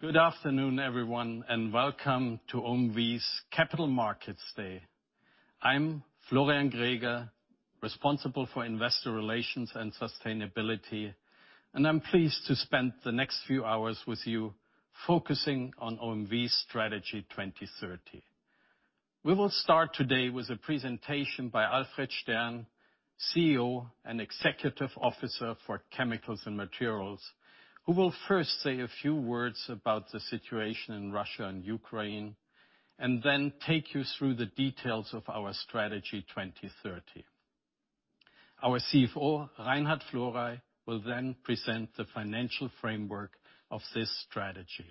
Good afternoon, everyone, and welcome to OMV's Capital Markets Day. I'm Florian Greger, responsible for Investor Relations and Sustainability, and I'm pleased to spend the next few hours with you focusing on OMV's Strategy 2030. We will start today with a presentation by Alfred Stern, CEO and Executive Officer for Chemicals and Materials, who will first say a few words about the situation in Russia and Ukraine, and then take you through the details of our Strategy 2030. Our CFO, Reinhard Florey, will then present the financial framework of this strategy.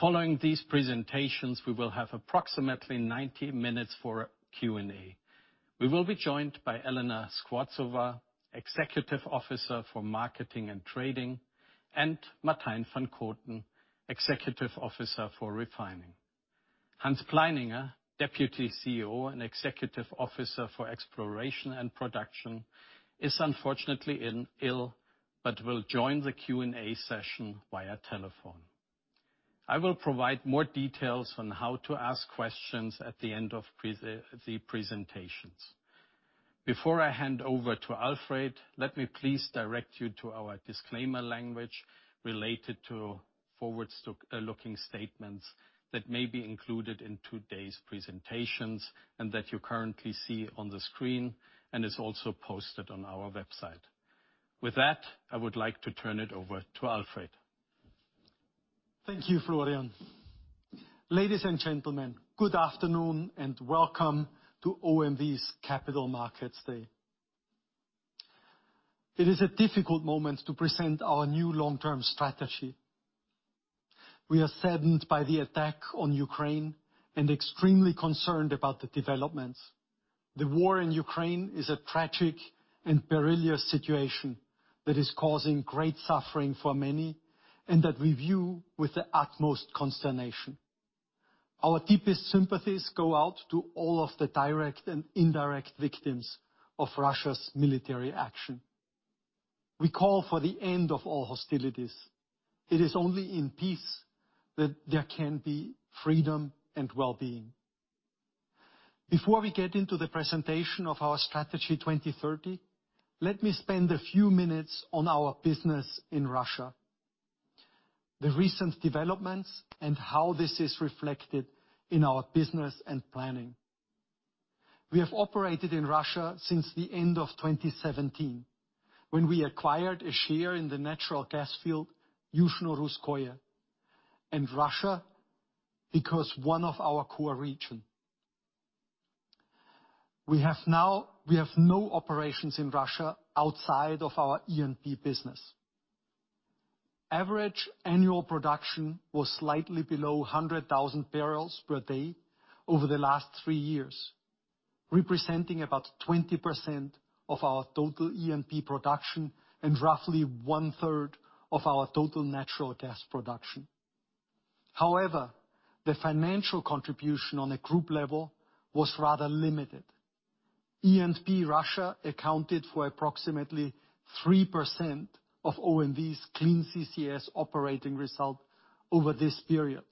Following these presentations, we will have approximately 90 minutes for Q&A. We will be joined by Elena Skvortsova, Executive Officer for Marketing and Trading, and Martijn van Koten, Executive Officer for Refining. Hans Pleininger, Deputy CEO and Executive Officer for Exploration and Production is unfortunately ill, but will join the Q&A session via telephone. I will provide more details on how to ask questions at the end of the presentations. Before I hand over to Alfred, let me please direct you to our disclaimer language related to forward looking statements that may be included in today's presentations and that you currently see on the screen, and is also posted on our website. With that, I would like to turn it over to Alfred. Thank you, Florian. Ladies and gentlemen, good afternoon, and welcome to OMV's Capital Markets Day. It is a difficult moment to present our new long-term strategy. We are saddened by the attack on Ukraine and extremely concerned about the developments. The war in Ukraine is a tragic and perilous situation that is causing great suffering for many, and that we view with the utmost consternation. Our deepest sympathies go out to all of the direct and indirect victims of Russia's military action. We call for the end of all hostilities. It is only in peace that there can be freedom and wellbeing. Before we get into the presentation of our Strategy 2030, let me spend a few minutes on our business in Russia, the recent developments, and how this is reflected in our business and planning. We have operated in Russia since the end of 2017, when we acquired a share in the natural gas field, Yuzhno-Russkoye, and Russia becomes one of our core region. We have no operations in Russia outside of our E&P business. Average annual production was slightly below 100,000 barrels per day over the last three years, representing about 20% of our total E&P production and roughly one-third of our total natural gas production. However, the financial contribution on a group level was rather limited. E&P Russia accounted for approximately 3% of OMV's Clean CCS Operating Result over this period,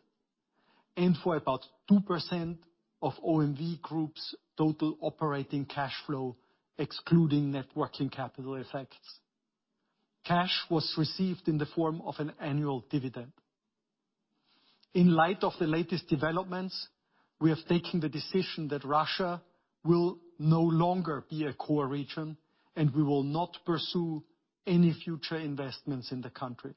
and for about 2% of OMV Group's total operating cash flow, excluding net working capital effects. Cash was received in the form of an annual dividend. In light of the latest developments, we have taken the decision that Russia will no longer be a core region, and we will not pursue any future investments in the country.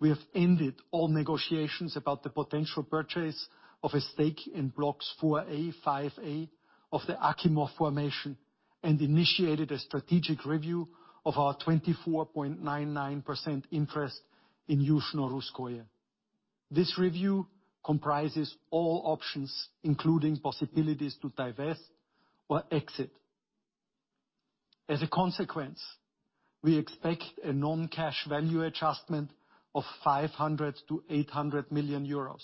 We have ended all negotiations about the potential purchase of a stake in Blocks 4a, 5a of the Achimov Formation, and initiated a strategic review of our 24.99% interest in Yuzhno-Russkoye. This review comprises all options, including possibilities to divest or exit. As a consequence, we expect a non-cash value adjustment of 500 million-800 million euros,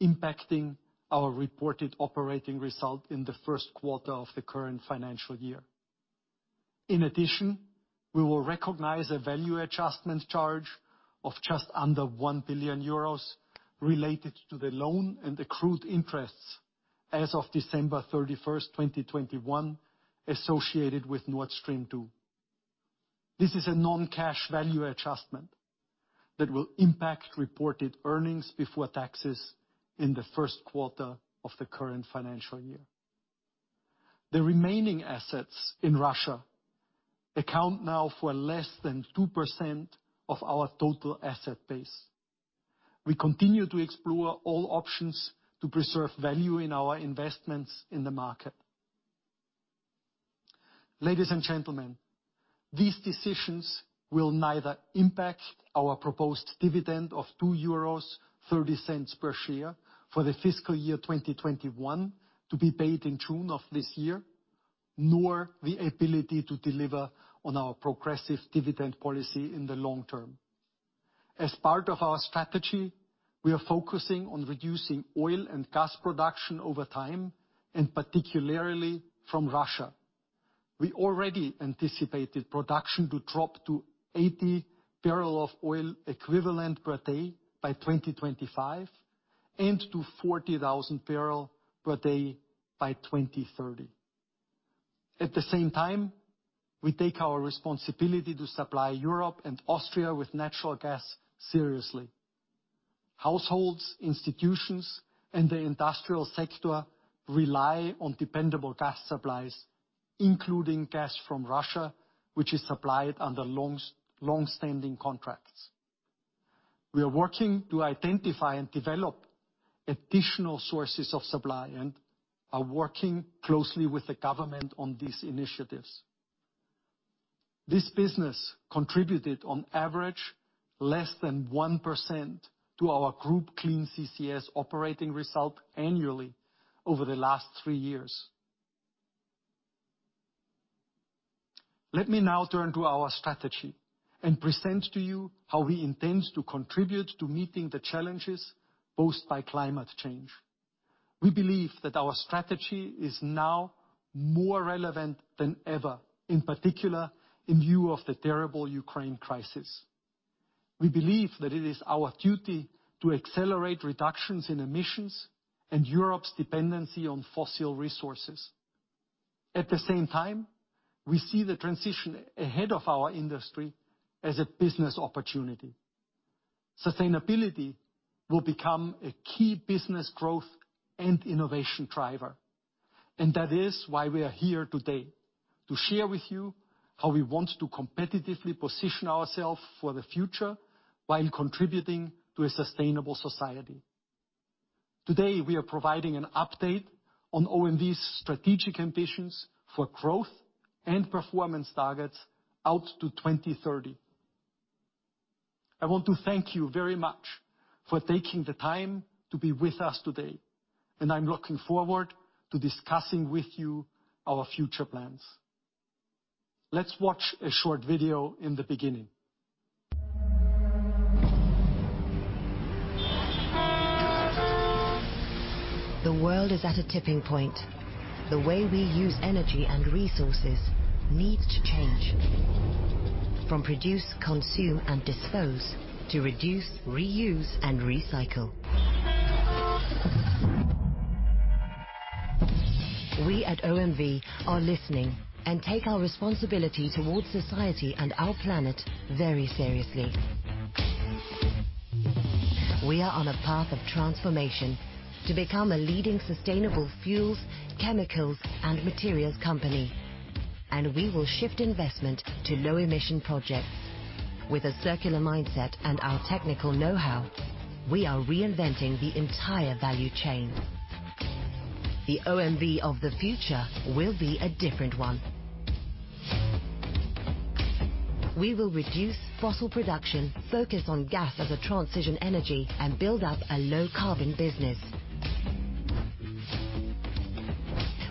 impacting our reported operating result in the first quarter of the current financial year. In addition, we will recognize a value adjustment charge of just under 1 billion euros related to the loan and accrued interests as of December 31, 2021 associated with Nord Stream 2. This is a non-cash value adjustment that will impact reported earnings before taxes in the first quarter of the current financial year. The remaining assets in Russia account now for less than 2% of our total asset base. We continue to explore all options to preserve value in our investments in the market. Ladies and gentlemen, these decisions will neither impact our proposed dividend of 2.30 euros per share for the fiscal year 2021 to be paid in June of this year, nor the ability to deliver on our progressive dividend policy in the long term. As part of our strategy, we are focusing on reducing oil and gas production over time, and particularly from Russia. We already anticipated production to drop to 80,000 boe/d by 2025, and to 40,000 boe/d by 2030. At the same time, we take our responsibility to supply Europe and Austria with natural gas seriously. Households, institutions, and the industrial sector rely on dependable gas supplies, including gas from Russia, which is supplied under long-standing contracts. We are working to identify and develop additional sources of supply, and are working closely with the government on these initiatives. This business contributed on average less than 1% to our group Clean CCS Operating Result annually over the last three years. Let me now turn to our strategy and present to you how we intend to contribute to meeting the challenges posed by climate change. We believe that our strategy is now more relevant than ever, in particular in view of the terrible Ukraine crisis. We believe that it is our duty to accelerate reductions in emissions and Europe's dependency on fossil resources. At the same time, we see the transition ahead of our industry as a business opportunity. Sustainability will become a key business growth and innovation driver, and that is why we are here today, to share with you how we want to competitively position ourselves for the future while contributing to a sustainable society. Today, we are providing an update on OMV's strategic ambitions for growth and performance targets out to 2030. I want to thank you very much for taking the time to be with us today, and I'm looking forward to discussing with you our future plans. Let's watch a short video in the beginning. The world is at a tipping point. The way we use energy and resources needs to change from produce, consume, and dispose, to reduce, reuse, and recycle. We at OMV are listening and take our responsibility toward society and our planet very seriously. We are on a path of transformation to become a leading sustainable fuels, chemicals, and materials company, and we will shift investment to low emission projects. With a circular mindset and our technical know-how, we are reinventing the entire value chain. The OMV of the future will be a different one. We will reduce fossil production, focus on gas as a transition energy, and build up a low carbon business.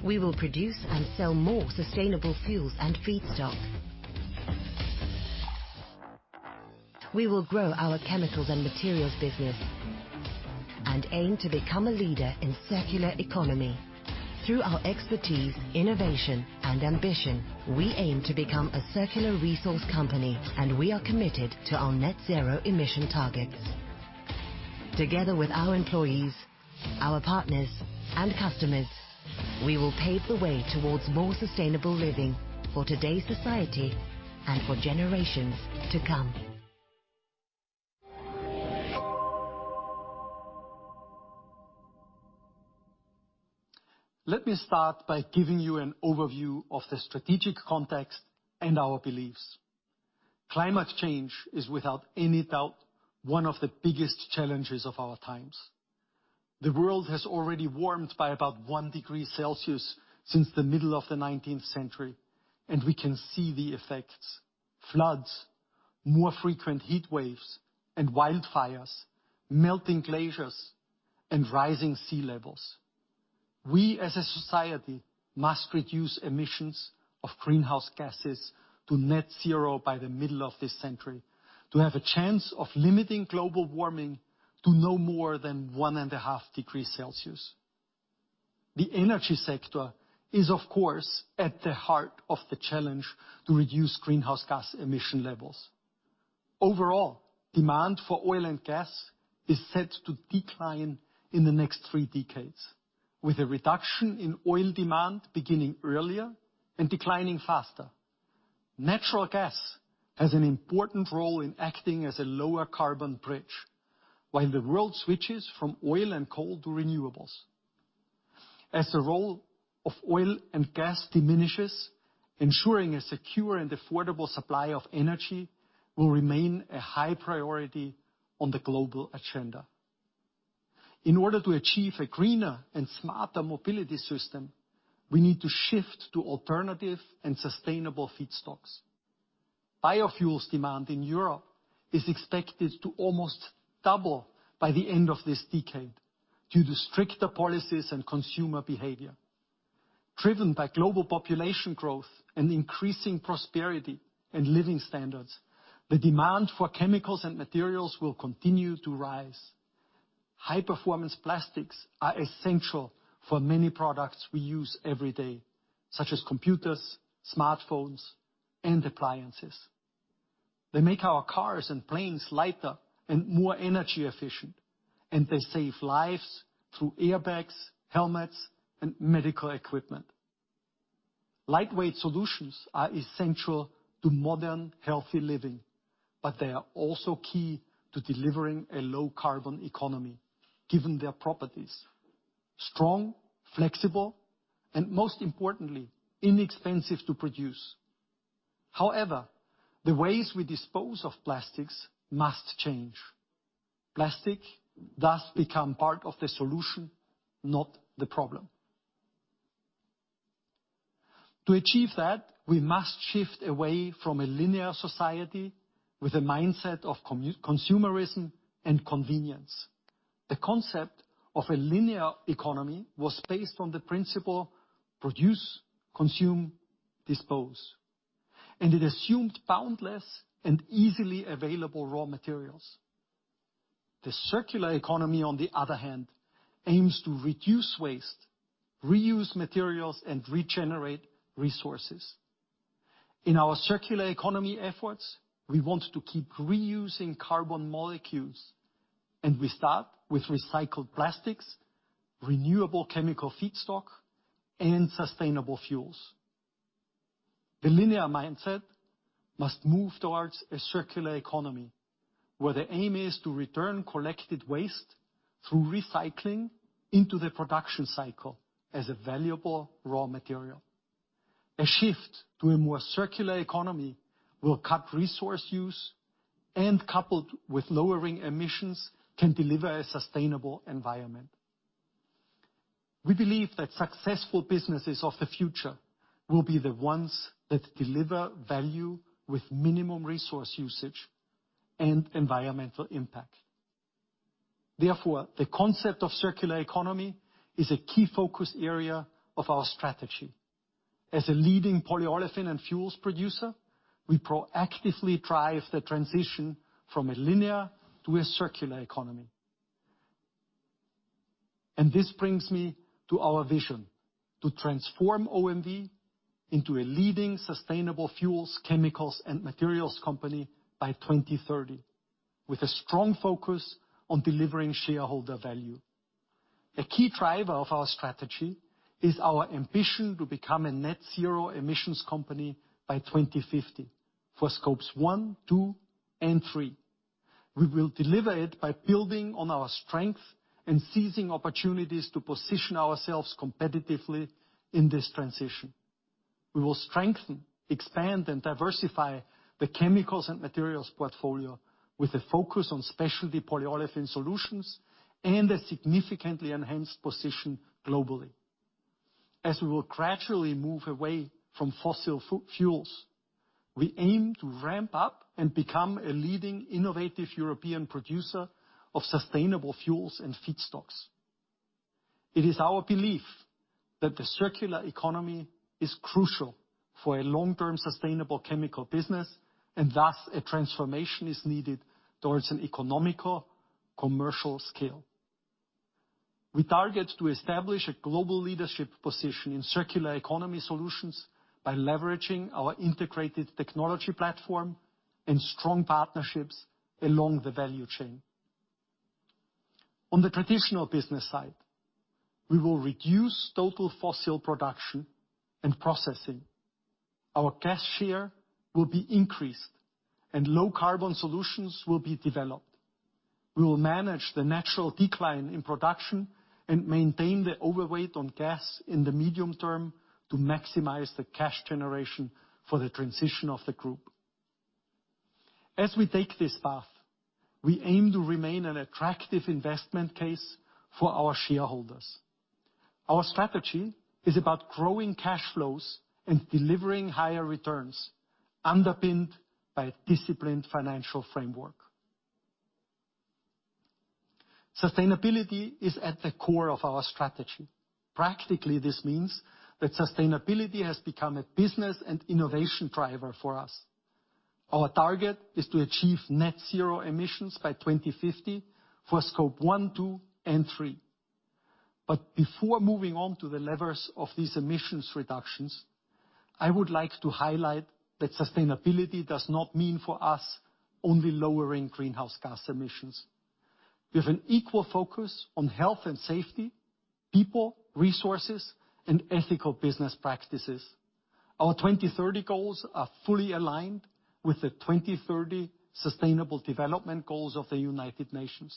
We will produce and sell more sustainable fuels and feedstocks. We will grow our chemicals and materials business and aim to become a leader in circular economy. Through our expertise, innovation, and ambition, we aim to become a circular resource company, and we are committed to our net zero emission targets. Together with our employees, our partners, and customers, we will pave the way towards more sustainable living for today's society and for generations to come. Let me start by giving you an overview of the strategic context and our beliefs. Climate change is without any doubt one of the biggest challenges of our times. The world has already warmed by about 1 degree Celsius since the middle of the nineteenth century, and we can see the effects. Floods, more frequent heat waves and wildfires, melting glaciers, and rising sea levels. We as a society must reduce emissions of greenhouse gases to net zero by the middle of this century to have a chance of limiting global warming to no more than 1.5 degrees Celsius. The energy sector is of course at the heart of the challenge to reduce greenhouse gas emission levels. Overall, demand for oil and gas is set to decline in the next three decades, with a reduction in oil demand beginning earlier and declining faster. Natural gas has an important role in acting as a lower carbon bridge while the world switches from oil and coal to renewables. As the role of oil and gas diminishes, ensuring a secure and affordable supply of energy will remain a high priority on the global agenda. In order to achieve a greener and smarter mobility system, we need to shift to alternative and sustainable feedstocks. Biofuels demand in Europe is expected to almost double by the end of this decade due to stricter policies and consumer behavior. Driven by global population growth and increasing prosperity and living standards, the demand for chemicals and materials will continue to rise. High-performance plastics are essential for many products we use every day, such as computers, smartphones, and appliances. They make our cars and planes lighter and more energy efficient, and they save lives through airbags, helmets, and medical equipment. Lightweight solutions are essential to modern, healthy living, but they are also key to delivering a low carbon economy, given their properties, strong, flexible, and most importantly, inexpensive to produce. However, the ways we dispose of plastics must change. Plastic thus becomes part of the solution, not the problem. To achieve that, we must shift away from a linear society with a mindset of consumerism and convenience. The concept of a linear economy was based on the principle produce, consume, dispose, and it assumed boundless and easily available raw materials. The circular economy, on the other hand, aims to reduce waste, reuse materials, and regenerate resources. In our circular economy efforts, we want to keep reusing carbon molecules, and we start with recycled plastics, renewable chemical feedstock, and sustainable fuels. The linear mindset must move towards a circular economy, where the aim is to return collected waste through recycling into the production cycle as a valuable raw material. A shift to a more circular economy will cut resource use and, coupled with lowering emissions, can deliver a sustainable environment. We believe that successful businesses of the future will be the ones that deliver value with minimum resource usage and environmental impact. Therefore, the concept of circular economy is a key focus area of our strategy. As a leading olefin and fuels producer, we proactively drive the transition from a linear to a circular economy. This brings me to our vision, to transform OMV into a leading sustainable fuels, chemicals, and materials company by 2030, with a strong focus on delivering shareholder value. A key driver of our strategy is our ambition to become a net-zero emissions company by 2050 for Scope 1, Scope 2, and Scope 3. We will deliver it by building on our strength and seizing opportunities to position ourselves competitively in this transition. We will strengthen, expand, and diversify the chemicals and materials portfolio with a focus on specialty polyolefin solutions and a significantly enhanced position globally. As we will gradually move away from fossil fuels, we aim to ramp up and become a leading innovative European producer of sustainable fuels and feedstocks. It is our belief that the circular economy is crucial for a long-term sustainable chemical business, and thus a transformation is needed towards an economical commercial scale. We target to establish a global leadership position in circular economy solutions by leveraging our integrated technology platform and strong partnerships along the value chain. On the traditional business side, we will reduce total fossil production and processing. Our gas share will be increased, and low carbon solutions will be developed. We will manage the natural decline in production and maintain the overweight on gas in the medium term to maximize the cash generation for the transition of the group. As we take this path, we aim to remain an attractive investment case for our shareholders. Our strategy is about growing cash flows and delivering higher returns underpinned by a disciplined financial framework. Sustainability is at the core of our strategy. Practically, this means that sustainability has become a business and innovation driver for us. Our target is to achieve net zero emissions by 2050 for Scope 1, Scope 2, and Scope 3. Before moving on to the levers of these emissions reductions, I would like to highlight that sustainability does not mean for us only lowering greenhouse gas emissions. We have an equal focus on health and safety, people, resources, and ethical business practices. Our 2030 goals are fully aligned with the 2030 sustainable development goals of the United Nations.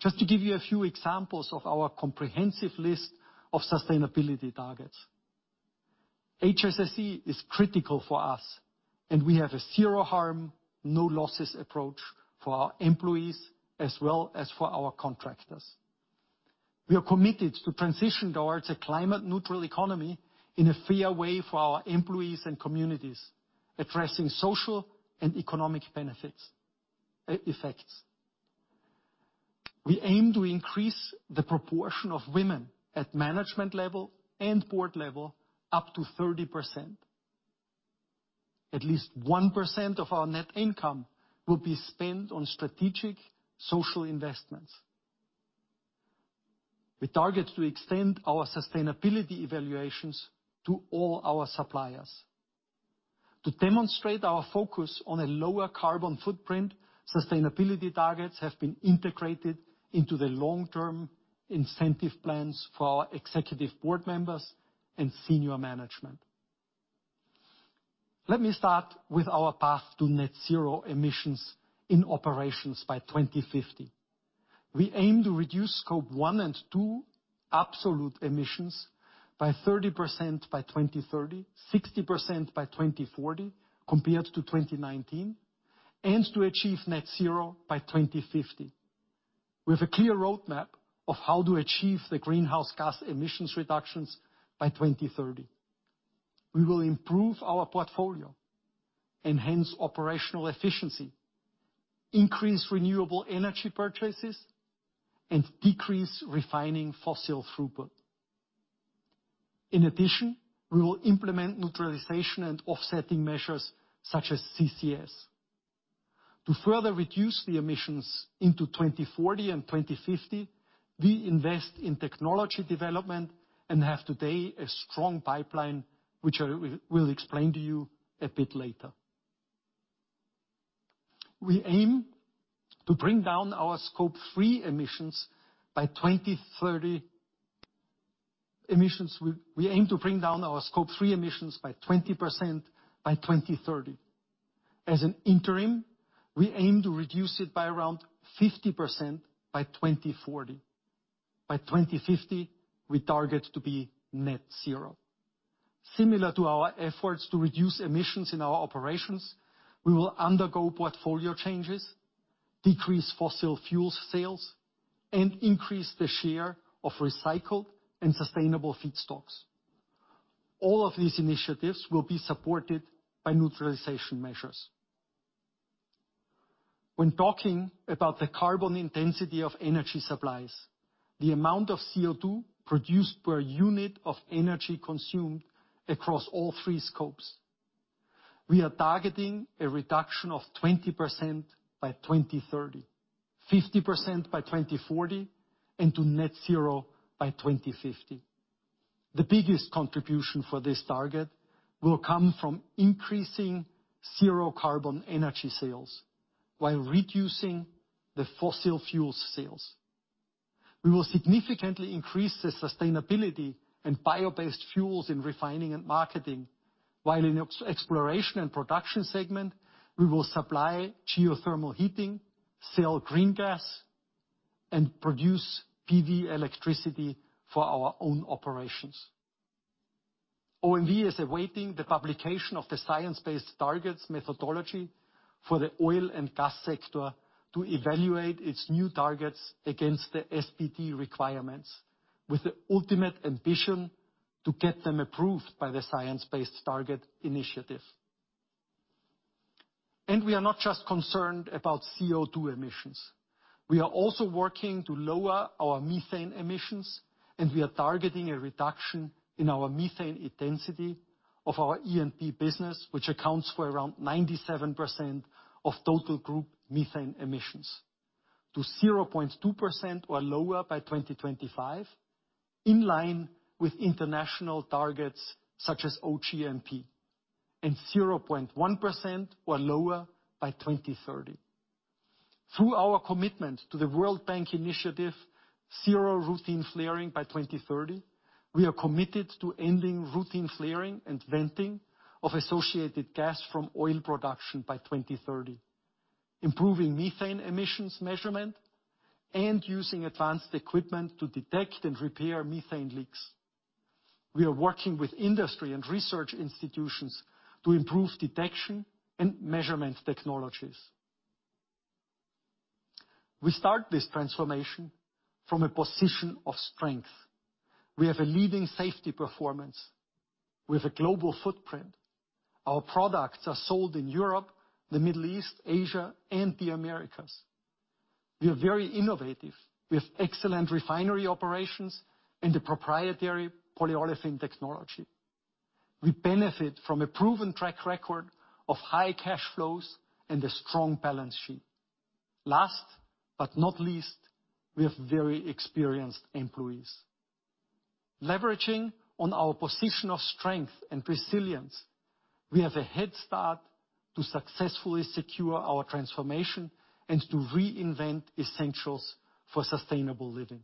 Just to give you a few examples of our comprehensive list of sustainability targets, HSSE is critical for us, and we have a zero harm, no losses approach for our employees as well as for our contractors. We are committed to transition towards a climate neutral economy in a fair way for our employees and communities, addressing social and economic benefits, effects. We aim to increase the proportion of women at management level and board level up to 30%. At least 1% of our net income will be spent on strategic social investments. We target to extend our sustainability evaluations to all our suppliers. To demonstrate our focus on a lower carbon footprint, sustainability targets have been integrated into the long-term incentive plans for our executive board members and senior management. Let me start with our path to net zero emissions in operations by 2050. We aim to reduce Scope 1 and 2 absolute emissions by 30% by 2030, 60% by 2040 compared to 2019, and to achieve net zero by 2050. We have a clear roadmap of how to achieve the greenhouse gas emissions reductions by 2030. We will improve our portfolio, enhance operational efficiency, increase renewable energy purchases, and decrease refining fossil throughput. In addition, we will implement neutralization and offsetting measures such as CCS. To further reduce the emissions to 2040 and 2050, we invest in technology development and have today a strong pipeline, which I will explain to you a bit later. We aim to bring down our Scope 3 emissions by 20% by 2030. As an interim, we aim to reduce it by around 50% by 2040. By 2050, we target to be net zero. Similar to our efforts to reduce emissions in our operations, we will undergo portfolio changes, decrease fossil fuel sales, and increase the share of recycled and sustainable feedstocks. All of these initiatives will be supported by neutralization measures. When talking about the carbon intensity of energy supplies, the amount of CO2 produced per unit of energy consumed across all three scopes, we are targeting a reduction of 20% by 2030, 50% by 2040, and to net zero by 2050. The biggest contribution for this target will come from increasing zero carbon energy sales while reducing the fossil fuel sales. We will significantly increase the sustainability and bio-based fuels in refining and marketing, while in exploration and production segment, we will supply geothermal heating, sell green gas, and produce PV electricity for our own operations. OMV is awaiting the publication of the Science Based Targets methodology for the oil and gas sector to evaluate its new targets against the SBT requirements with the ultimate ambition to get them approved by the Science Based Targets initiative. We are not just concerned about CO2 emissions. We are also working to lower our methane emissions, and we are targeting a reduction in our methane intensity of our E&P business, which accounts for around 97% of total group methane emissions to 0.2% or lower by 2025, in line with international targets such as OGMP, and 0.1% or lower by 2030. Through our commitment to the World Bank initiative Zero Routine Flaring by 2030, we are committed to ending routine flaring and venting of associated gas from oil production by 2030, improving methane emissions measurement, and using advanced equipment to detect and repair methane leaks. We are working with industry and research institutions to improve detection and measurement technologies. We start this transformation from a position of strength. We have a leading safety performance with a global footprint. Our products are sold in Europe, the Middle East, Asia, and the Americas. We are very innovative with excellent refinery operations and a proprietary polyolefin technology. We benefit from a proven track record of high cash flows and a strong balance sheet. Last but not least, we have very experienced employees. Leveraging on our position of strength and resilience, we have a head start to successfully secure our transformation and to reinvent essentials for sustainable living.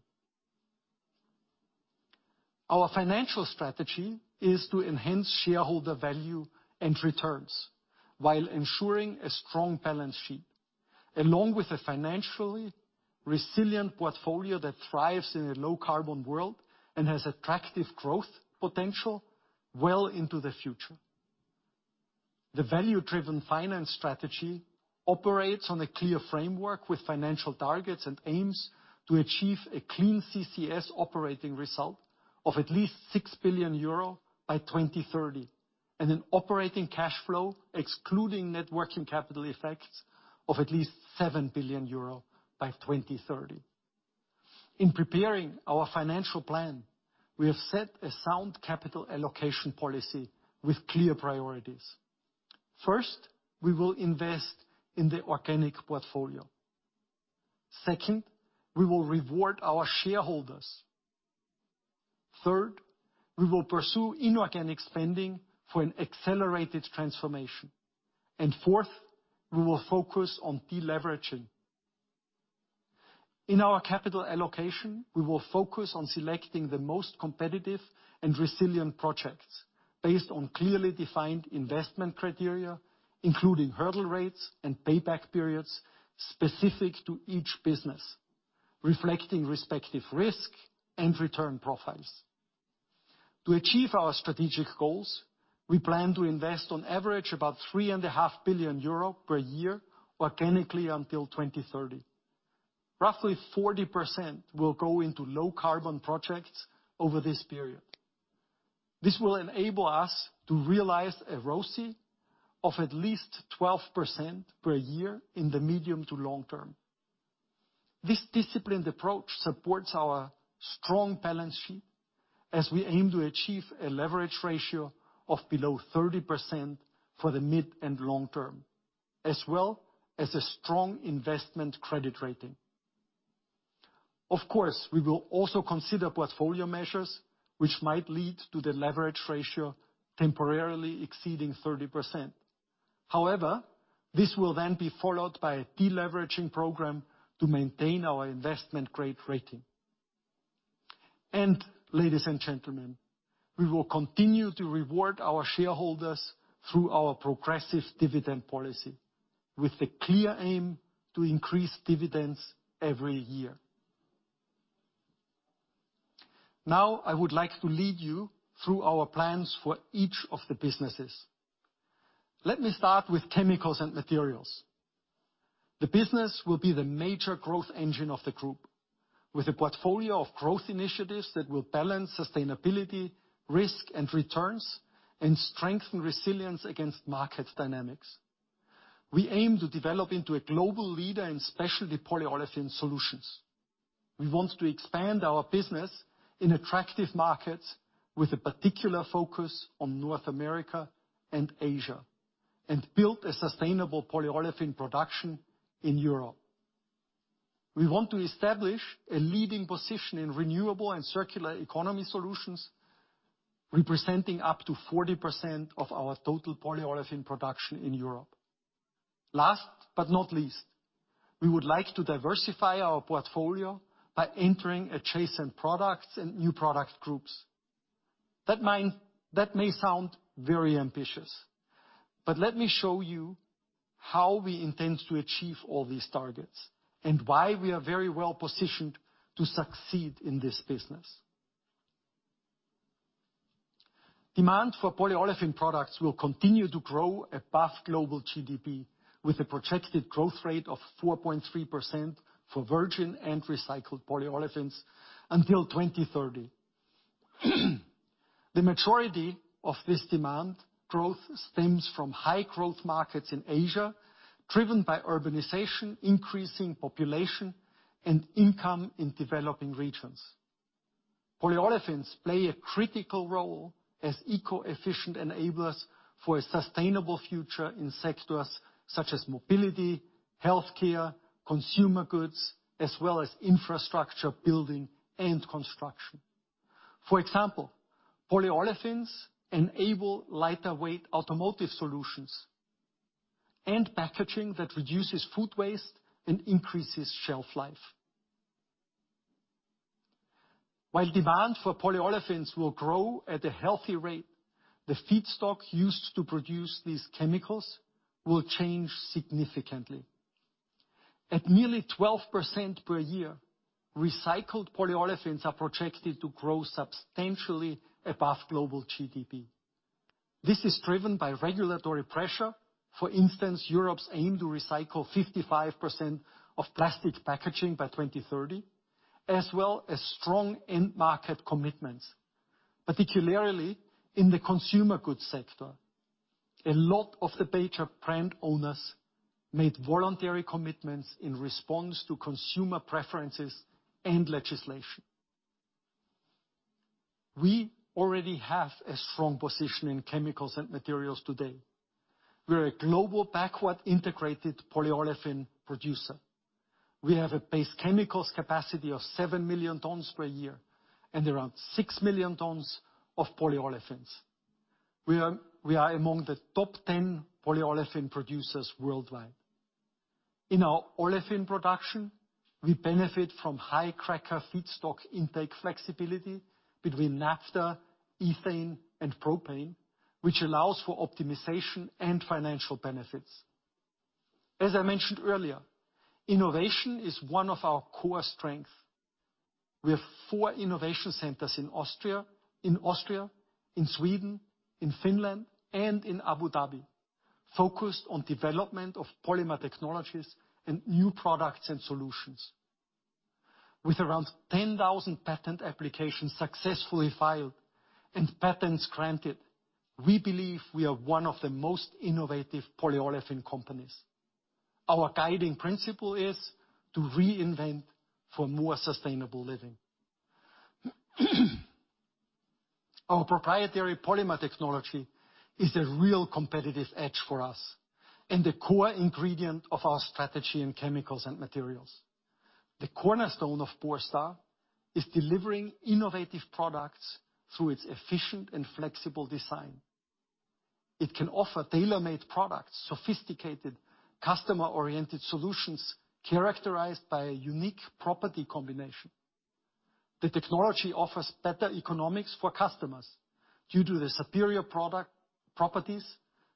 Our financial strategy is to enhance shareholder value and returns while ensuring a strong balance sheet, along with a financially resilient portfolio that thrives in a low-carbon world and has attractive growth potential well into the future. The value-driven finance strategy operates on a clear framework with financial targets and aims to achieve a Clean CCS Operating Result of at least 6 billion euro by 2030 and an operating cash flow, excluding net working capital effects, of at least 7 billion euro by 2030. In preparing our financial plan, we have set a sound capital allocation policy with clear priorities. First, we will invest in the organic portfolio. Second, we will reward our shareholders. Third, we will pursue inorganic spending for an accelerated transformation. Fourth, we will focus on deleveraging. In our capital allocation, we will focus on selecting the most competitive and resilient projects based on clearly defined investment criteria, including hurdle rates and payback periods specific to each business, reflecting respective risk and return profiles. To achieve our strategic goals, we plan to invest on average about 3.5 billion euro per year organically until 2030. Roughly 40% will go into low carbon projects over this period. This will enable us to realize a ROCE of at least 12% per year in the medium to long term. This disciplined approach supports our strong balance sheet as we aim to achieve a leverage ratio of below 30% for the mid and long term, as well as a strong investment credit rating. Of course, we will also consider portfolio measures which might lead to the leverage ratio temporarily exceeding 30%. However, this will then be followed by a deleveraging program to maintain our investment grade rating. Ladies and gentlemen, we will continue to reward our shareholders through our progressive dividend policy with the clear aim to increase dividends every year. Now, I would like to lead you through our plans for each of the businesses. Let me start with chemicals and materials. The business will be the major growth engine of the group, with a portfolio of growth initiatives that will balance sustainability, risk and returns, and strengthen resilience against market dynamics. We aim to develop into a global leader in specialty polyolefin solutions. We want to expand our business in attractive markets with a particular focus on North America and Asia, and build a sustainable polyolefin production in Europe. We want to establish a leading position in renewable and circular economy solutions, representing up to 40% of our total polyolefin production in Europe. Last but not least, we would like to diversify our portfolio by entering adjacent products and new product groups. That may sound very ambitious, but let me show you how we intend to achieve all these targets and why we are very well-positioned to succeed in this business. Demand for polyolefin products will continue to grow above global GDP, with a projected growth rate of 4.3% for virgin and recycled polyolefins until 2030. The majority of this demand growth stems from high growth markets in Asia, driven by urbanization, increasing population, and income in developing regions. Polyolefins play a critical role as eco-efficient enablers for a sustainable future in sectors such as mobility, healthcare, consumer goods, as well as infrastructure, building, and construction. For example, polyolefins enable lighter weight automotive solutions and packaging that reduces food waste and increases shelf life. While demand for polyolefins will grow at a healthy rate, the feedstock used to produce these chemicals will change significantly. At nearly 12% per year, recycled polyolefins are projected to grow substantially above global GDP. This is driven by regulatory pressure, for instance, Europe's aim to recycle 55% of plastic packaging by 2030, as well as strong end market commitments, particularly in the consumer goods sector. A lot of the major brand owners made voluntary commitments in response to consumer preferences and legislation. We already have a strong position in chemicals and materials today. We're a global backward-integrated polyolefin producer. We have a base chemicals capacity of 7 million tons per year and around 6 million tons of polyolefins. We are among the top 10 polyolefin producers worldwide. In our olefin production, we benefit from high cracker feedstock intake flexibility between naphtha, ethane, and propane, which allows for optimization and financial benefits. As I mentioned earlier, innovation is one of our core strengths. We have four innovation centers in Austria, in Sweden, in Finland, and in Abu Dhabi, focused on development of polymer technologies and new products and solutions. With around 10,000 patent applications successfully filed and patents granted. We believe we are one of the most innovative polyolefin companies. Our guiding principle is to reinvent for more sustainable living. Our proprietary polymer technology is a real competitive edge for us, and the core ingredient of our strategy in chemicals and materials. The cornerstone of Borstar is delivering innovative products through its efficient and flexible design. It can offer tailor-made products, sophisticated customer-oriented solutions, characterized by a unique property combination. The technology offers better economics for customers due to the superior product properties,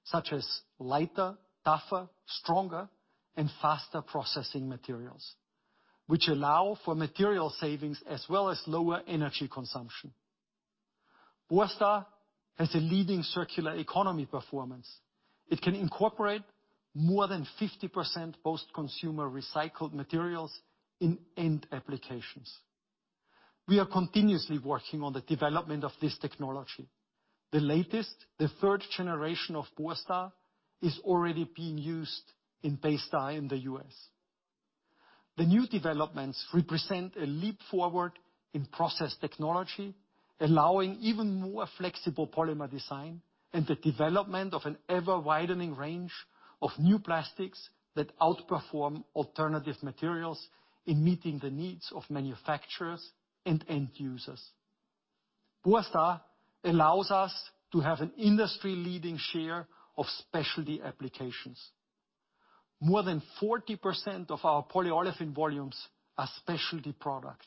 such as lighter, tougher, stronger, and faster processing materials which allow for material savings as well as lower energy consumption. Borstar has a leading circular economy performance. It can incorporate more than 50% post-consumer recycled materials in end applications. We are continuously working on the development of this technology. The latest, the third generation of Borstar, is already being used in Baystar in the U.S. The new developments represent a leap forward in process technology, allowing even more flexible polymer design and the development of an ever-widening range of new plastics that outperform alternative materials in meeting the needs of manufacturers and end users. Borstar allows us to have an industry-leading share of specialty applications. More than 40% of our polyolefin volumes are specialty products.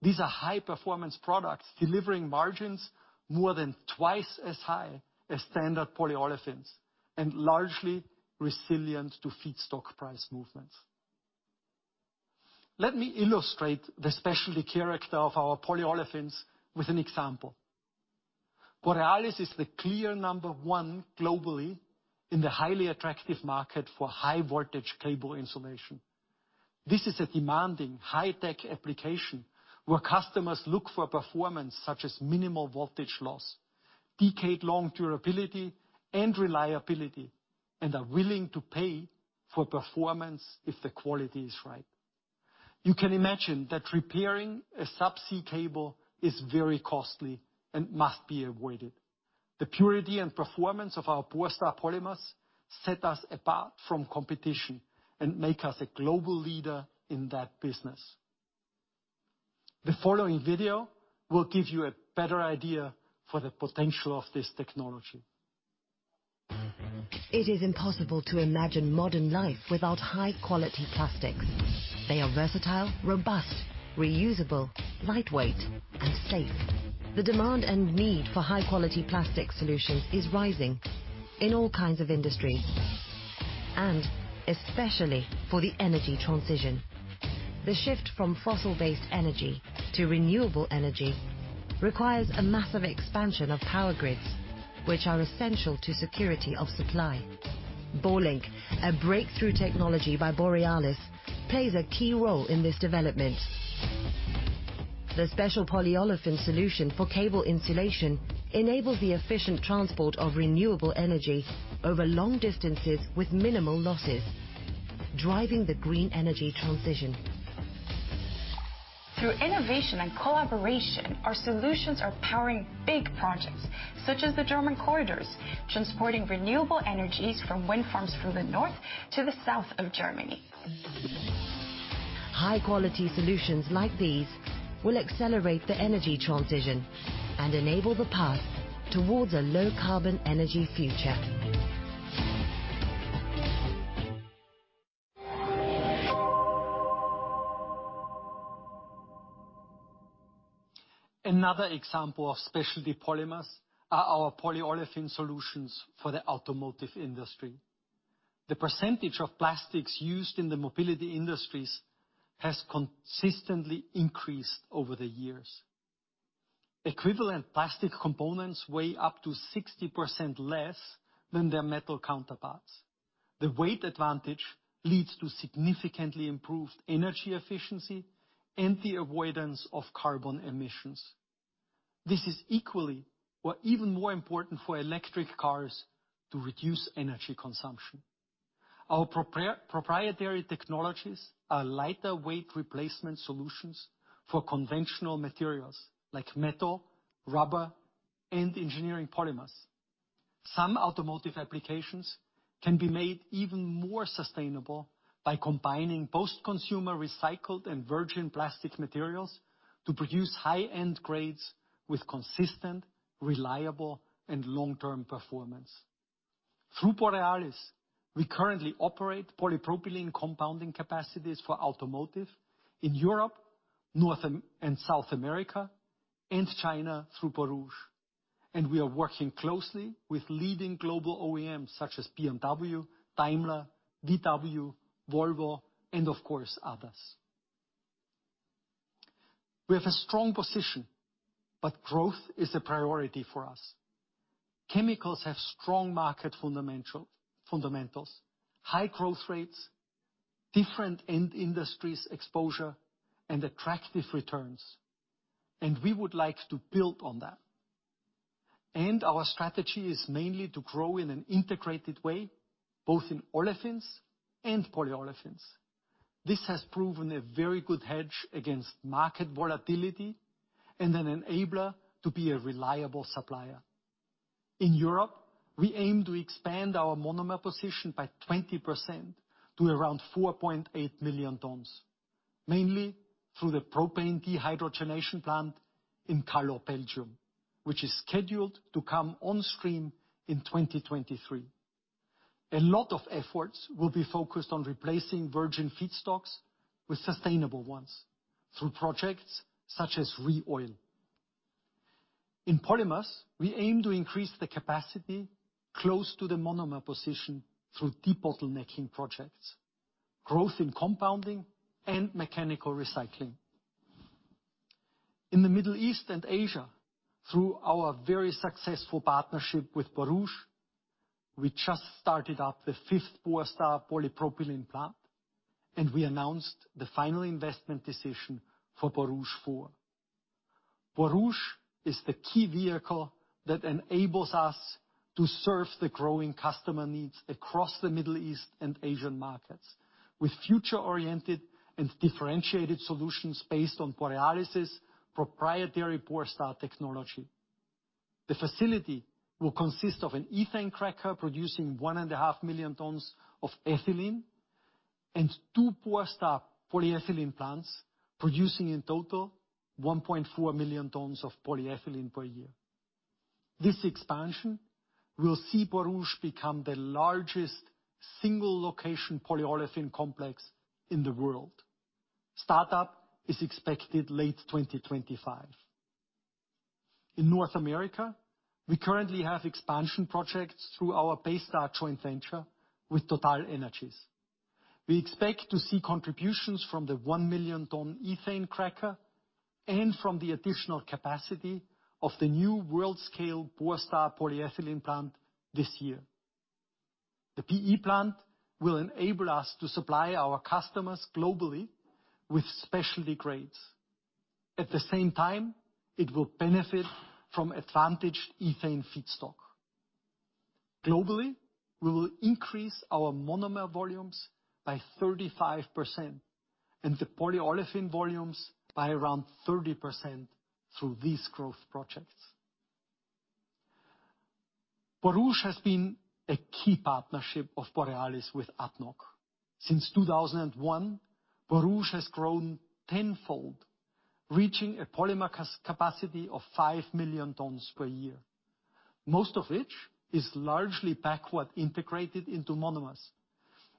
These are high performance products delivering margins more than twice as high as standard polyolefins and largely resilient to feedstock price movements. Let me illustrate the specialty character of our polyolefins with an example. Borealis is the clear number one globally in the highly attractive market for high voltage cable insulation. This is a demanding high-tech application where customers look for performance such as minimal voltage loss, decade-long durability and reliability, and are willing to pay for performance if the quality is right. You can imagine that repairing a subsea cable is very costly and must be avoided. The purity and performance of our Borstar polymers set us apart from competition and make us a global leader in that business. The following video will give you a better idea for the potential of this technology. It is impossible to imagine modern life without high quality plastic. They are versatile, robust, reusable, lightweight, and safe. The demand and need for high quality plastic solutions is rising in all kinds of industry and especially for the energy transition. The shift from fossil-based energy to renewable energy requires a massive expansion of power grids, which are essential to security of supply. Borlink, a breakthrough technology by Borealis, plays a key role in this development. The special polyolefin solution for cable insulation enables the efficient transport of renewable energy over long distances with minimal losses, driving the green energy transition. Through innovation and collaboration, our solutions are powering big projects, such as the German corridors transporting renewable energies from wind farms from the north to the south of Germany. High quality solutions like these will accelerate the energy transition and enable the path towards a low carbon energy future. Another example of specialty polymers are our polyolefin solutions for the automotive industry. The percentage of plastics used in the mobility industries has consistently increased over the years. Equivalent plastic components weigh up to 60% less than their metal counterparts. The weight advantage leads to significantly improved energy efficiency and the avoidance of carbon emissions. This is equally or even more important for electric cars to reduce energy consumption. Our proprietary technologies are lighter weight replacement solutions for conventional materials like metal, rubber, and engineering polymers. Some automotive applications can be made even more sustainable by combining post-consumer recycled and virgin plastic materials to produce high-end grades with consistent, reliable, and long-term performance. Through Borealis, we currently operate polypropylene compounding capacities for automotive in Europe, North America and South America, and China through Borouge. We are working closely with leading global OEMs such as BMW, Daimler, VW, Volvo, and of course, others. We have a strong position, but growth is a priority for us. Chemicals have strong market fundamentals, high growth rates, different end industries exposure, and attractive returns, and we would like to build on that. Our strategy is mainly to grow in an integrated way, both in olefins and polyolefins. This has proven a very good hedge against market volatility and an enabler to be a reliable supplier. In Europe, we aim to expand our monomer position by 20% to around 4.8 million tons, mainly through the propane dehydrogenation plant in Kallo, Belgium, which is scheduled to come on stream in 2023. A lot of efforts will be focused on replacing virgin feedstocks with sustainable ones through projects such as ReOil. In polymers, we aim to increase the capacity close to the monomer position through debottlenecking projects, growth in compounding, and mechanical recycling. In the Middle East and Asia, through our very successful partnership with Borouge, we just started up the fifth Borstar polypropylene plant, and we announced the final investment decision for Borouge 4. Borouge is the key vehicle that enables us to serve the growing customer needs across the Middle East and Asian markets with future-oriented and differentiated solutions based on Borealis' proprietary Borstar technology. The facility will consist of an ethane cracker producing 1.5 million tons of ethylene and two Borstar polyethylene plants producing in total 1.4 million tons of polyethylene per year. This expansion will see Borouge become the largest single location polyolefin complex in the world. Startup is expected late 2025. In North America, we currently have expansion projects through our Baystar joint venture with TotalEnergies. We expect to see contributions from the 1 million ton ethane cracker and from the additional capacity of the new world scale Borstar polyethylene plant this year. The PE plant will enable us to supply our customers globally with specialty grades. At the same time, it will benefit from advantaged ethane feedstock. Globally, we will increase our monomer volumes by 35% and the polyolefin volumes by around 30% through these growth projects. Borouge has been a key partnership of Borealis with ADNOC. Since 2001, Borouge has grown tenfold, reaching a polymer capacity of 5 million tons per year, most of which is largely backward integrated into monomers.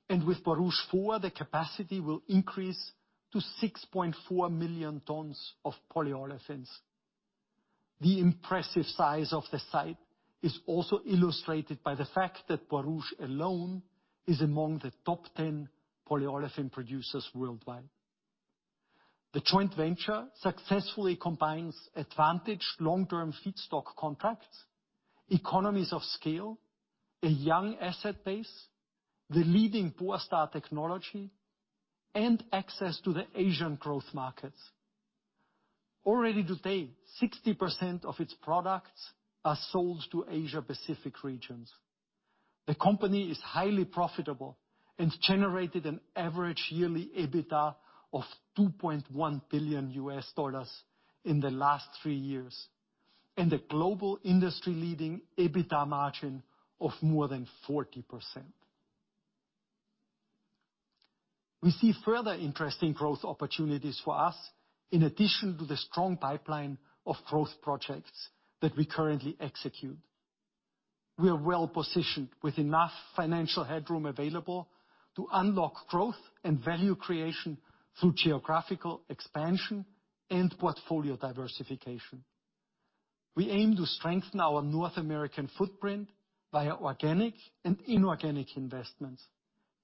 With Borouge 4, the capacity will increase to 6.4 million tons of polyolefins. The impressive size of the site is also illustrated by the fact that Borouge alone is among the top 10 polyolefin producers worldwide. The joint venture successfully combines advantaged long-term feedstock contracts, economies of scale, a young asset base, the leading Borstar technology, and access to the Asian growth markets. Already today, 60% of its products are sold to Asia Pacific regions. The company is highly profitable and generated an average yearly EBITDA of $2.1 billion in the last three years, and a global industry-leading EBITDA margin of more than 40%. We see further interesting growth opportunities for us in addition to the strong pipeline of growth projects that we currently execute. We are well-positioned with enough financial headroom available to unlock growth and value creation through geographical expansion and portfolio diversification. We aim to strengthen our North American footprint via organic and inorganic investments,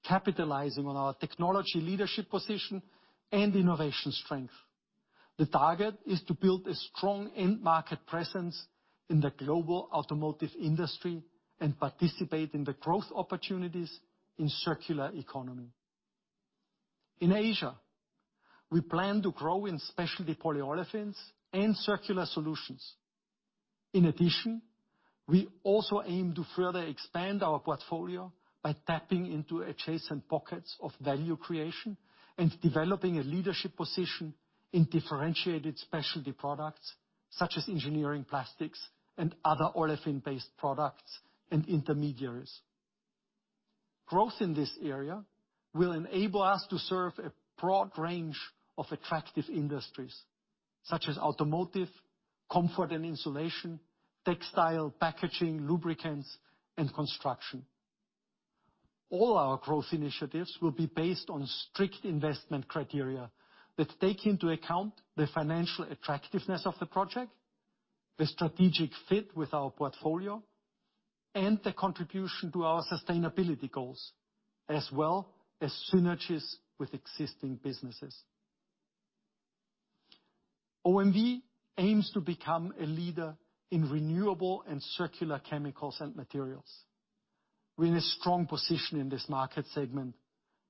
capitalizing on our technology leadership position and innovation strength. The target is to build a strong end market presence in the global automotive industry and participate in the growth opportunities in circular economy. In Asia, we plan to grow in specialty polyolefins and circular solutions. In addition, we also aim to further expand our portfolio by tapping into adjacent pockets of value creation and developing a leadership position in differentiated specialty products, such as engineering plastics and other olefin-based products and intermediaries. Growth in this area will enable us to serve a broad range of attractive industries, such as automotive, comfort and insulation, textile, packaging, lubricants, and construction. All our growth initiatives will be based on strict investment criteria that take into account the financial attractiveness of the project, the strategic fit with our portfolio, and the contribution to our sustainability goals, as well as synergies with existing businesses. OMV aims to become a leader in renewable and circular chemicals and materials. We're in a strong position in this market segment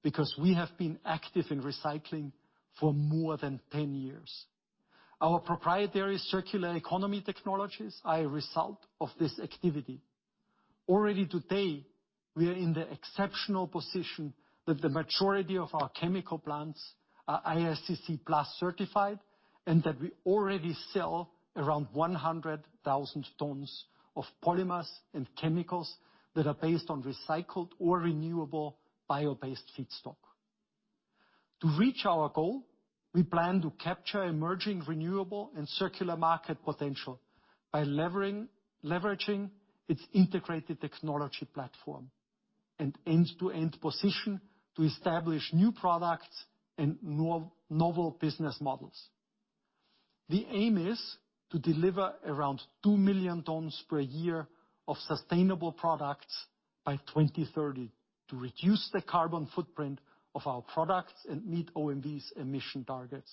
because we have been active in recycling for more than 10 years. Our proprietary circular economy technologies are a result of this activity. Already today, we are in the exceptional position that the majority of our chemical plants are ISCC PLUS certified, and that we already sell around 100,000 tons of polymers and chemicals that are based on recycled or renewable bio-based feedstock. To reach our goal, we plan to capture emerging renewable and circular market potential by leveraging its integrated technology platform and end-to-end position to establish new products and novel business models. The aim is to deliver around 2 million tons per year of sustainable products by 2030 to reduce the carbon footprint of our products and meet OMV's emission targets.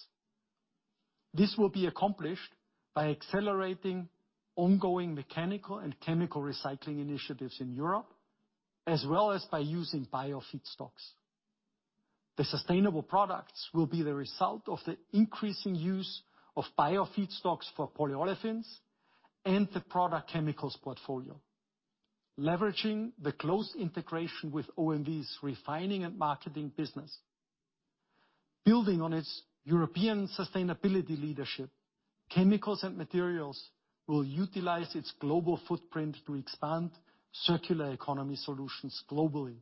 This will be accomplished by accelerating ongoing mechanical and chemical recycling initiatives in Europe, as well as by using biofeedstocks. The sustainable products will be the result of the increasing use of biofeedstocks for polyolefins and the product chemicals portfolio, leveraging the close integration with OMV's refining and marketing business. Building on its European sustainability leadership, chemicals and materials will utilize its global footprint to expand circular economy solutions globally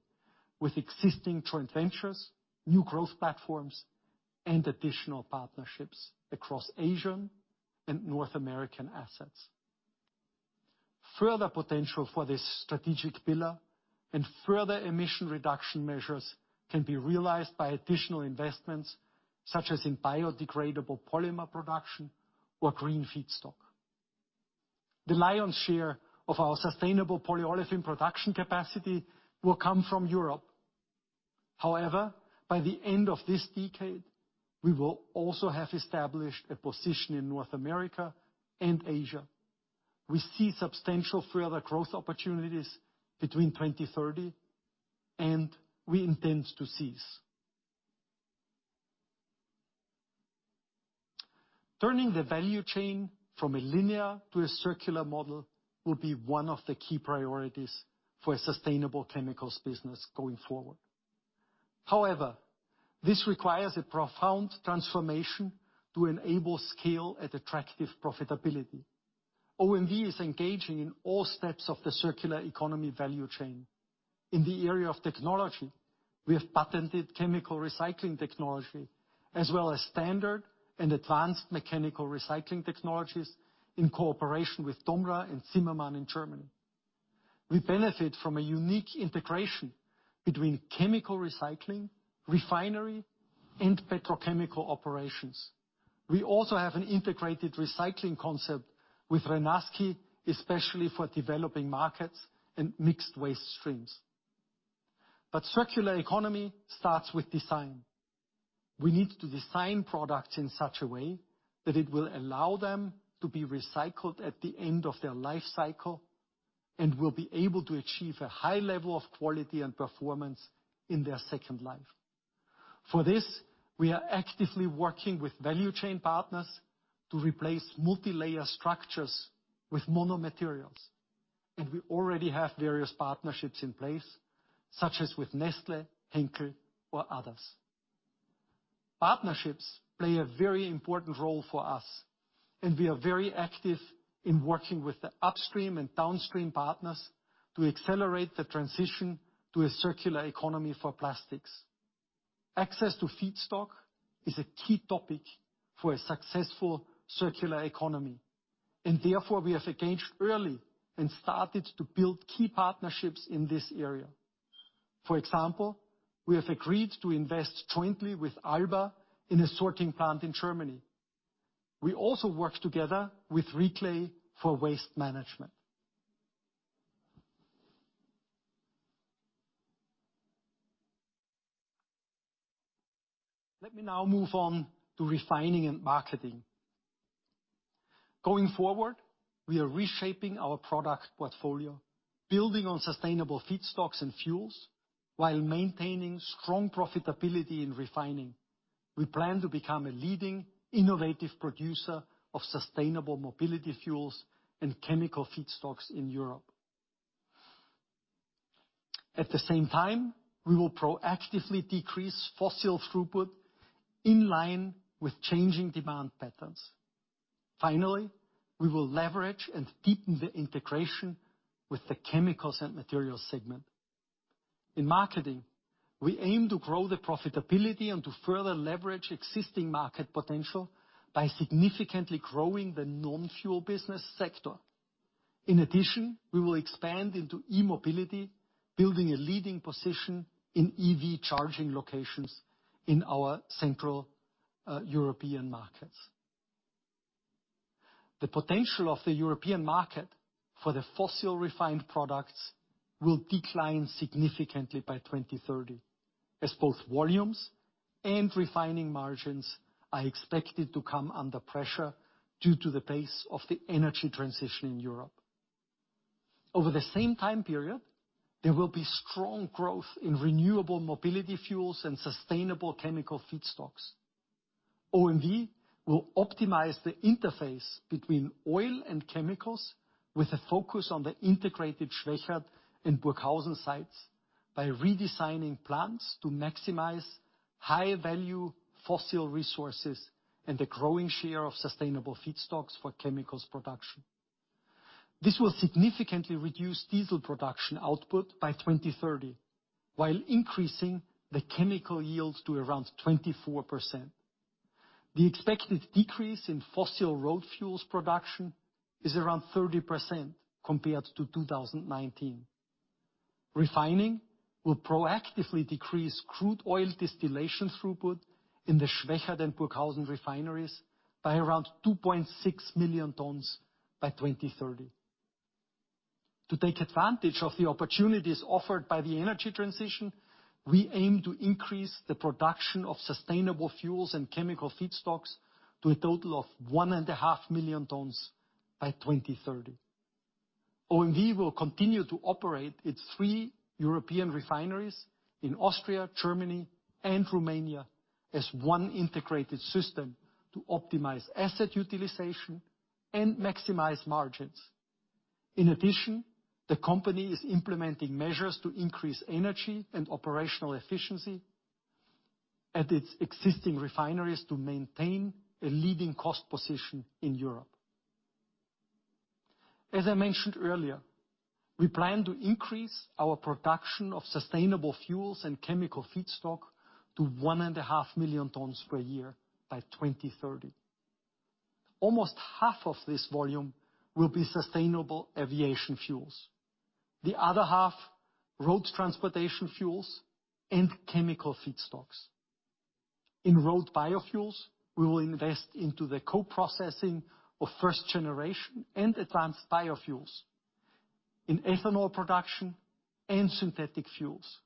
with existing joint ventures, new growth platforms, and additional partnerships across Asian and North American assets. Further potential for this strategic pillar and further emission reduction measures can be realized by additional investments, such as in biodegradable polymer production or green feedstock. The lion's share of our sustainable polyolefin production capacity will come from Europe. However, by the end of this decade, we will also have established a position in North America and Asia. We see substantial further growth opportunities between 2030, and we intend to seize. Turning the value chain from a linear to a circular model will be one of the key priorities for a sustainable chemicals business going forward. However, this requires a profound transformation to enable scale at attractive profitability. OMV is engaging in all steps of the circular economy value chain. In the area of technology, we have patented chemical recycling technology, as well as standard and advanced mechanical recycling technologies in cooperation with TOMRA and Zimmerman in Germany. We benefit from a unique integration between chemical recycling, refinery, and petrochemical operations. We also have an integrated recycling concept with Renasci, especially for developing markets and mixed waste streams. Circular economy starts with design. We need to design products in such a way that it will allow them to be recycled at the end of their life cycle and will be able to achieve a high level of quality and performance in their second life. For this, we are actively working with value chain partners to replace multilayer structures with mono materials, and we already have various partnerships in place, such as with Nestlé, Henkel or others. Partnerships play a very important role for us, and we are very active in working with the upstream and downstream partners to accelerate the transition to a circular economy for plastics. Access to feedstock is a key topic for a successful circular economy, and therefore, we have engaged early and started to build key partnerships in this area. For example, we have agreed to invest jointly with ALBA in a sorting plant in Germany. We also work together with Reclay for waste management. Let me now move on to refining and marketing. Going forward, we are reshaping our product portfolio, building on sustainable feedstocks and fuels, while maintaining strong profitability in refining. We plan to become a leading innovative producer of sustainable mobility fuels and chemical feedstocks in Europe. At the same time, we will proactively decrease fossil throughput in line with changing demand patterns. Finally, we will leverage and deepen the integration with the chemicals and materials segment. In marketing, we aim to grow the profitability and to further leverage existing market potential by significantly growing the non-fuel business sector. In addition, we will expand into e-mobility, building a leading position in EV charging locations in our central European markets. The potential of the European market for the fossil refined products will decline significantly by 2030 as both volumes and refining margins are expected to come under pressure due to the pace of the energy transition in Europe. Over the same time period, there will be strong growth in renewable mobility fuels and sustainable chemical feedstocks. OMV will optimize the interface between oil and chemicals with a focus on the integrated Schwechat and Burghausen sites by redesigning plants to maximize high value fossil resources and the growing share of sustainable feedstocks for chemicals production. This will significantly reduce diesel production output by 2030, while increasing the chemical yields to around 24%. The expected decrease in fossil road fuels production is around 30% compared to 2019. Refining will proactively decrease crude oil distillation throughput in the Schwechat and Burghausen refineries by around 2.6 million tons by 2030. To take advantage of the opportunities offered by the energy transition, we aim to increase the production of sustainable fuels and chemical feedstocks to a total of 1.5 million tons by 2030. OMV will continue to operate its three European refineries in Austria, Germany, and Romania as one integrated system to optimize asset utilization and maximize margins. In addition, the company is implementing measures to increase energy and operational efficiency at its existing refineries to maintain a leading cost position in Europe. As I mentioned earlier, we plan to increase our production of sustainable fuels and chemical feedstock to 1.5 million tons per year by 2030. Almost half of this volume will be sustainable aviation fuels, the other half road transportation fuels and chemical feedstocks. In road biofuels, we will invest into the co-processing of first generation and advanced biofuels, in ethanol production and synthetic fuels.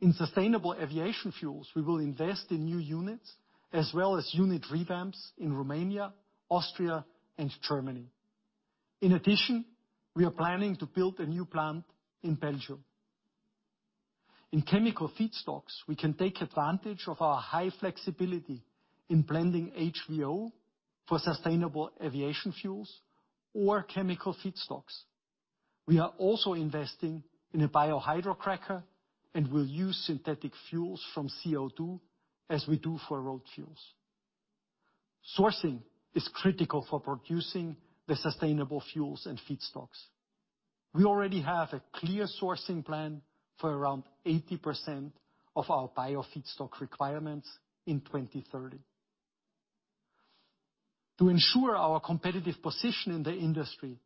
In sustainable aviation fuels, we will invest in new units as well as unit revamps in Romania, Austria, and Germany. In addition, we are planning to build a new plant in Belgium. In chemical feedstocks, we can take advantage of our high flexibility in blending HVO for sustainable aviation fuels or chemical feedstocks. We are also investing in a bio hydrocracker and will use synthetic fuels from CO2 as we do for road fuels. Sourcing is critical for producing the sustainable fuels and feedstocks. We already have a clear sourcing plan for around 80% of our bio feedstock requirements in 2030. To ensure our competitive position in the industry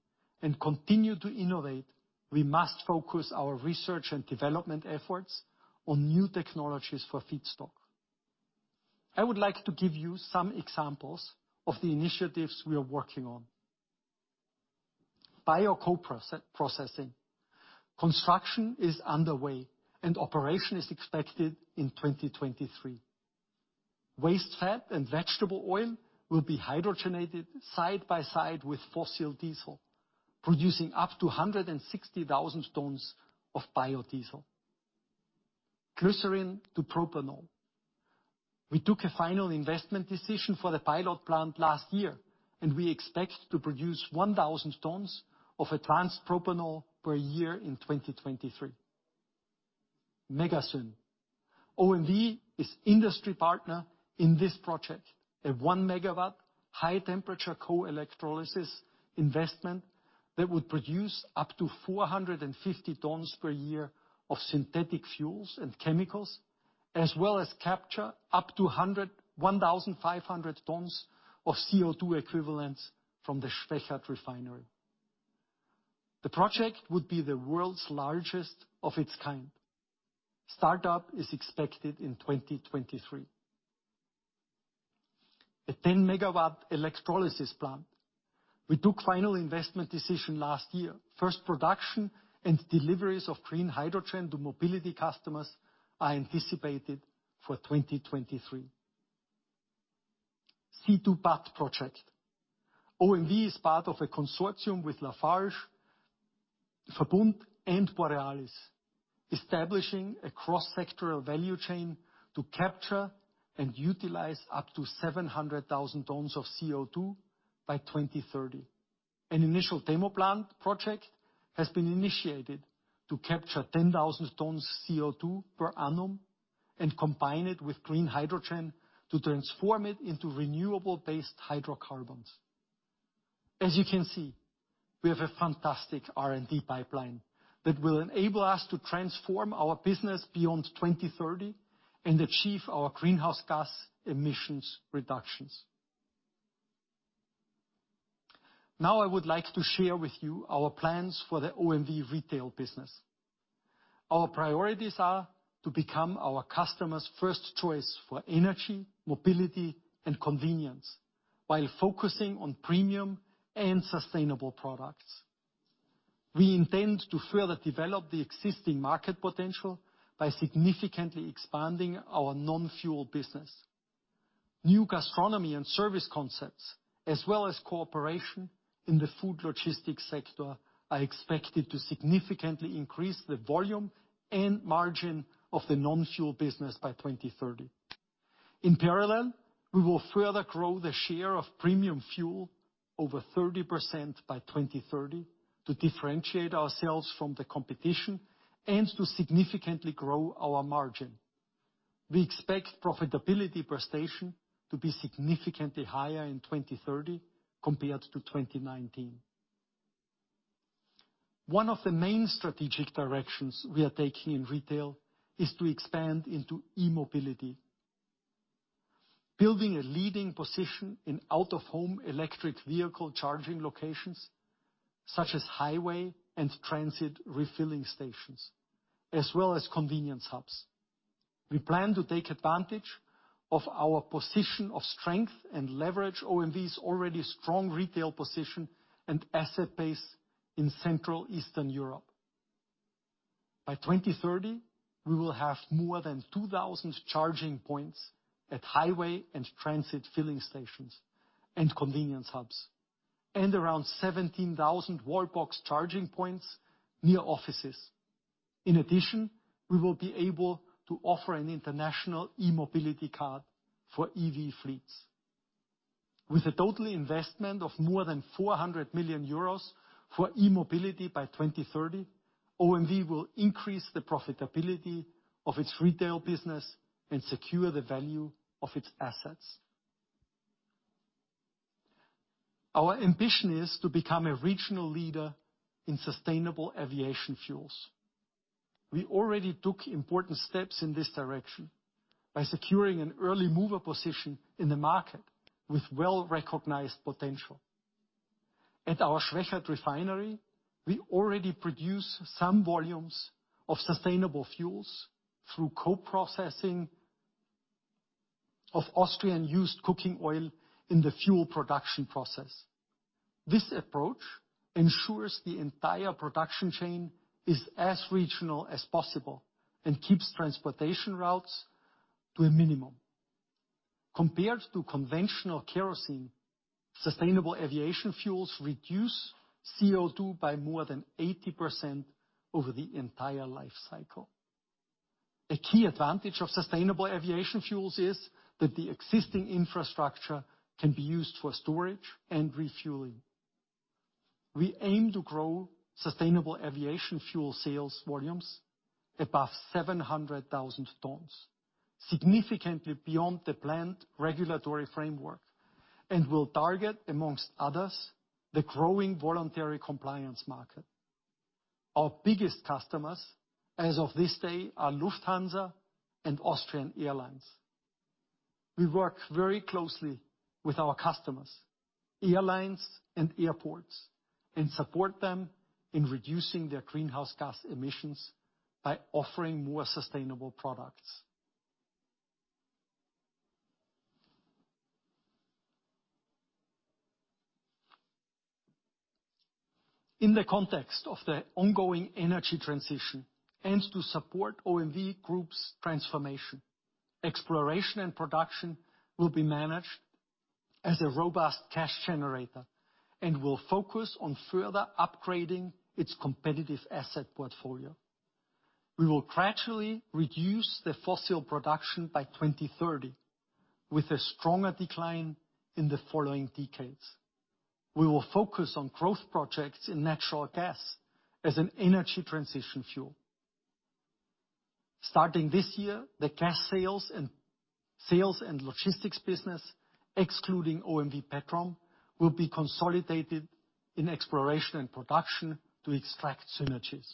and continue to innovate, we must focus our research and development efforts on new technologies for feedstock. I would like to give you some examples of the initiatives we are working on. Bio co-processing. Construction is underway and operation is expected in 2023. Waste fat and vegetable oil will be hydrogenated side by side with fossil diesel, producing up to 160,000 tons of biodiesel. Glycerin to propanol. We took a final investment decision for the pilot plant last year, and we expect to produce 1,000 tons of advanced propanol per year in 2023. MegaSyn. OMV is industry partner in this project, a 1 MW high temperature co-electrolysis investment that would produce up to 450 tons per year of synthetic fuels and chemicals, as well as capture up to 1,500 tons of CO2 equivalents from the Schwechat refinery. The project would be the world's largest of its kind. Startup is expected in 2023. A 10 MW electrolysis plant. We took final investment decision last year. First production and deliveries of green hydrogen to mobility customers are anticipated for 2023. C2PAT project. OMV is part of a consortium with Lafarge, Verbund, and Borealis, establishing a cross-sectoral value chain to capture and utilize up to 700,000 tons of CO2 by 2030. An initial demo plant project has been initiated to capture 10,000 tons of CO2 per annum and combine it with green hydrogen to transform it into renewable-based hydrocarbons. As you can see, we have a fantastic R&D pipeline that will enable us to transform our business beyond 2030 and achieve our greenhouse gas emissions reductions. Now I would like to share with you our plans for the OMV retail business. Our priorities are to become our customers' first choice for energy, mobility, and convenience, while focusing on premium and sustainable products. We intend to further develop the existing market potential by significantly expanding our non-fuel business. New gastronomy and service concepts as well as cooperation in the food logistics sector are expected to significantly increase the volume and margin of the non-fuel business by 2030. In parallel, we will further grow the share of premium fuel over 30% by 2030 to differentiate ourselves from the competition and to significantly grow our margin. We expect profitability per station to be significantly higher in 2030 compared to 2019. One of the main strategic directions we are taking in retail is to expand into e-mobility by building a leading position in out-of-home electric vehicle charging locations, such as highway and transit refilling stations, as well as convenience hubs. We plan to take advantage of our position of strength and leverage OMV's already strong retail position and asset base in Central and Eastern Europe. By 2030, we will have more than 2,000 charging points at highway and transit filling stations and convenience hubs, and around 17,000 wall box charging points near offices. In addition, we will be able to offer an international e-mobility card for EV fleets. With a total investment of more than 400 million euros for e-mobility by 2030, OMV will increase the profitability of its retail business and secure the value of its assets. Our ambition is to become a regional leader in sustainable aviation fuels. We already took important steps in this direction by securing an early-mover position in the market with well-recognized potential. At our Schwechat refinery, we already produce some volumes of sustainable fuels through co-processing of Austrian used cooking oil in the fuel production process. This approach ensures the entire production chain is as regional as possible and keeps transportation routes to a minimum. Compared to conventional kerosene, sustainable aviation fuels reduce CO2 by more than 80% over the entire life cycle. A key advantage of sustainable aviation fuels is that the existing infrastructure can be used for storage and refueling. We aim to grow sustainable aviation fuel sales volumes above 700,000 tons, significantly beyond the planned regulatory framework, and will target, among others, the growing voluntary compliance market. Our biggest customers, as of this day, are Lufthansa and Austrian Airlines. We work very closely with our customers, airlines and airports, and support them in reducing their greenhouse gas emissions by offering more sustainable products. In the context of the ongoing energy transition and to support OMV Group's transformation, exploration and production will be managed as a robust cash generator and will focus on further upgrading its competitive asset portfolio. We will gradually reduce the fossil production by 2030, with a stronger decline in the following decades. We will focus on growth projects in natural gas as an energy transition fuel. Starting this year, the gas sales and logistics business, excluding OMV Petrom, will be consolidated in exploration and production to extract synergies.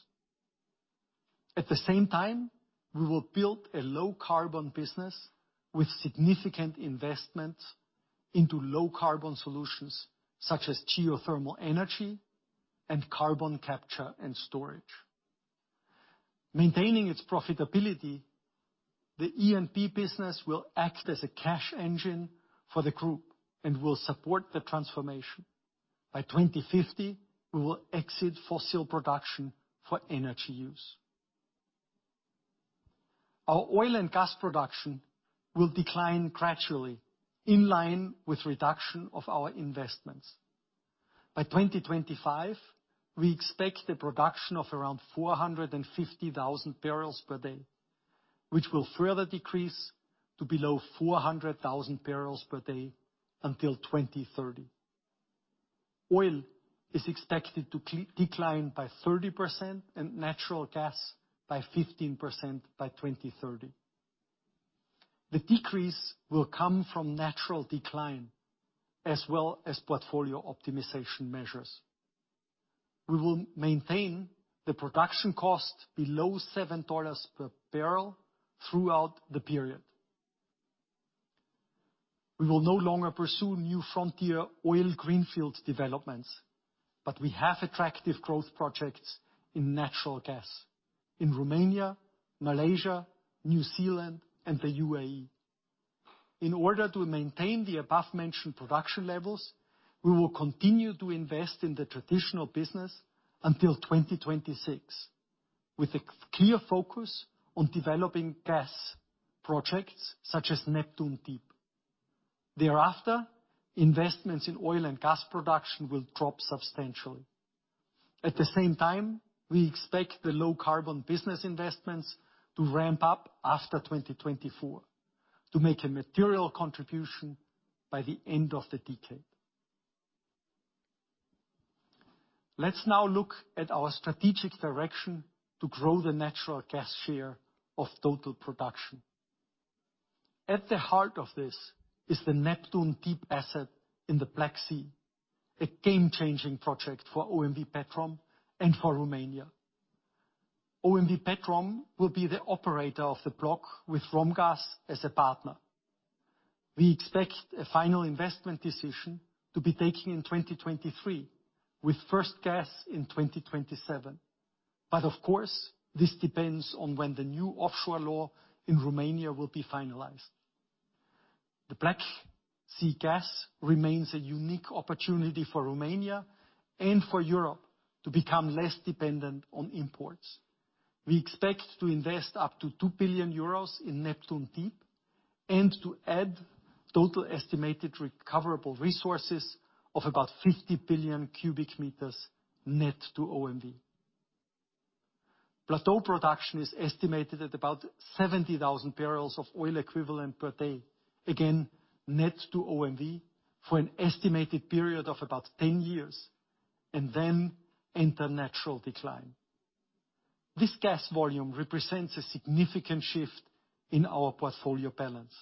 At the same time, we will build a low-carbon business with significant investments into low-carbon solutions, such as geothermal energy and carbon capture and storage. Maintaining its profitability, the E&P business will act as a cash engine for the group and will support the transformation. By 2050, we will exit fossil production for energy use. Our oil and gas production will decline gradually in line with reduction of our investments. By 2025, we expect a production of around 450,000 barrels per day, which will further decrease to below 400,000 barrels per day until 2030. Oil is expected to decline by 30% and natural gas by 15% by 2030. The decrease will come from natural decline as well as portfolio optimization measures. We will maintain the production cost below $7 per barrel throughout the period. We will no longer pursue new frontier oil greenfield developments, but we have attractive growth projects in natural gas in Romania, Malaysia, New Zealand, and the UAE. In order to maintain the above-mentioned production levels, we will continue to invest in the traditional business until 2026, with a clear focus on developing gas projects, such as Neptun Deep. Thereafter, investments in oil and gas production will drop substantially. At the same time, we expect the low carbon business investments to ramp up after 2024 to make a material contribution by the end of the decade. Let's now look at our strategic direction to grow the natural gas share of total production. At the heart of this is the Neptun Deep asset in the Black Sea, a game-changing project for OMV Petrom and for Romania. OMV Petrom will be the operator of the block with Romgaz as a partner. We expect a final investment decision to be taken in 2023, with first gas in 2027. Of course, this depends on when the new offshore law in Romania will be finalized. The Black Sea gas remains a unique opportunity for Romania and for Europe to become less dependent on imports. We expect to invest up to 2 billion euros in Neptun Deep and to add total estimated recoverable resources of about 50 billion cubic meters net to OMV. Plateau production is estimated at about 70,000 barrels of oil equivalent per day, again net to OMV, for an estimated period of about 10 years, and then enter natural decline. This gas volume represents a significant shift in our portfolio balance.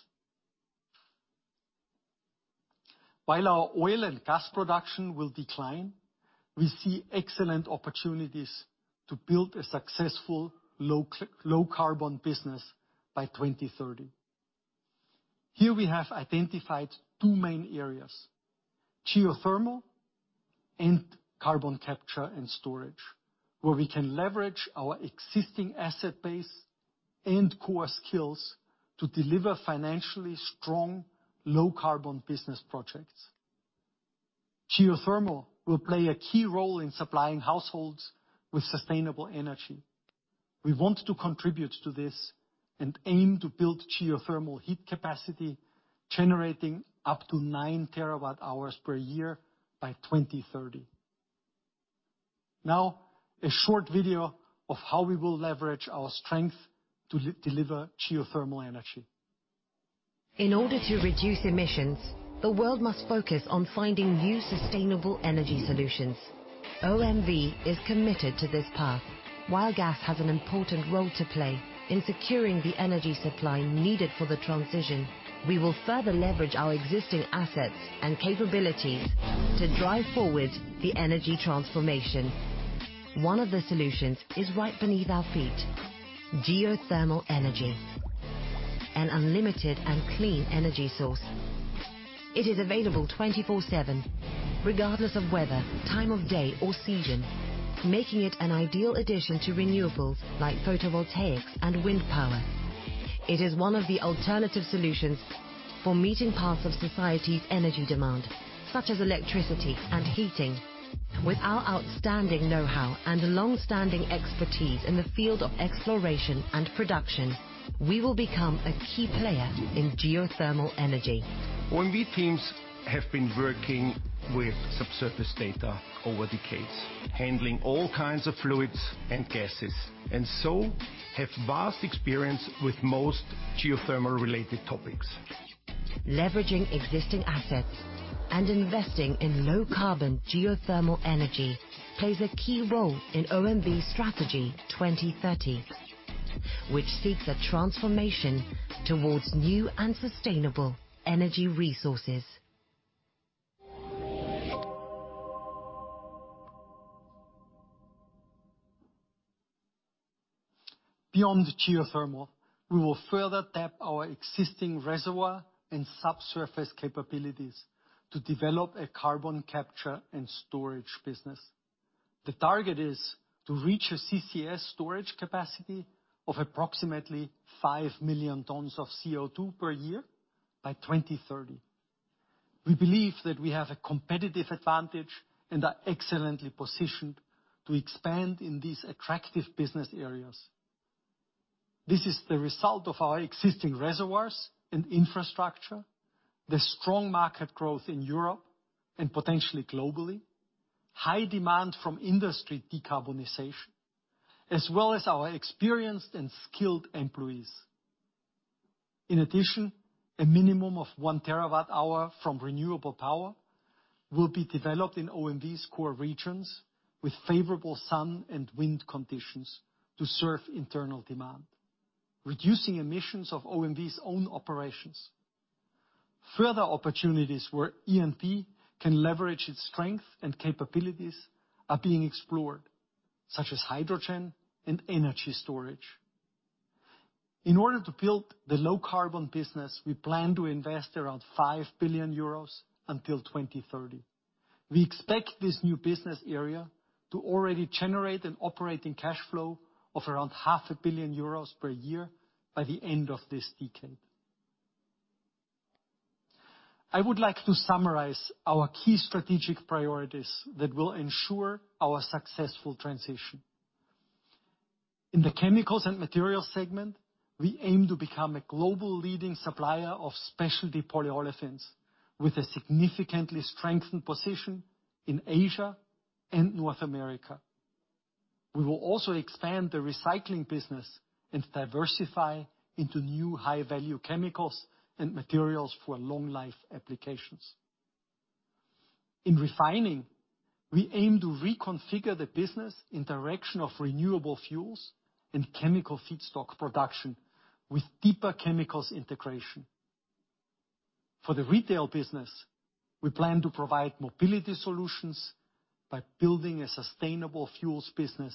While our oil and gas production will decline, we see excellent opportunities to build a successful low carbon business by 2030. Here we have identified two main areas, geothermal and carbon capture and storage, where we can leverage our existing asset base and core skills to deliver financially strong low carbon business projects. Geothermal will play a key role in supplying households with sustainable energy. We want to contribute to this and aim to build geothermal heat capacity generating up to 9 TWh per year by 2030. Now, a short video of how we will leverage our strength to deliver geothermal energy. In order to reduce emissions, the world must focus on finding new sustainable energy solutions. OMV is committed to this path. While gas has an important role to play in securing the energy supply needed for the transition, we will further leverage our existing assets and capabilities to drive forward the energy transformation. One of the solutions is right beneath our feet, geothermal energy, an unlimited and clean energy source. It is available 24/7, regardless of weather, time of day, or season, making it an ideal addition to renewables like photovoltaics and wind power. It is one of the alternative solutions for meeting parts of society's energy demand, such as electricity and heating. With our outstanding know-how and long-standing expertise in the field of exploration and production, we will become a key player in geothermal energy. OMV teams have been working with subsurface data over the years, handling all kinds of fluids and gases, and so have vast experience with most geothermal-related topics. Leveraging existing assets and investing in low carbon geothermal energy plays a key role in OMV's strategy 2030, which seeks a transformation towards new and sustainable energy resources. Beyond geothermal, we will further tap our existing reservoir and subsurface capabilities to develop a carbon capture and storage business. The target is to reach a CCS storage capacity of approximately 5 million tons of CO2 per year by 2030. We believe that we have a competitive advantage and are excellently positioned to expand in these attractive business areas. This is the result of our existing reservoirs and infrastructure, the strong market growth in Europe and potentially globally, high demand from industry decarbonization, as well as our experienced and skilled employees. In addition, a minimum of 1 TWh from renewable power will be developed in OMV's core regions with favorable sun and wind conditions to serve internal demand, reducing emissions of OMV's own operations. Further opportunities where E&P can leverage its strength and capabilities are being explored, such as hydrogen and energy storage. In order to build the low carbon business, we plan to invest around 5 billion euros until 2030. We expect this new business area to already generate an operating cash flow of around half a billion euros per year by the end of this decade. I would like to summarize our key strategic priorities that will ensure our successful transition. In the chemicals and materials segment, we aim to become a global leading supplier of specialty polyolefins, with a significantly strengthened position in Asia and North America. We will also expand the recycling business and diversify into new high-value chemicals and materials for long life applications. In refining, we aim to reconfigure the business in direction of renewable fuels and chemical feedstock production, with deeper chemicals integration. For the retail business, we plan to provide mobility solutions by building a sustainable fuels business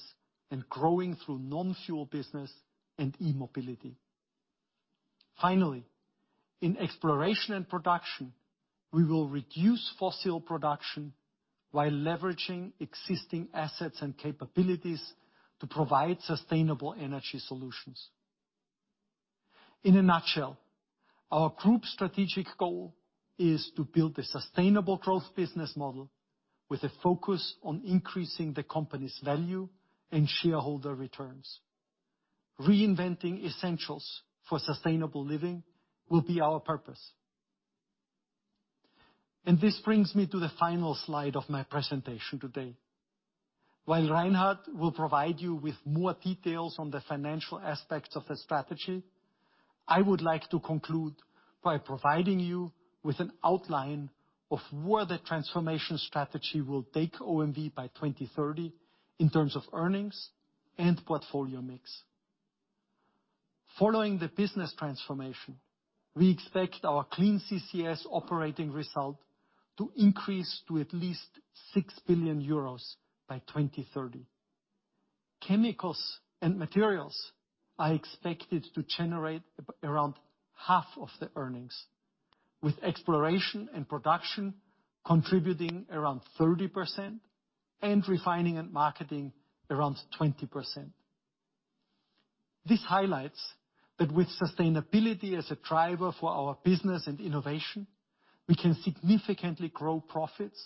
and growing through non-fuel business and e-mobility. Finally, in exploration and production, we will reduce fossil production while leveraging existing assets and capabilities to provide sustainable energy solutions. In a nutshell, our group's strategic goal is to build a sustainable growth business model with a focus on increasing the company's value and shareholder returns. Reinventing essentials for sustainable living will be our purpose. This brings me to the final slide of my presentation today. While Reinhard will provide you with more details on the financial aspects of the strategy, I would like to conclude by providing you with an outline of where the transformation strategy will take OMV by 2030 in terms of earnings and portfolio mix. Following the business transformation, we expect our Clean CCS Operating Result to increase to at least 6 billion euros by 2030. Chemicals and materials are expected to generate around half of the earnings, with exploration and production contributing around 30% and refining and marketing around 20%. This highlights that with sustainability as a driver for our business and innovation, we can significantly grow profits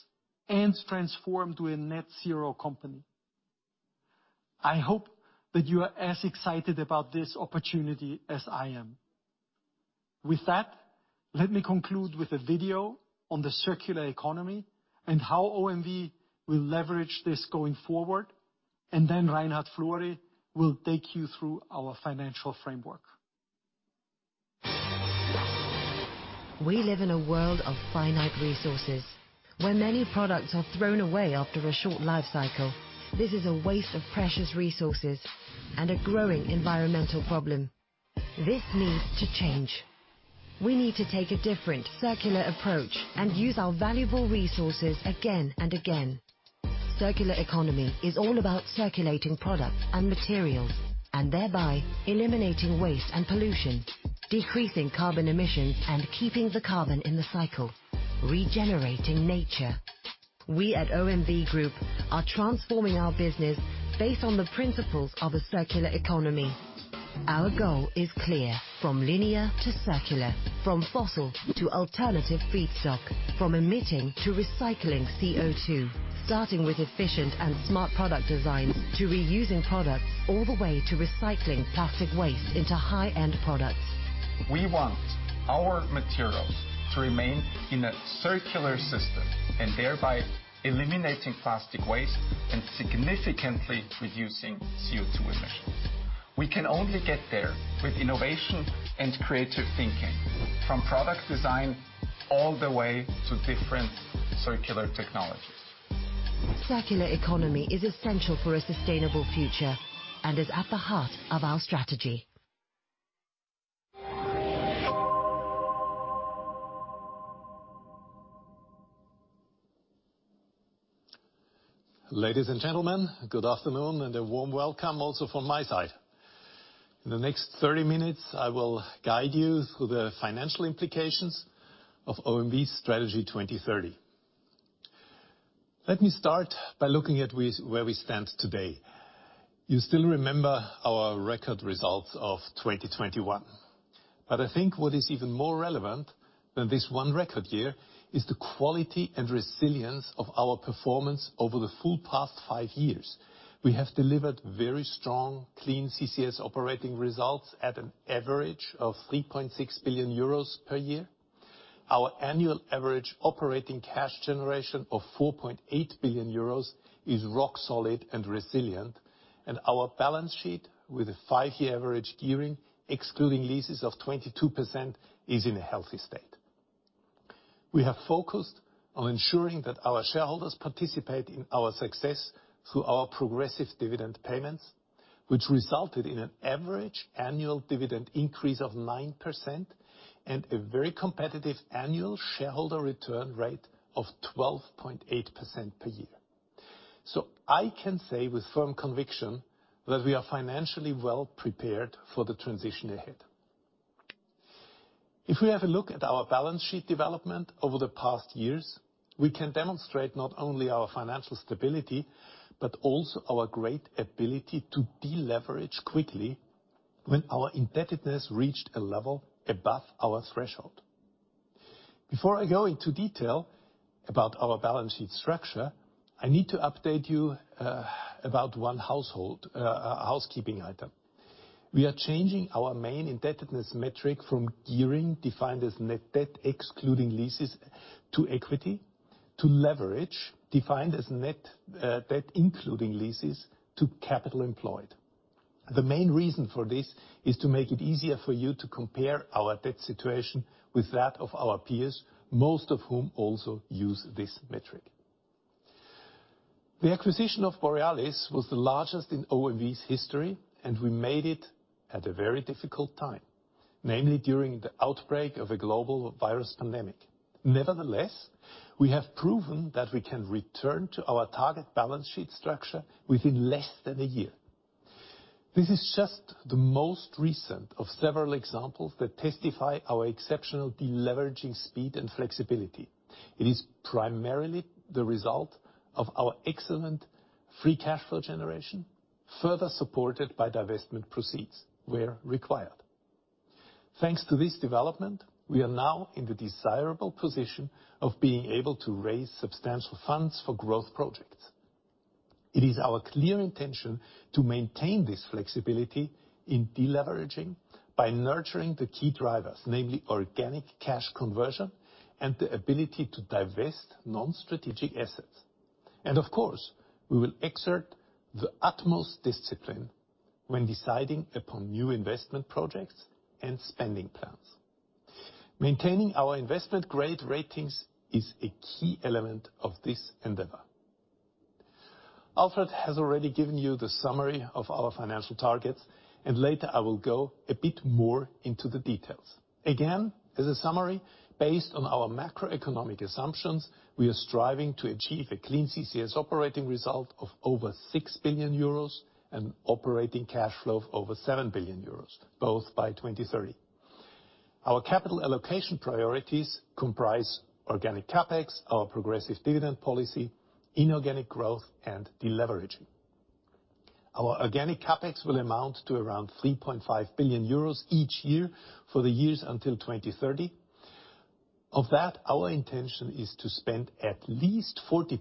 and transform to a net zero company. I hope that you are as excited about this opportunity as I am. With that, let me conclude with a video on the circular economy and how OMV will leverage this going forward, and then Reinhard Florey will take you through our financial framework. We live in a world of finite resources, where many products are thrown away after a short life cycle. This is a waste of precious resources and a growing environmental problem. This needs to change. We need to take a different circular approach and use our valuable resources again and again. Circular economy is all about circulating products and materials, and thereby eliminating waste and pollution, decreasing carbon emissions, and keeping the carbon in the cycle, regenerating nature. We at OMV Group are transforming our business based on the principles of a circular economy. Our goal is clear. From linear to circular, from fossil to alternative feedstock, from emitting to recycling CO2, starting with efficient and smart product designs, to reusing products, all the way to recycling plastic waste into high-end products. We want our materials to remain in a circular system, and thereby eliminating plastic waste and significantly reducing CO2 emissions. We can only get there with innovation and creative thinking, from product design all the way to different circular technologies. Circular economy is essetial for a sustainable future and is at the heart of our strategy. Ladies and gentlemen, good afternoon and a warm welcome also from my side. In the next 30 minutes, I will guide you through the financial implications of OMV's Strategy 2030. Let me start by looking at where we stand today. You still remember our record results of 2021. I think what is even more relevant than this one record year is the quality and resilience of our performance over the full past 5 years. We have delivered very strong Clean CCS Operating Results at an average of 3.6 billion euros per year. Our annual average operating cash generation of 4.8 billion euros is rock solid and resilient. Our balance sheet, with a 5-year average gearing, excluding leases of 22%, is in a healthy state. We have focused on ensuring that our shareholders participate in our success through our progressive dividend payments, which resulted in an average annual dividend increase of 9% and a very competitive annual shareholder return rate of 12.8% per year. I can say with firm conviction that we are financially well-prepared for the transition ahead. If we have a look at our balance sheet development over the past years, we can demonstrate not only our financial stability, but also our great ability to deleverage quickly when our indebtedness reached a level above our threshold. Before I go into detail about our balance sheet structure, I need to update you about one housekeeping item. We are changing our main indebtedness metric from gearing, defined as net debt excluding leases, to leverage, defined as net debt including leases to capital employed. The main reason for this is to make it easier for you to compare our debt situation with that of our peers, most of whom also use this metric. The acquisition of Borealis was the largest in OMV's history, and we made it at a very difficult time, namely, during the outbreak of a global virus pandemic. Nevertheless, we have proven that we can return to our target balance sheet structure within less than a year. This is just the most recent of several examples that testify our exceptional deleveraging speed and flexibility. It is primarily the result of our excellent free cash flow generation, further supported by divestment proceeds where required. Thanks to this development, we are now in the desirable position of being able to raise substantial funds for growth projects. It is our clear intention to maintain this flexibility in deleveraging by nurturing the key drivers, namely organic cash conversion and the ability to divest non-strategic assets. Of course, we will exert the utmost discipline when deciding upon new investment projects and spending plans. Maintaining our investment-grade ratings is a key element of this endeavor. Alfred has already given you the summary of our financial targets, and later I will go a bit more into the details. Again, as a summary, based on our macroeconomic assumptions, we are striving to achieve a Clean CCS Operating Result of over 6 billion euros and operating cash flow of over 7 billion euros, both by 2030. Our capital allocation priorities comprise organic CapEx, our progressive dividend policy, inorganic growth, and deleveraging. Our organic CapEx will amount to around 3.5 billion euros each year for the years until 2030. Of that, our intention is to spend at least 40%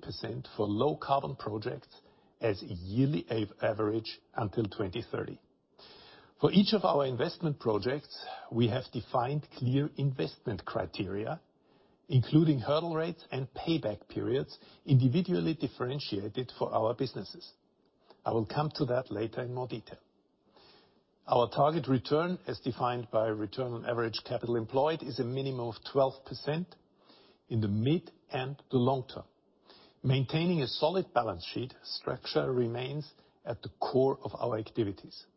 for low carbon projects as a yearly average until 2030. For each of our investment projects, we have defined clear investment criteria, including hurdle rates and payback periods, individually differentiated for our businesses. I will come to that later in more detail. Our target return as defined by return on average capital employed is a minimum of 12% in the mid and the long term. Maintaining a solid balance sheet structure remains at the core of our activities.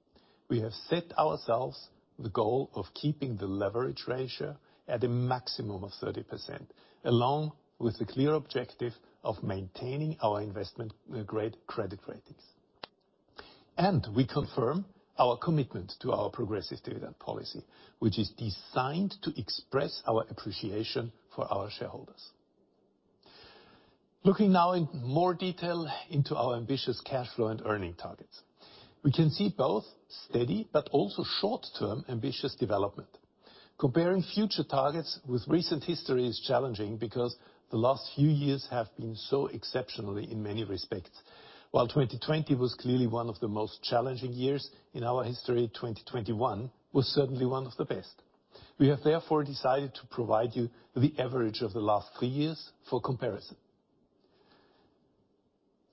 We have set ourselves the goal of keeping the leverage ratio at a maximum of 30%, along with the clear objective of maintaining our investment-grade credit ratings. We confirm our commitment to our progressive dividend policy, which is designed to express our appreciation for our shareholders. Looking now in more detail into our ambitious cash flow and earnings targets. We can see both steady but also short-term ambitious development. Comparing future targets with recent history is challenging because the last few years have been so exceptional in many respects. While 2020 was clearly one of the most challenging years in our history, 2021 was certainly one of the best. We have therefore decided to provide you the average of the last three years for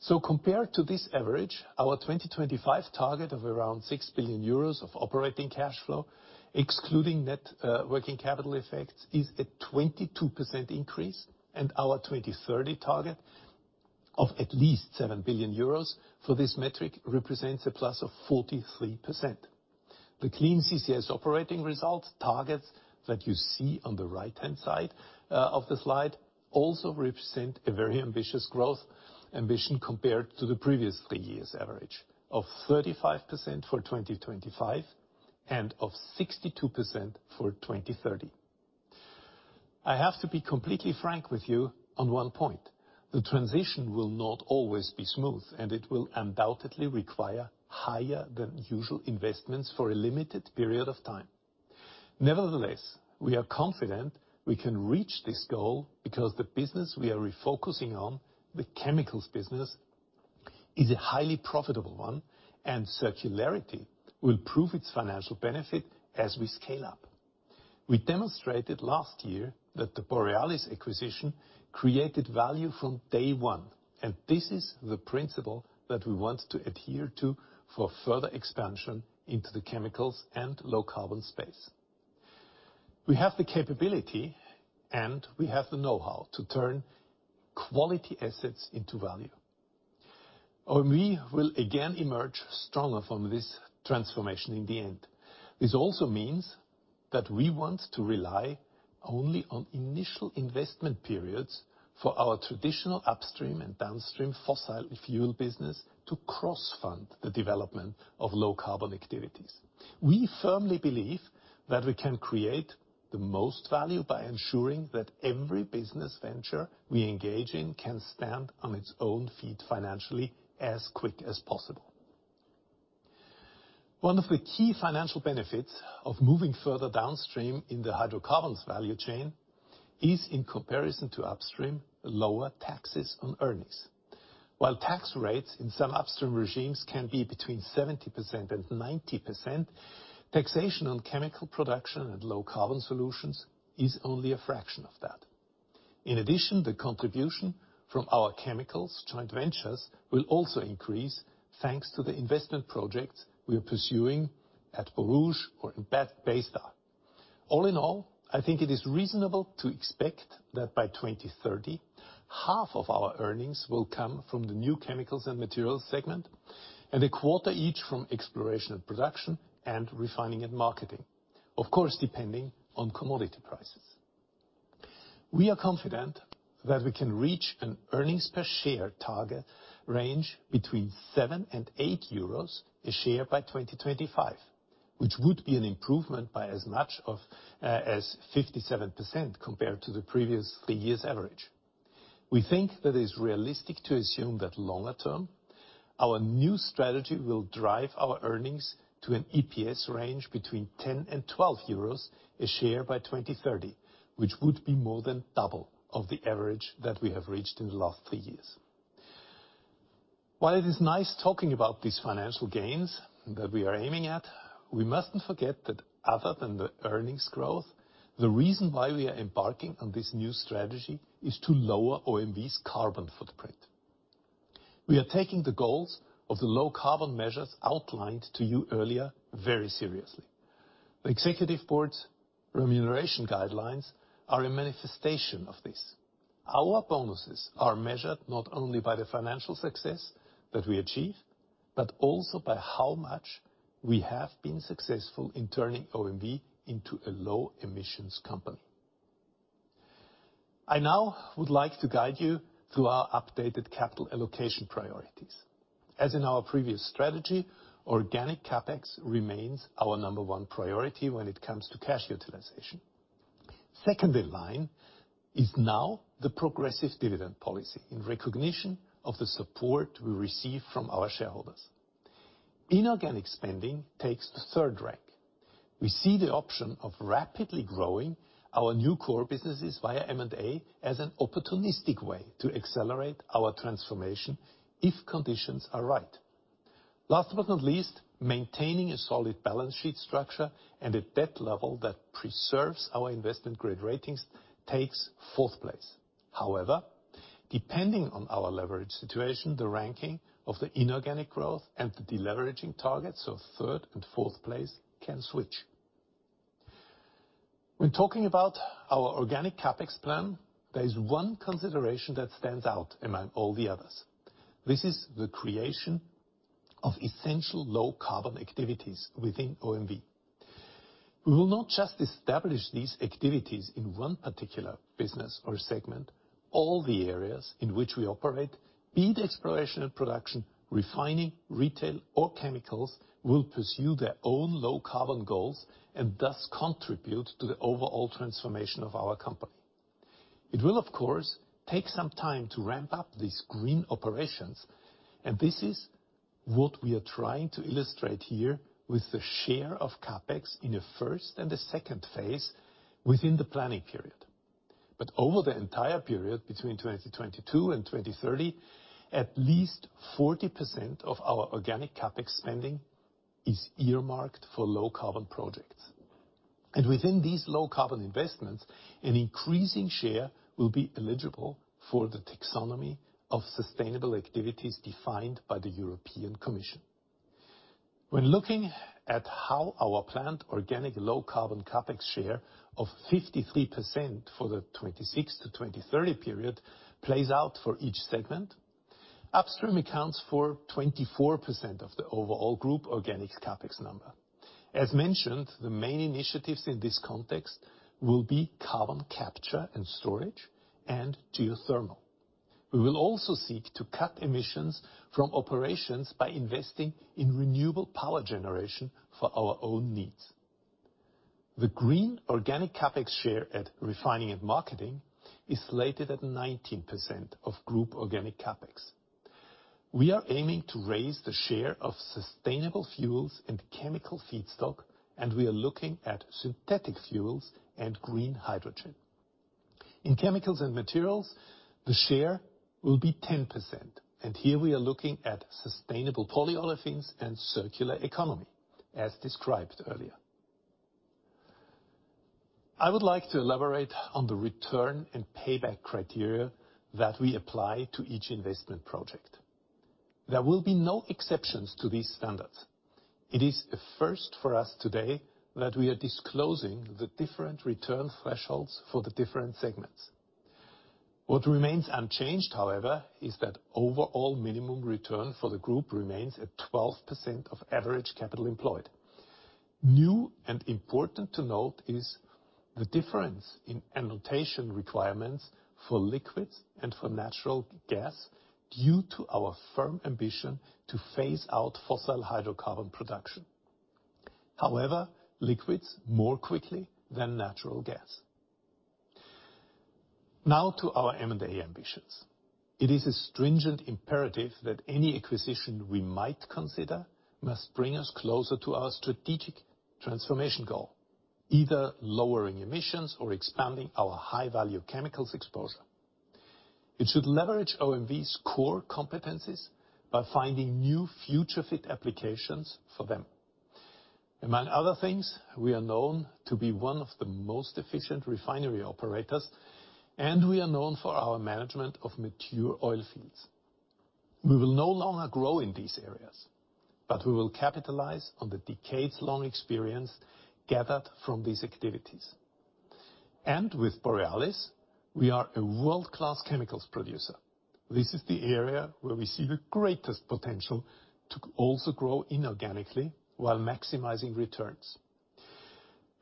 comparison. Compared to this average, our 2025 target of around 6 billion euros of operating cash flow, excluding net working capital effects, is a 22% increase, and our 2030 target of at least 7 billion euros for this metric represents a plus of 43%. The Clean CCS Operating Result targets that you see on the right-hand side of the slide also represent a very ambitious growth ambition compared to the previous three years' average of 35% for 2025 and of 62% for 2030. I have to be completely frank with you on one point. The transition will not always be smooth, and it will undoubtedly require higher than usual investments for a limited period of time. Nevertheless, we are confident we can reach this goal because the business we are refocusing on, the chemicals business, is a highly profitable one, and circularity will prove its financial benefit as we scale up. We demonstrated last year that the Borealis acquisition created value from day one, and this is the principle that we want to adhere to for further expansion into the chemicals and low carbon space. We have the capability, and we have the know-how to turn quality assets into value. OMV will again emerge stronger from this transformation in the end. This also means that we want to rely only on initial investment periods for our traditional upstream and downstream fossil fuel business to cross-fund the development of low carbon activities. We firmly believe that we can create the most value by ensuring that every business venture we engage in can stand on its own feet financially as quick as possible. One of the key financial benefits of moving further downstream in the hydrocarbons value chain is, in comparison to upstream, lower taxes on earnings. While tax rates in some upstream regimes can be between 70% and 90%, taxation on chemical production and low carbon solutions is only a fraction of that. In addition, the contribution from our chemicals joint ventures will also increase, thanks to the investment projects we are pursuing at Borouge or in Baystar. All in all, I think it is reasonable to expect that by 2030, half of our earnings will come from the new chemicals and materials segment, and a quarter each from Exploration and Production, and Refining and Marketing. Of course, depending on commodity prices. We are confident that we can reach an earnings per share target range between 7 EUR-8 EUR a share by 2025, which would be an improvement by as much as 57% compared to the previous three years average. We think that it is realistic to assume that longer term, our new strategy will drive our earnings to an EPS range between 10 EUR-12 EUR a share by 2030, which would be more than double the average that we have reached in the last three years. While it is nice talking about these financial gains that we are aiming at, we mustn't forget that other than the earnings growth, the reason why we are embarking on this new strategy is to lower OMV's carbon footprint. We are taking the goals of the low carbon measures outlined to you earlier very seriously. The executive board's remuneration guidelines are a manifestation of this. Our bonuses are measured not only by the financial success that we achieve, but also by how much we have been successful in turning OMV into a low emissions company. I now would like to guide you through our updated capital allocation priorities. As in our previous strategy, organic CapEx remains our number one priority when it comes to cash utilization. Second in line is now the progressive dividend policy in recognition of the support we receive from our shareholders. Inorganic spending takes the third rank. We see the option of rapidly growing our new core businesses via M&A as an opportunistic way to accelerate our transformation if conditions are right. Last but not least, maintaining a solid balance sheet structure and a debt level that preserves our investment-grade ratings takes fourth place. However, depending on our leverage situation, the ranking of the inorganic growth and the deleveraging targets, so third and fourth place, can switch. When talking about our organic CapEx plan, there is one consideration that stands out among all the others. This is the creation of essential low carbon activities within OMV. We will not just establish these activities in one particular business or segment. All the areas in which we operate, be it exploration and production, refining, retail, or chemicals, will pursue their own low carbon goals and thus contribute to the overall transformation of our company. It will, of course, take some time to ramp up these green operations, and this is what we are trying to illustrate here with the share of CapEx in the first and the second phase within the planning period. Over the entire period between 2022 and 2030, at least 40% of our organic CapEx spending is earmarked for low carbon projects. Within these low carbon investments, an increasing share will be eligible for the taxonomy of sustainable activities defined by the European Commission. When looking at how our planned organic low carbon CapEx share of 53% for the 2026-2030 period plays out for each segment, upstream accounts for 24% of the overall group organic CapEx number. As mentioned, the main initiatives in this context will be carbon capture and storage and geothermal. We will also seek to cut emissions from operations by investing in renewable power generation for our own needs. The green organic CapEx share at refining and marketing is slated at 19% of group organic CapEx. We are aiming to raise the share of sustainable fuels and chemical feedstock, and we are looking at synthetic fuels and green hydrogen. In chemicals and materials, the share will be 10%, and here we are looking at sustainable polyolefins and circular economy, as described earlier. I would like to elaborate on the return and payback criteria that we apply to each investment project. There will be no exceptions to these standards. It is a first for us today that we are disclosing the different return thresholds for the different segments. What remains unchanged, however, is that overall minimum return for the group remains at 12% of average capital employed. New and important to note is the difference in annotation requirements for liquids and for natural gas due to our firm ambition to phase out fossil hydrocarbon production. However, we will phase out liquids more quickly than natural gas. Now to our M&A ambitions. It is a stringent imperative that any acquisition we might consider must bring us closer to our strategic transformation goal, either lowering emissions or expanding our high-value chemicals exposure. It should leverage OMV's core competencies by finding new future-fit applications for them. Among other things, we are known to be one of the most efficient refinery operators, and we are known for our management of mature oil fields. We will no longer grow in these areas, but we will capitalize on the decades-long experience gathered from these activities. With Borealis, we are a world-class chemicals producer. This is the area where we see the greatest potential to also grow inorganically while maximizing returns.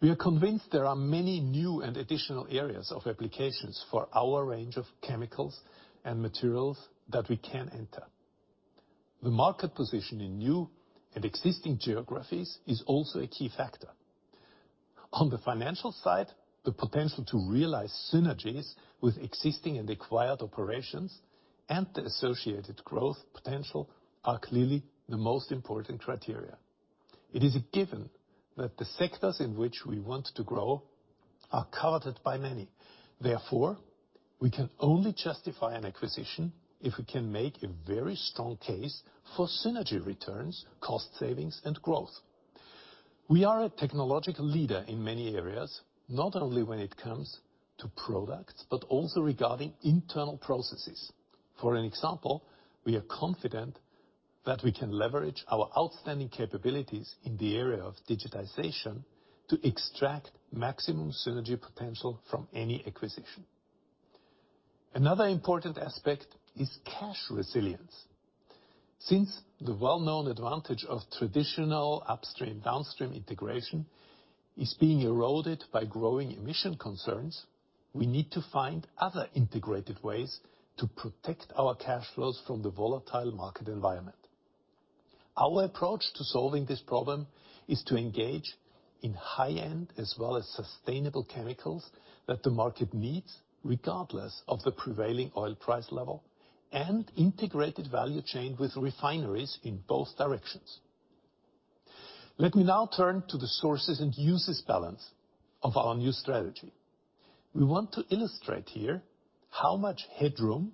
We are convinced there are many new and additional areas of applications for our range of chemicals and materials that we can enter. The market position in new and existing geographies is also a key factor. On the financial side, the potential to realize synergies with existing and acquired operations and the associated growth potential are clearly the most important criteria. It is a given that the sectors in which we want to grow are coveted by many. Therefore, we can only justify an acquisition if we can make a very strong case for synergy returns, cost savings, and growth. We are a technological leader in many areas, not only when it comes to products, but also regarding internal processes. For example, we are confident that we can leverage our outstanding capabilities in the area of digitization to extract maximum synergy potential from any acquisition. Another important aspect is cash resilience. Since the well-known advantage of traditional upstream, downstream integration is being eroded by growing emission concerns, we need to find other integrated ways to protect our cash flows from the volatile market environment. Our approach to solving this problem is to engage in high-end as well as sustainable chemicals that the market needs, regardless of the prevailing oil price level and integrated value chain with refineries in both directions. Let me now turn to the sources and uses balance of our new strategy. We want to illustrate here how much headroom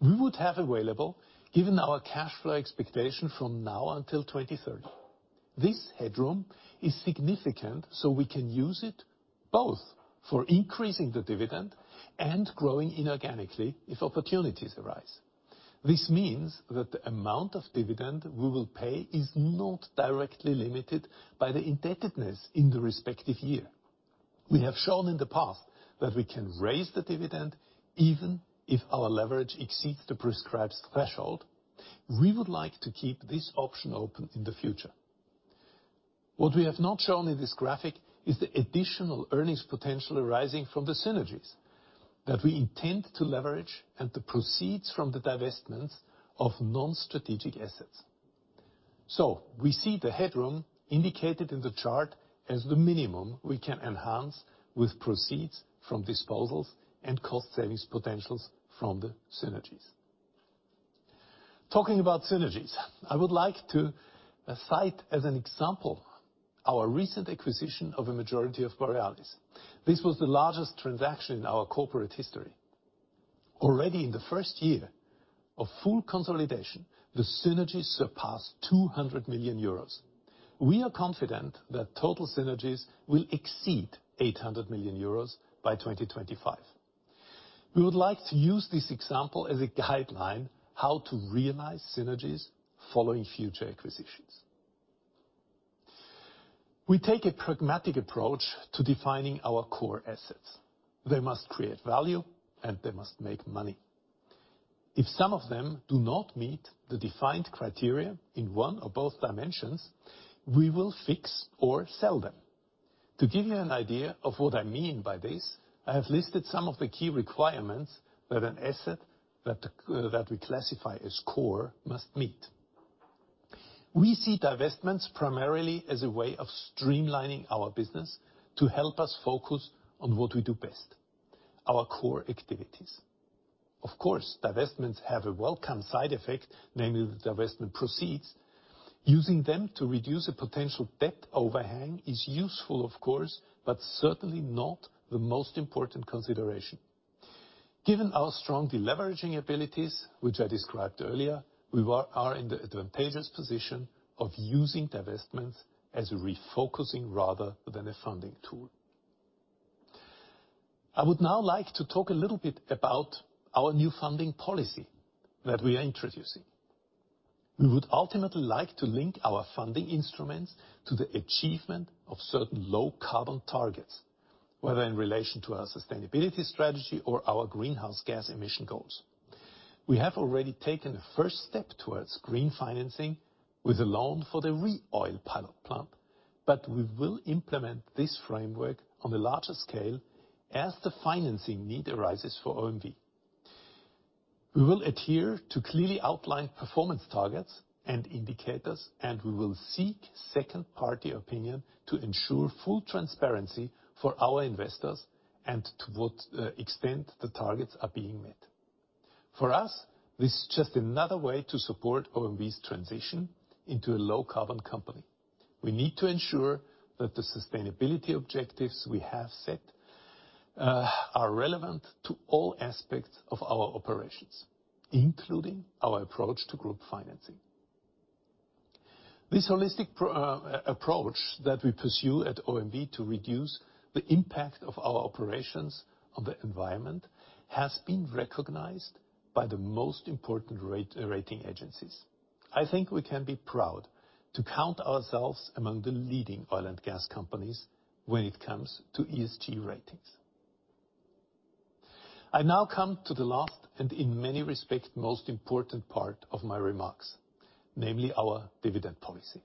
we would have available given our cash flow expectation from now until 2030. This headroom is significant, so we can use it both for increasing the dividend and growing inorganically if opportunities arise. This means that the amount of dividend we will pay is not directly limited by the indebtedness in the respective year. We have shown in the past that we can raise the dividend even if our leverage exceeds the prescribed threshold. We would like to keep this option open in the future. What we have not shown in this graphic is the additional earnings potential arising from the synergies that we intend to leverage and the proceeds from the divestments of non-strategic assets. We see the headroom indicated in the chart as the minimum we can enhance with proceeds from disposals and cost savings potentials from the synergies. Talking about synergies, I would like to cite as an example our recent acquisition of a majority of Borealis. This was the largest transaction in our corporate history. Already in the first year of full consolidation, the synergies surpassed 200 million euros. We are confident that total synergies will exceed 800 million euros by 2025. We would like to use this example as a guideline how to realize synergies following future acquisitions. We take a pragmatic approach to defining our core assets. They must create value, and they must make money. If some of them do not meet the defined criteria in one or both dimensions, we will fix or sell them. To give you an idea of what I mean by this, I have listed some of the key requirements that an asset that we classify as core must meet. We see divestments primarily as a way of streamlining our business to help us focus on what we do best, our core activities. Of course, divestments have a welcome side effect, namely the divestment proceeds. Using them to reduce a potential debt overhang is useful of course, but certainly not the most important consideration. Given our strong deleveraging abilities, which I described earlier, we are in the advantageous position of using divestments as a refocusing rather than a funding tool. I would now like to talk a little bit about our new funding policy that we are introducing. We would ultimately like to link our funding instruments to the achievement of certain low carbon targets, whether in relation to our sustainability strategy or our greenhouse gas emission goals. We have already taken a first step towards green financing with a loan for the ReOil pilot plant, but we will implement this framework on a larger scale as the financing need arises for OMV. We will adhere to clearly outlined performance targets and indicators, and we will seek second-party opinion to ensure full transparency for our investors and to what extent the targets are being met. For us, this is just another way to support OMV's transition into a low-carbon company. We need to ensure that the sustainability objectives we have set are relevant to all aspects of our operations, including our approach to group financing. This holistic approach that we pursue at OMV to reduce the impact of our operations on the environment has been recognized by the most important rating agencies. I think we can be proud to count ourselves among the leading oil and gas companies when it comes to ESG ratings. I now come to the last, and in many respects, most important part of my remarks, namely our dividend policy.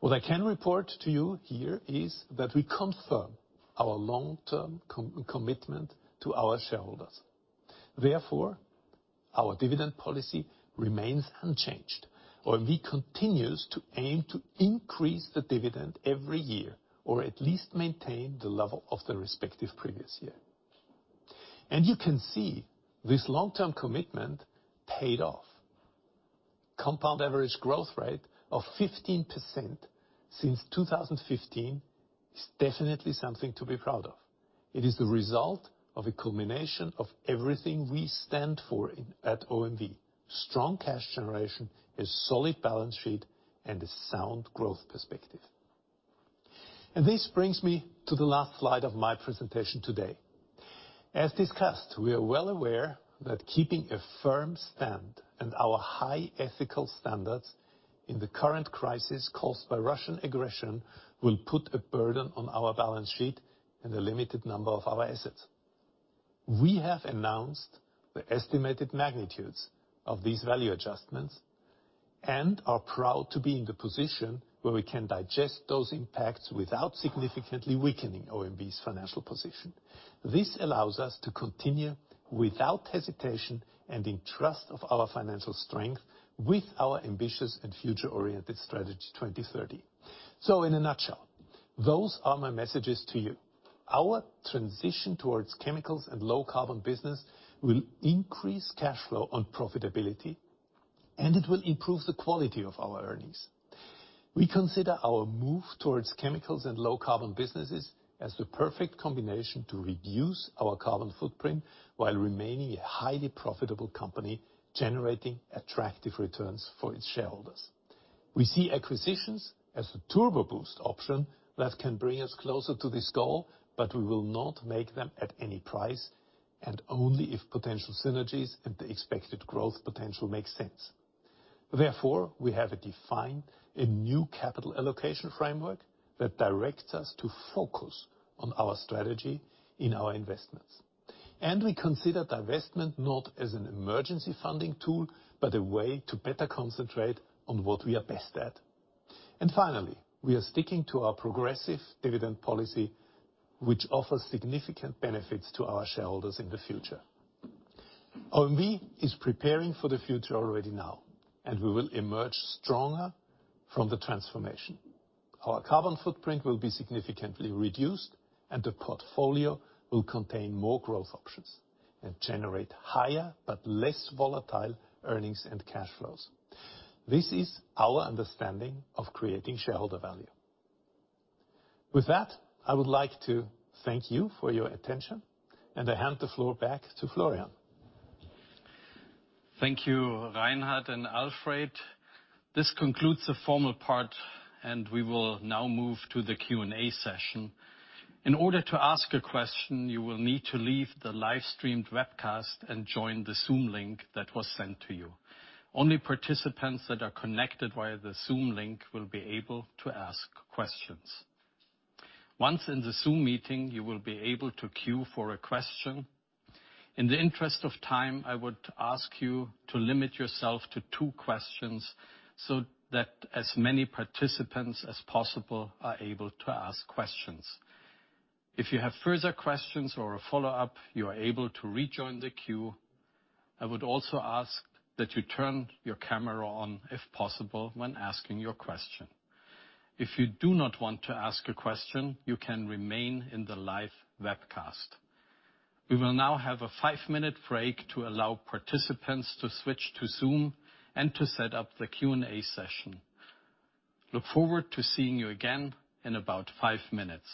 What I can report to you here is that we confirm our long-term co-commitment to our shareholders. Therefore, our dividend policy remains unchanged. OMV continues to aim to increase the dividend every year, or at least maintain the level of the respective previous year. You can see this long-term commitment paid off. Compound average growth rate of 15% since 2015 is definitely something to be proud of. It is the result of a culmination of everything we stand for in, at OMV, strong cash generation, a solid balance sheet, and a sound growth perspective. This brings me to the last slide of my presentation today. As discussed, we are well aware that keeping a firm stand and our high ethical standards in the current crisis caused by Russian aggression will put a burden on our balance sheet and a limited number of our assets. We have announced the estimated magnitudes of these value adjustments and are proud to be in the position where we can digest those impacts without significantly weakening OMV's financial position. This allows us to continue, without hesitation and in trust of our financial strength, with our ambitious and future-oriented strategy 2030. In a nutshell, those are my messages to you. Our transition towards chemicals and low-carbon business will increase cash flow on profitability, and it will improve the quality of our earnings. We consider our move towards chemicals and low-carbon businesses as the perfect combination to reduce our carbon footprint while remaining a highly profitable company generating attractive returns for its shareholders. We see acquisitions as a turbo boost option that can bring us closer to this goal, but we will not make them at any price, and only if potential synergies and the expected growth potential make sense. Therefore, we have defined a new capital allocation framework that directs us to focus on our strategy in our investments. We consider divestment not as an emergency funding tool, but a way to better concentrate on what we are best at. Finally, we are sticking to our progressive dividend policy, which offers significant benefits to our shareholders in the future. OMV is preparing for the future already now, and we will emerge stronger from the transformation. Our carbon footprint will be significantly reduced, and the portfolio will contain more growth options and generate higher but less volatile earnings and cash flows. This is our understanding of creating shareholder value. With that, I would like to thank you for your attention, and I hand the floor back to Florian. Thank you, Reinhard and Alfred. This concludes the formal part, and we will now move to the Q&A session. In order to ask a question, you will need to leave the live-streamed webcast and join the Zoom link that was sent to you. Only participants that are connected via the Zoom link will be able to ask questions. Once in the Zoom meeting, you will be able to queue for a question. In the interest of time, I would ask you to limit yourself to two questions so that as many participants as possible are able to ask questions. If you have further questions or a follow-up, you are able to rejoin the queue. I would also ask that you turn your camera on if possible when asking your question. If you do not want to ask a question, you can remain in the live webcast. We will now have a five-minute break to allow participants to switch to Zoom and to set up the Q&A session. Look forward to seeing you again in about five minutes.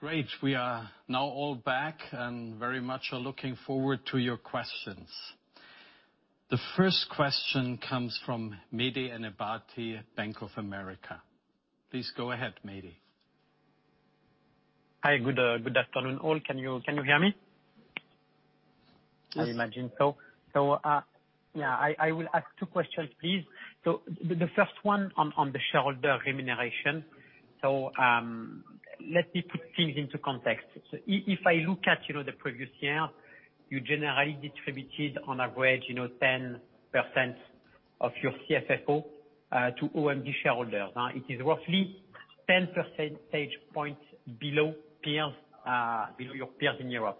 Great. We are now all back and very much are looking forward to your questions. The first question comes from Mehdi Ennebati at Bank of America. Please go ahead, Mehdi. Hi, good afternoon all. Can you hear me? Yes. I imagine so. Yeah, I will ask two questions, please. The first one on the shareholder remuneration. Let me put things into context. If I look at, you know, the previous year, you generally distributed on average, you know, 10% of your CFFO to OMV shareholders. Now, it is roughly 10 percentage points below peers, below your peers in Europe.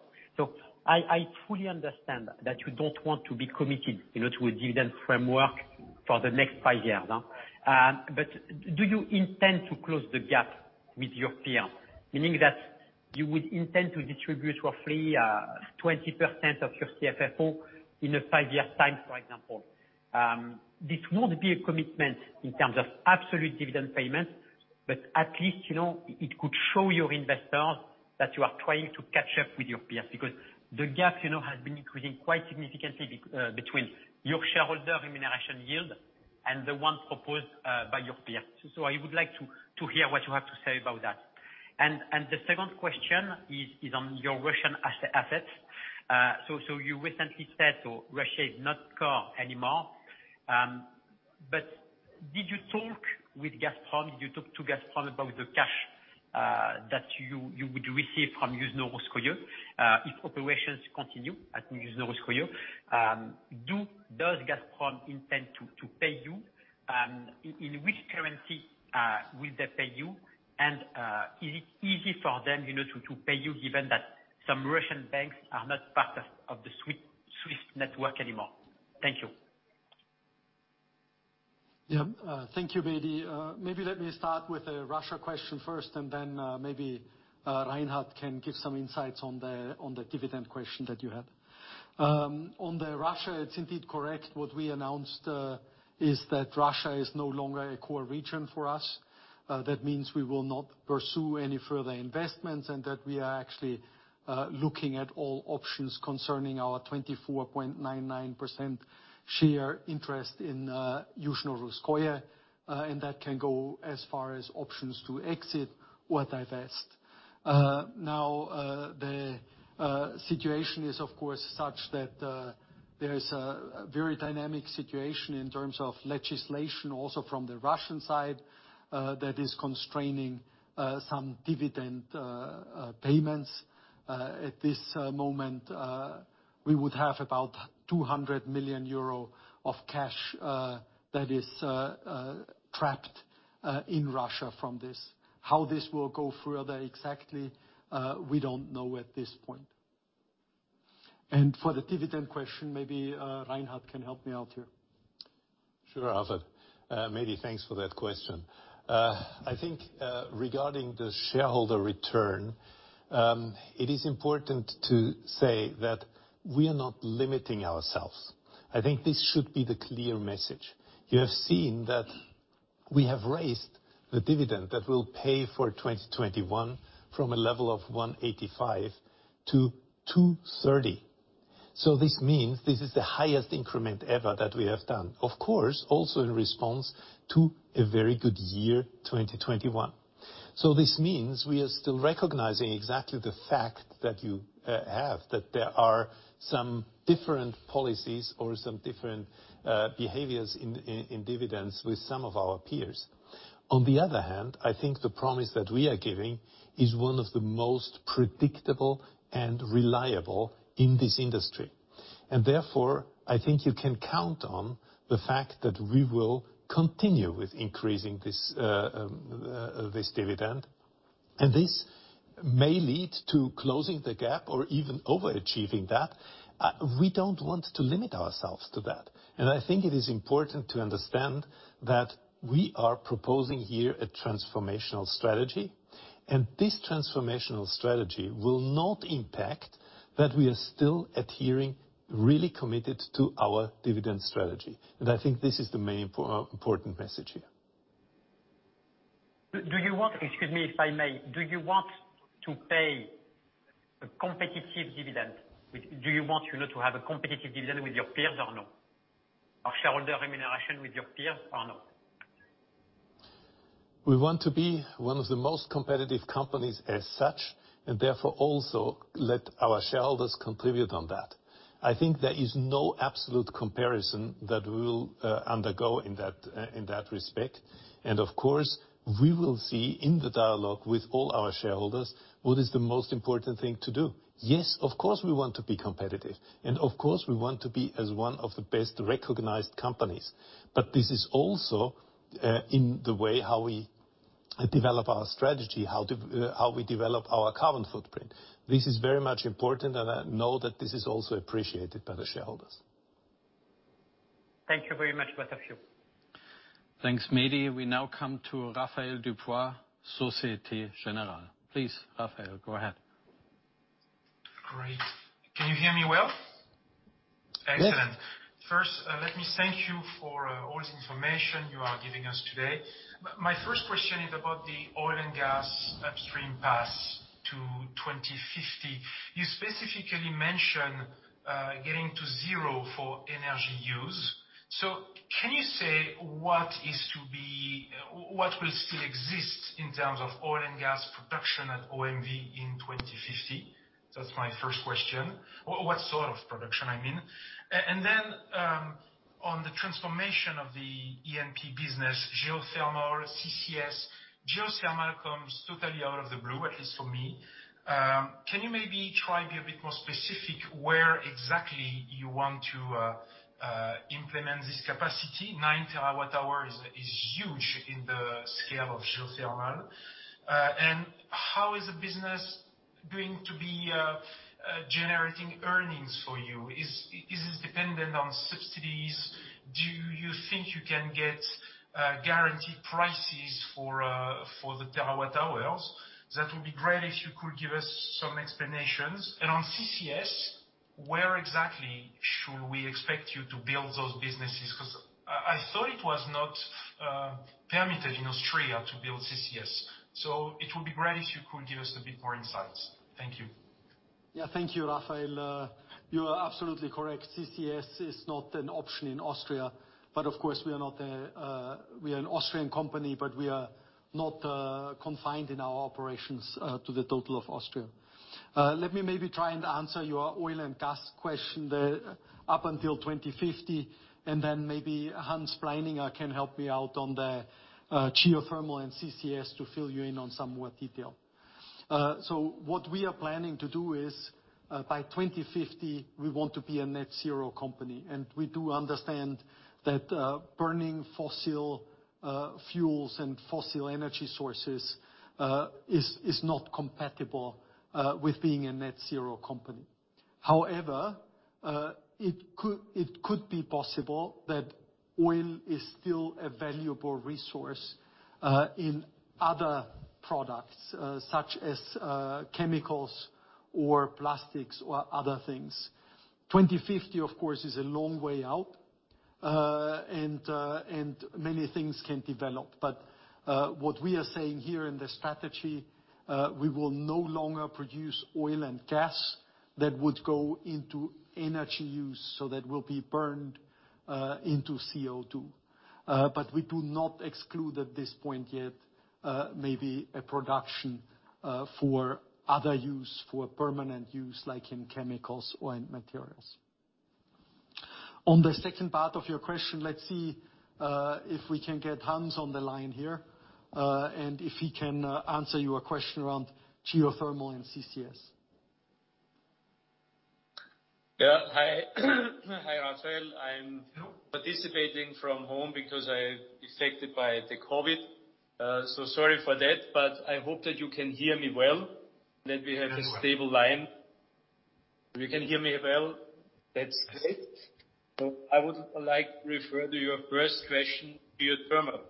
I truly understand that you don't want to be committed, you know, to a dividend framework for the next five years, but do you intend to close the gap with your peers, meaning that you would intend to distribute roughly 20% of your CFFO in a five-year time, for example? This would be a commitment in terms of absolute dividend payments. At least, you know, it could show your investors that you are trying to catch up with your peers, because the gap, you know, has been increasing quite significantly between your shareholder remuneration yield and the one proposed by your peers. I would like to hear what you have to say about that. The second question is on your Russian assets. You recently said Russia is not core anymore. But did you talk with Gazprom about the cash that you would receive from Yuzhno-Russkoye if operations continue at Yuzhno-Russkoye? Does Gazprom intend to pay you? In which currency will they pay you? Is it easy for them, you know, to pay you given that some Russian banks are not part of the SWIFT network anymore? Thank you. Yeah. Thank you, Mehdi. Maybe let me start with the Russia question first, and then maybe Reinhard can give some insights on the dividend question that you had. On the Russia, it's indeed correct, what we announced is that Russia is no longer a core region for us. That means we will not pursue any further investments and that we are actually looking at all options concerning our 24.99% share interest in Yuzhno-Russkoye, and that can go as far as options to exit or divest. Now, the situation is of course such that there is a very dynamic situation in terms of legislation also from the Russian side that is constraining some dividend payments. At this moment, we would have about 200 million euro of cash that is trapped in Russia from this. How this will go further exactly, we don't know at this point. For the dividend question, maybe Reinhard can help me out here. Sure, Alfred. Mehdi, thanks for that question. I think, regarding the shareholder return, it is important to say that we are not limiting ourselves. I think this should be the clear message. You have seen that we have raised the dividend that we'll pay for 2021 from a level of 185 to 230. This means this is the highest increment ever that we have done. Of course, also in response to a very good year, 2021. This means we are still recognizing exactly the fact that there are some different policies or some different behaviors in dividends with some of our peers. On the other hand, I think the promise that we are giving is one of the most predictable and reliable in this industry. Therefore, I think you can count on the fact that we will continue with increasing this dividend. This may lead to closing the gap or even overachieving that. We don't want to limit ourselves to that. I think it is important to understand that we are proposing here a transformational strategy. This transformational strategy will not impact that we are still adhering, really committed to our dividend strategy. I think this is the main important message here. Excuse me, if I may. Do you want, you know, to have a competitive dividend with your peers or no? Or shareholder remuneration with your peers or no? We want to be one of the most competitive companies as such, and therefore also let our shareholders contribute on that. I think there is no absolute comparison that we will undergo in that respect. Of course, we will see in the dialogue with all our shareholders, what is the most important thing to do. Yes, of course, we want to be competitive, and of course, we want to be as one of the best recognized companies. This is also in the way how we develop our strategy, how we develop our carbon footprint. This is very much important, and I know that this is also appreciated by the shareholders. Thank you very much both of you. Thanks, Mehdi. We now come to Raphaël Dubois, Société Générale. Please, Raphaël, go ahead. Great. Can you hear me well? Yes. Excellent. First, let me thank you for all the information you are giving us today. My first question is about the oil and gas upstream path to 2050. You specifically mention getting to zero for energy use. Can you say what will still exist in terms of oil and gas production at OMV in 2050? That's my first question. Or what sort of production, I mean. On the transformation of the E&P business, geothermal, CCS. Geothermal comes totally out of the blue, at least for me. Can you maybe try and be a bit more specific where exactly you want to implement this capacity? 9 TWh is huge in the scale of geothermal. How is the business going to be generating earnings for you? Is it dependent on subsidies? Do you think you can get guaranteed prices for the terawatt hours? That will be great if you could give us some explanations. On CCS, where exactly should we expect you to build those businesses? Because I thought it was not permitted in Austria to build CCS. It would be great if you could give us a bit more insights. Thank you. Thank you, Raphaël. You are absolutely correct. CCS is not an option in Austria, but of course we are not a. We are an Austrian company, but we are not confined in our operations to the totality of Austria. Let me maybe try and answer your oil and gas question up until 2050, and then maybe Johann Pleininger can help me out on the geothermal and CCS to fill you in on some more detail. So what we are planning to do is, by 2050, we want to be a net zero company, and we do understand that burning fossil fuels and fossil energy sources is not compatible with being a net zero company. However, it could be possible that oil is still a valuable resource in other products such as chemicals or plastics or other things. 2050, of course, is a long way out, and many things can develop. But what we are saying here in the strategy, we will no longer produce oil and gas that would go into energy use, so that will be burned into CO2. But we do not exclude at this point yet, maybe a production for other use, for permanent use, like in chemicals or in materials. On the second part of your question, let's see if we can get Hans on the line here, and if he can answer your question around geothermal and CCS. Hi, Raphaël. I'm participating from home because I'm affected by COVID. So sorry for that, but I hope that you can hear me well, that we have. Very well. I have a stable line. If you can hear me well, that's great. I would like to refer to your first question, geothermal.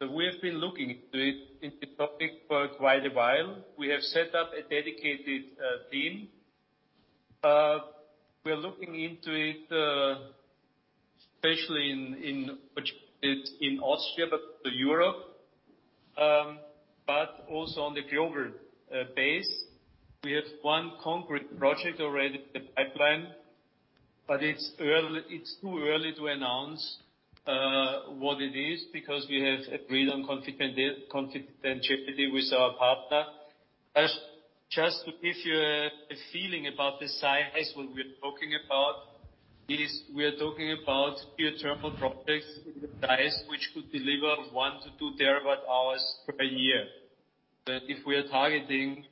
We have been looking into the topic for quite a while. We have set up a dedicated team. We are looking into it, especially in Austria, but Europe, but also on a global basis. We have one concrete project already in the pipeline, but it's early. It's too early to announce what it is because we have agreed on confidentiality with our partner. Just to give you a feeling about the size of what we're talking about, we are talking about geothermal projects in the size which could deliver 1-2 terawatt-hours per year. If we are targeting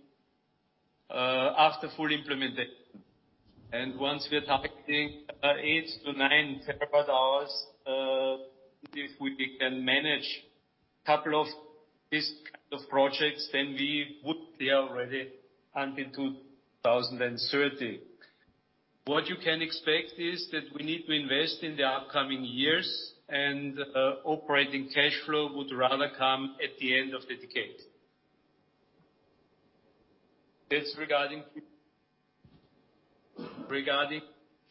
after full implementation, and once we are targeting 8-9 terawatt-hours, if we can manage couple of this kind of projects, then we would be already until 2030. What you can expect is that we need to invest in the upcoming years, and operating cash flow would rather come at the end of the decade. That's regarding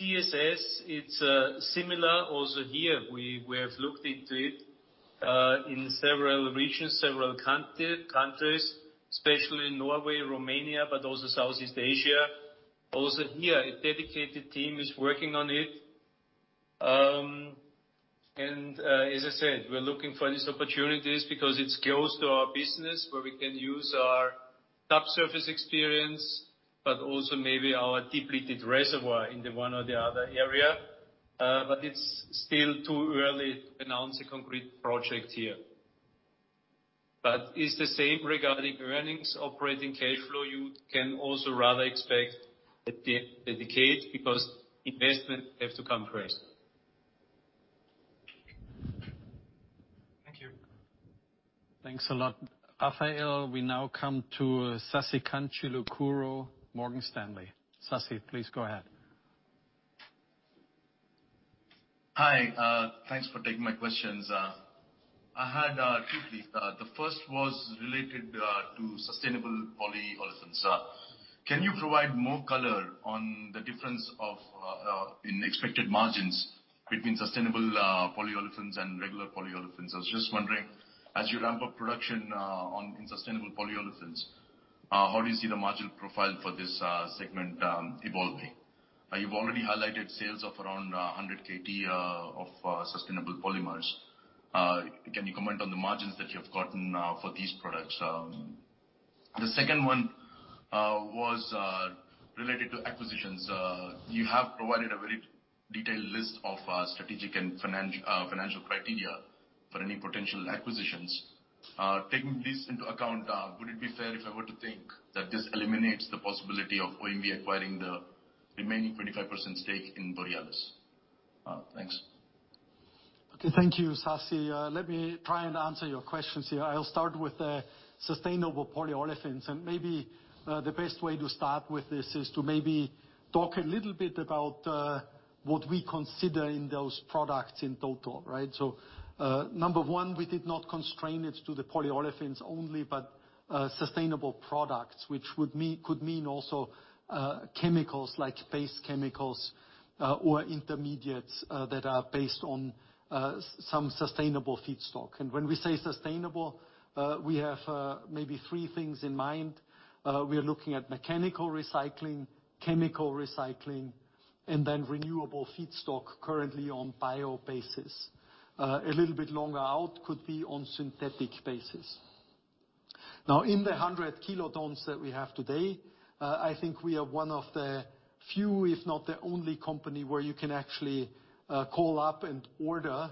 CCS. It's similar. Also here, we have looked into it in several regions, several countries, especially Norway, Romania, but also Southeast Asia. Also here, a dedicated team is working on it. As I said, we're looking for these opportunities because it's close to our business where we can use our topside experience, but also maybe our depleted reservoir in the one or the other area. It's still too early to announce a concrete project here. It's the same regarding earnings, operating cash flow. You can also rather expect at the end of the decade because investments have to come first. Thank you. Thanks a lot, Raphaël. We now come to Sasikanth Chilukuru, Morgan Stanley. Sasi, please go ahead. Hi. Thanks for taking my questions. I had two, please. The first was related to sustainable polyolefins. Can you provide more color on the difference in expected margins between sustainable polyolefins and regular polyolefins? I was just wondering, as you ramp up production in sustainable polyolefins, how do you see the margin profile for this segment evolving? You've already highlighted sales of around 100 KT of sustainable polymers. Can you comment on the margins that you've gotten for these products? The second one was related to acquisitions. You have provided a very detailed list of strategic and financial criteria for any potential acquisitions. Taking this into account, would it be fair if I were to think that this eliminates the possibility of OMV acquiring the remaining 25% stake in Borealis? Thanks. Okay. Thank you, Sasi. Let me try and answer your questions here. I'll start with the sustainable polyolefins, and maybe the best way to start with this is to maybe talk a little bit about what we consider in those products in total, right? So, number one, we do not constrain it to the polyolefins only, but sustainable products, which could mean also chemicals like base chemicals or intermediates that are based on some sustainable feedstock. When we say sustainable, we have maybe three things in mind. We are looking at mechanical recycling, chemical recycling, and then renewable feedstock currently on bio basis. A little bit longer out could be on synthetic basis. Now, in the 100 kilotons that we have today, I think we are one of the few, if not the only company where you can actually call up and order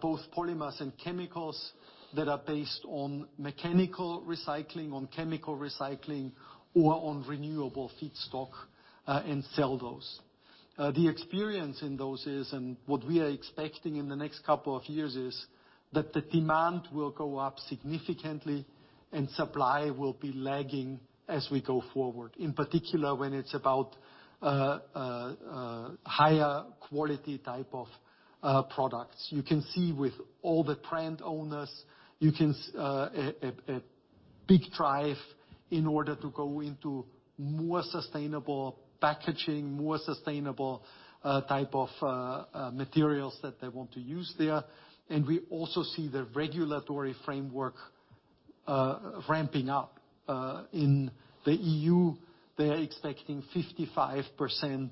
both polymers and chemicals that are based on mechanical recycling, on chemical recycling or on renewable feedstock, and sell those. The experience in those, and what we are expecting in the next couple of years, is that the demand will go up significantly and supply will be lagging as we go forward. In particular, when it's about higher quality type of products. You can see with all the brand owners, you can see a big drive in order to go into more sustainable packaging, more sustainable type of materials that they want to use there. We also see the regulatory framework ramping up. In the EU, they're expecting 55%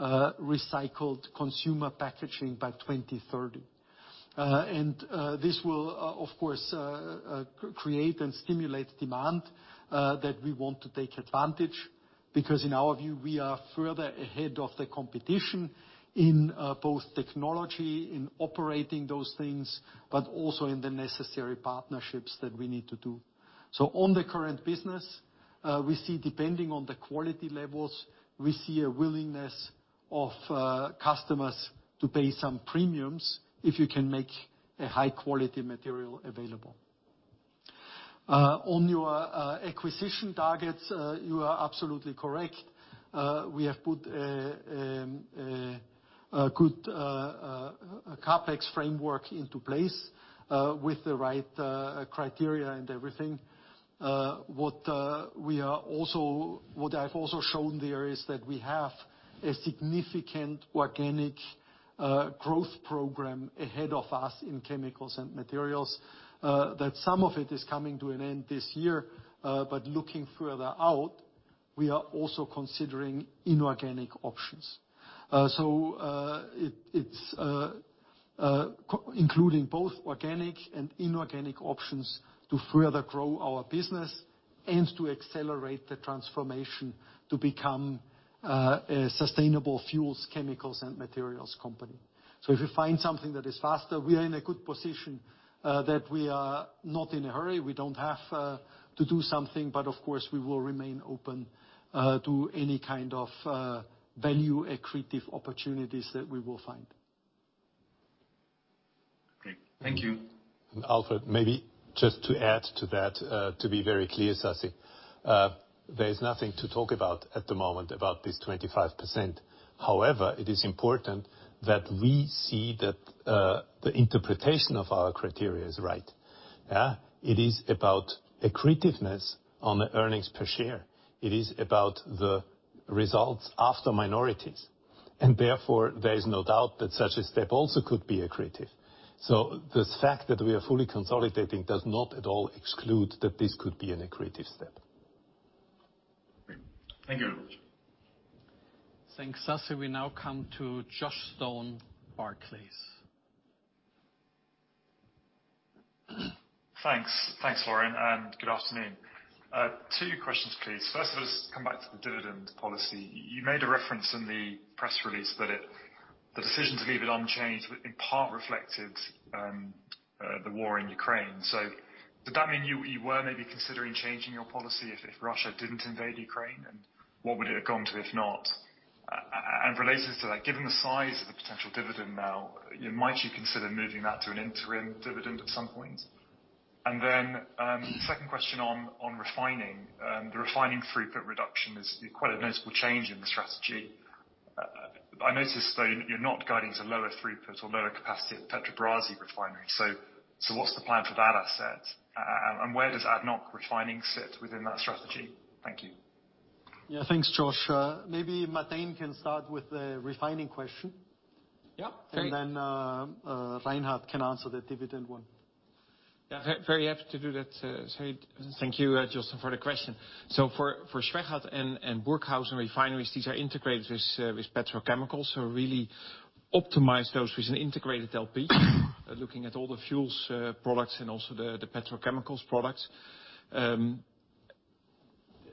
recycled consumer packaging by 2030. This will, of course, create and stimulate demand that we want to take advantage because in our view, we are further ahead of the competition in both technology, in operating those things, but also in the necessary partnerships that we need to do. On the current business, we see depending on the quality levels, a willingness of customers to pay some premiums if you can make a high quality material available. On your acquisition targets, you are absolutely correct. We have put a good CapEx framework into place with the right criteria and everything. What I've also shown there is that we have a significant organic growth program ahead of us in chemicals and materials, that some of it is coming to an end this year. Looking further out, we are also considering inorganic options. It's including both organic and inorganic options to further grow our business and to accelerate the transformation to become a sustainable fuels, chemicals and materials company. If we find something that is faster, we are in a good position that we are not in a hurry. We don't have to do something, but of course, we will remain open to any kind of value accretive opportunities that we will find. Great. Thank you. Alfred, maybe just to add to that, to be very clear, Sasi, there is nothing to talk about at the moment about this 25%. However, it is important that we see that, the interpretation of our criteria is right. Yeah. It is about accretiveness on the earnings per share. It is about the results after minorities, and therefore, there is no doubt that such a step also could be accretive. The fact that we are fully consolidating does not at all exclude that this could be an accretive step. Thank you. Thanks, Sasi. We now come to Josh Stone, Barclays. Thanks. Thanks, Florian, and good afternoon. Two questions, please. First of all, just come back to the dividend policy. You made a reference in the press release that it, the decision to leave it unchanged, in part reflected the war in Ukraine. Does that mean you were maybe considering changing your policy if Russia didn't invade Ukraine? And what would it have gone to, if not? And related to that, given the size of the potential dividend now, you know, might you consider moving that to an interim dividend at some point? Second question on refining. The refining throughput reduction is quite a noticeable change in the strategy. I notice, though, you're not guiding to lower throughput or lower capacity at Petrobrazi refinery. What's the plan for that asset? Where does ADNOC Refining sit within that strategy? Thank you. Yeah, thanks, Josh. Maybe Martijn van Koten can start with the refining question. Yeah. Reinhard can answer the dividend one. Yeah. Very happy to do that, Sigi. Thank you, Josh, for the question. For Schwechat and Burghausen refineries, these are integrated with petrochemicals. Really optimize those with an integrated LP. Looking at all the fuels, products and also the petrochemicals products.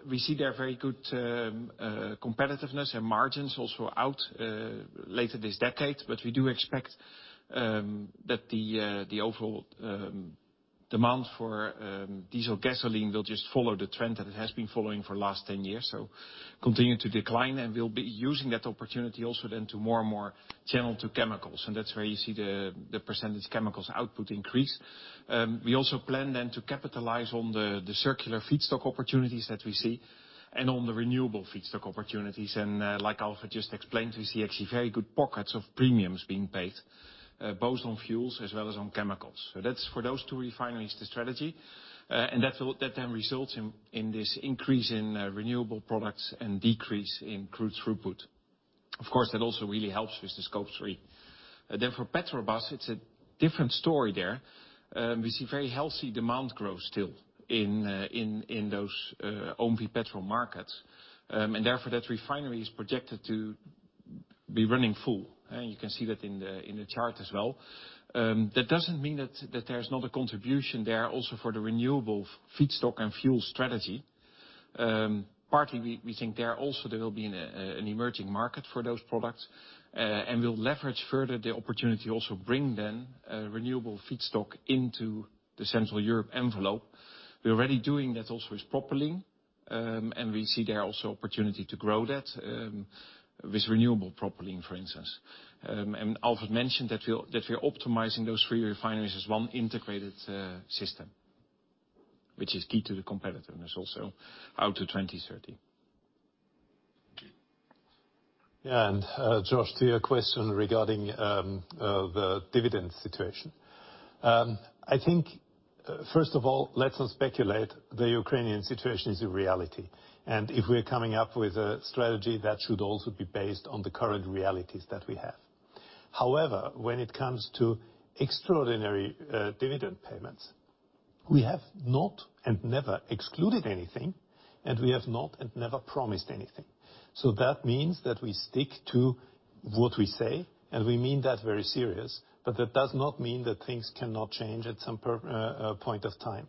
We see their very good competitiveness and margins also out later this decade. We do expect that the overall demand for diesel gasoline will just follow the trend that it has been following for the last 10 years. Continue to decline, and we'll be using that opportunity also then to more and more channel to chemicals. That's where you see the percentage chemicals output increase. We also plan then to capitalize on the circular feedstock opportunities that we see and on the renewable feedstock opportunities. Like Alfred just explained, we see actually very good pockets of premiums being paid, both on fuels as well as on chemicals. That's for those two refineries, the strategy. That then results in this increase in renewable products and decrease in crude throughput. Of course, it also really helps with the Scope 3. For Petrobrazi, it's a different story there. We see very healthy demand growth still in those OMV Petrom markets. And therefore, that refinery is projected to be running full. You can see that in the chart as well. That doesn't mean that there's not a contribution there also for the renewable feedstock and fuel strategy. Partly we think there also there will be an emerging market for those products. We'll leverage further the opportunity also bring then renewable feedstock into the Central Europe envelope. We're already doing that also with propylene. We see there also opportunity to grow that with renewable propylene, for instance. Alfred mentioned that we're optimizing those three refineries as one integrated system, which is key to the competitiveness also out to 2030. Josh, to your question regarding the dividend situation. I think, first of all, let's not speculate. The Ukrainian situation is a reality. If we're coming up with a strategy, that should also be based on the current realities that we have. However, when it comes to extraordinary dividend payments, we have not and never excluded anything, and we have not and never promised anything. That means that we stick to what we say, and we mean that very serious. That does not mean that things cannot change at some point of time.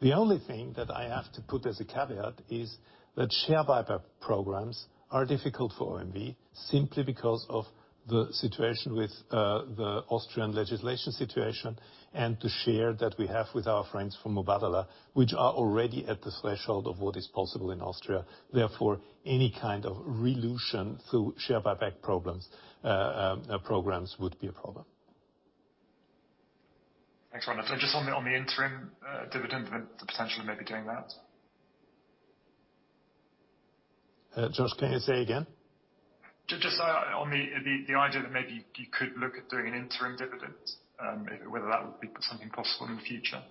The only thing that I have to put as a caveat is that share buyback programs are difficult for OMV simply because of the situation with the Austrian legislation situation and the share that we have with our friends from Mubadala, which are already at the threshold of what is possible in Austria. Therefore, any kind of dilution through share buyback programs would be a problem. Thanks, Reinhard. Just on the interim dividend, the potential of maybe doing that. Josh, can you say again? Just on the idea that maybe you could look at doing an interim dividend, whether that would be something possible in the future.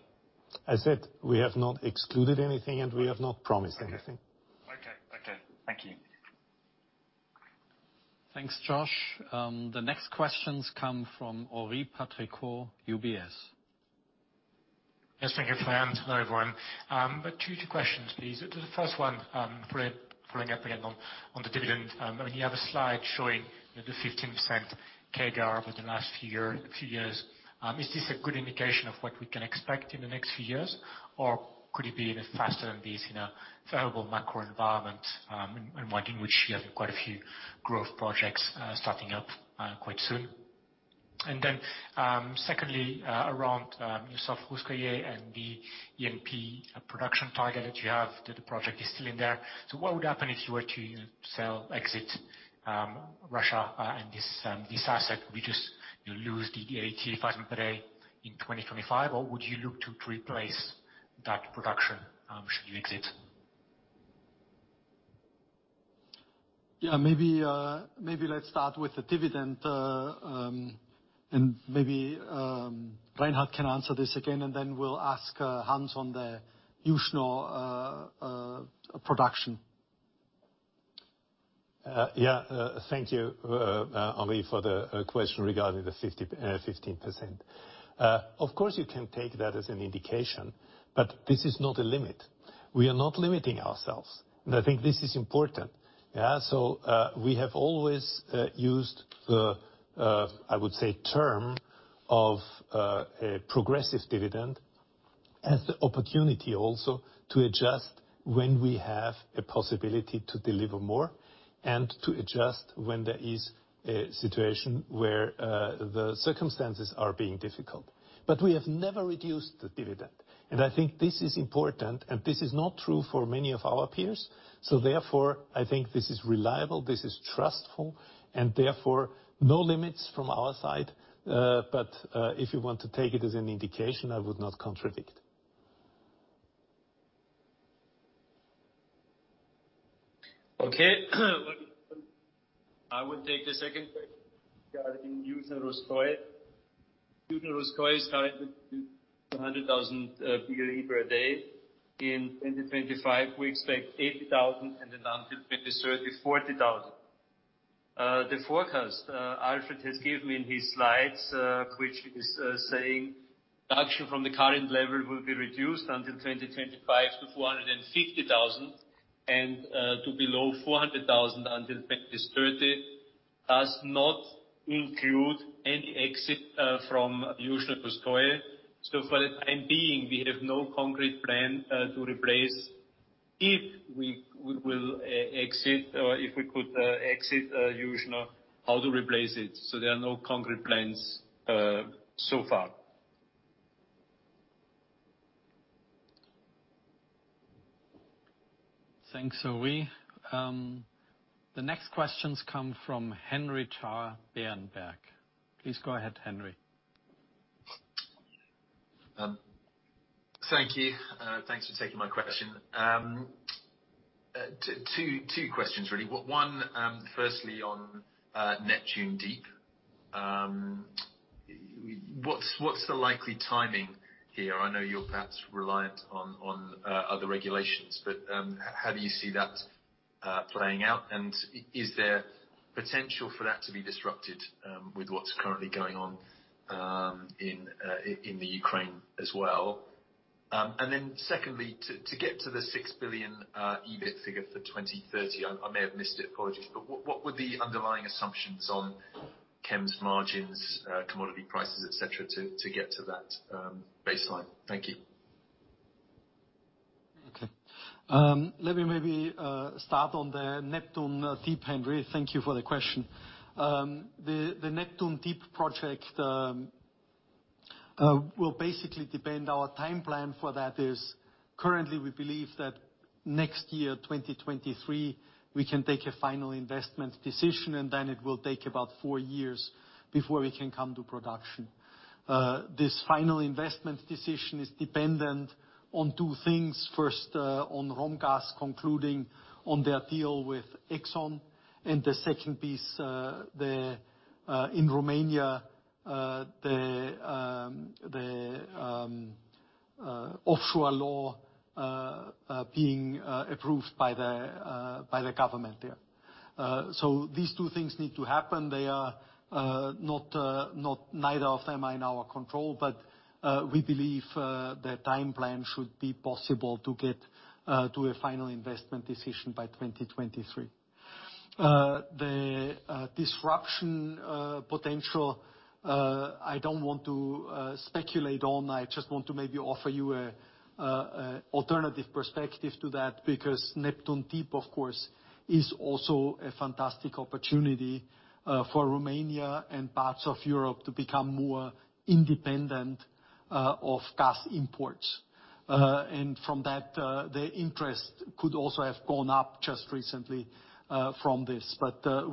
I said we have not excluded anything, and we have not promised anything. Okay. Thank you. Thanks, Josh. The next questions come from Henri Patricot, UBS. Yes, thank you. Hello, everyone. Two questions, please. The first one, following up again on the dividend. I mean, you have a slide showing the 15% CAGR over the last few years. Is this a good indication of what we can expect in the next few years? Or could it be even faster than this in a favorable macro environment, and one in which you have quite a few growth projects starting up quite soon? Secondly, around Yuzhno-Russkoye and the ENP production target that the project is still in there. So what would happen if you were to sell, exit Russia, and this asset? Would you just, you lose the 85 million per day in 2025, or would you look to replace that production, should you exit? Yeah, maybe let's start with the dividend, and maybe Reinhard can answer this again, and then we'll ask Hans on the Yuzhno production. Thank you, Henri, for the question regarding the 50%-15%. Of course, you can take that as an indication, but this is not a limit. We are not limiting ourselves, and I think this is important. We have always used the term of a progressive dividend as the opportunity also to adjust when we have a possibility to deliver more and to adjust when there is a situation where the circumstances are being difficult. We have never reduced the dividend, and I think this is important, and this is not true for many of our peers. Therefore, I think this is reliable, this is trustful, and therefore no limits from our side. If you want to take it as an indication, I would not contradict. Okay. I would take the second question regarding Yuzhno-Russkoye. Yuzhno-Russkoye is targeted to 200,000 boe per day. In 2025, we expect 80,000, and then until 2030, 40,000. The forecast Alfred has given in his slides, which is saying production from the current level will be reduced until 2025 to 450,000 and to below 400,000 until 2030, does not include any exit from Yuzhno Russkoye. For the time being, we have no concrete plan to replace If we will exit or if we could exit Yuzhno, how to replace it. There are no concrete plans so far. Thanks, Henri. The next questions come from Henry Tarr, Berenberg. Please go ahead, Henry. Thank you. Thanks for taking my question. Two questions really. One, firstly on Neptune Deep. What's the likely timing here? I know you're perhaps reliant on other regulations, but how do you see that playing out? Is there potential for that to be disrupted with what's currently going on in the Ukraine as well? And then secondly, to get to the 6 billion EBIT figure for 2030, I may have missed it, apologies, but what were the underlying assumptions on chem's margins, commodity prices, et cetera, to get to that baseline? Thank you. Okay. Let me maybe start on the Neptune Deep, Henry. Thank you for the question. The Neptune Deep project will basically depend. Our time plan for that is currently we believe that next year, 2023, we can take a final investment decision, and then it will take about four years before we can come to production. This final investment decision is dependent on two things. First, on Romgaz concluding on their deal with ExxonMobil. The second piece, in Romania, the offshore law being approved by the government there. These two things need to happen. They are neither of them in our control, but we believe the time plan should be possible to get to a final investment decision by 2023. The disruption potential I don't want to speculate on. I just want to maybe offer you an alternative perspective to that, because Neptune Deep, of course, is also a fantastic opportunity for Romania and parts of Europe to become more independent of gas imports. From that, the interest could also have gone up just recently from this.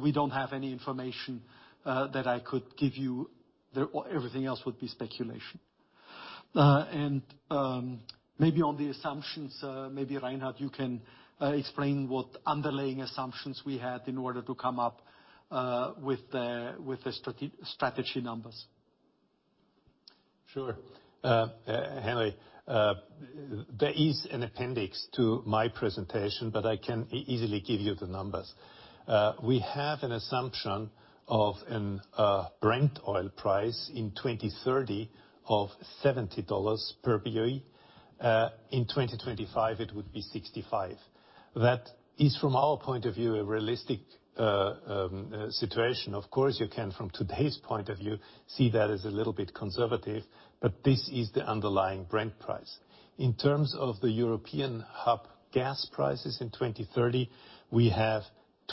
We don't have any information that I could give you. Everything else would be speculation. Maybe on the assumptions, maybe Reinhard, you can explain what underlying assumptions we had in order to come up with the strategy numbers. Sure. Henry, there is an appendix to my presentation, but I can easily give you the numbers. We have an assumption of a Brent oil price in 2030 of $70 per BOE. In 2025, it would be 65. That is, from our point of view, a realistic situation. Of course, you can, from today's point of view, see that as a little bit conservative, but this is the underlying Brent price. In terms of the European hub gas prices in 2030, we have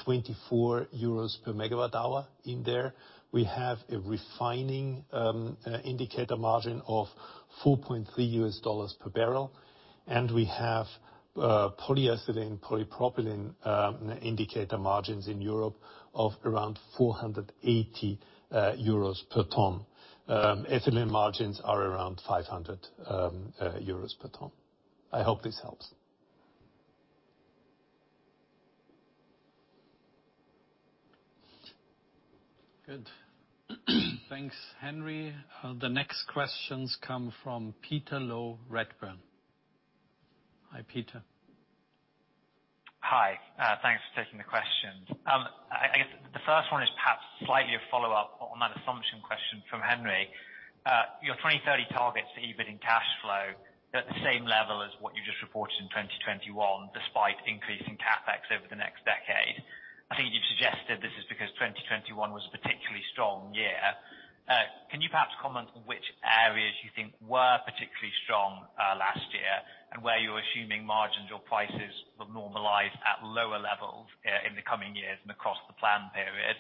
24 euros per MWh in there. We have a refining indicator margin of $4.3 per barrel, and we have polyethylene, polypropylene indicator margins in Europe of around 480 euros per ton. Ethylene margins are around 500 euros per ton. I hope this helps. Good. Thanks, Henry. The next questions come from Peter Low, Redburn. Hi, Peter. Hi. Thanks for taking the questions. I guess the first one is perhaps slightly a follow-up on that assumption question from Henry. Your 2030 targets, the EBIT and cash flow, are at the same level as what you just reported in 2021, despite increasing CapEx over the next decade. I think you've suggested this is because 2021 was a particularly strong year. Can you perhaps comment which areas you think were particularly strong last year, and where you're assuming margins or prices will normalize at lower levels in the coming years and across the plan period?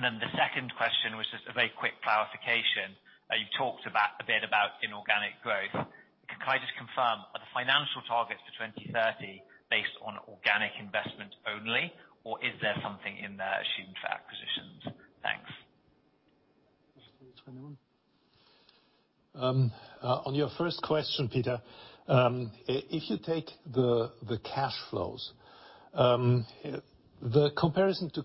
Then the second question was just a very quick clarification. You've talked about a bit about inorganic growth. Can I just confirm, are the financial targets for 2030 based on organic investment only, or is there something in there assumed for acquisitions? Thanks. On your first question, Peter, if you take the cash flows, the comparison to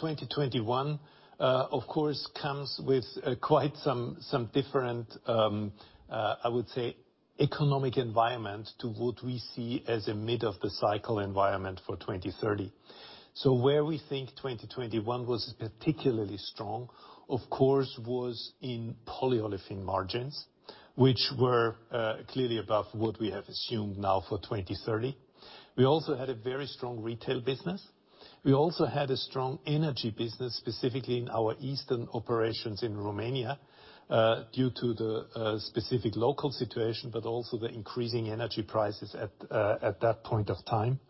2021, of course, comes with quite some different, I would say, economic environment to what we see as a mid of the cycle environment for 2030. Where we think 2021 was particularly strong, of course, was in polyolefin margins, which were clearly above what we have assumed now for 2030. We also had a very strong retail business. We also had a strong energy business, specifically in our eastern operations in Romania, due to the specific local situation, but also the increasing energy prices at that point of time.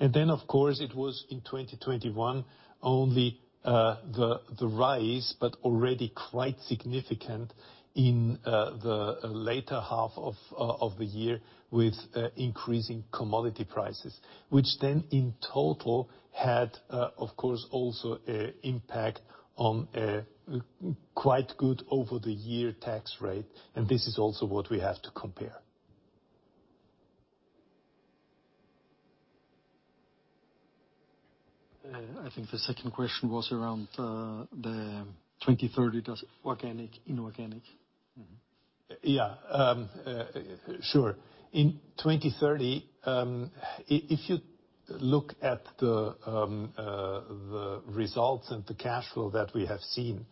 Of course, it was in 2021 only the rise, but already quite significant in the later half of the year with increasing commodity prices. Which then in total had, of course, also a impact on a quite good over the year tax rate, and this is also what we have to compare. I think the second question was around the 2030. Does organic, inorganic. Yeah. Sure. In 2030, if you look at the results and the cash flow that we have seen,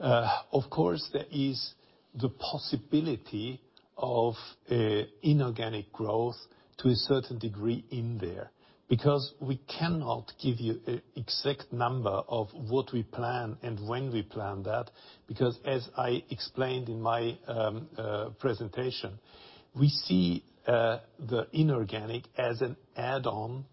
of course, there is the possibility of an inorganic growth to a certain degree in there, because we cannot give you an exact number of what we plan and when we plan that. Because as I explained in my presentation, we see the inorganic as an add-on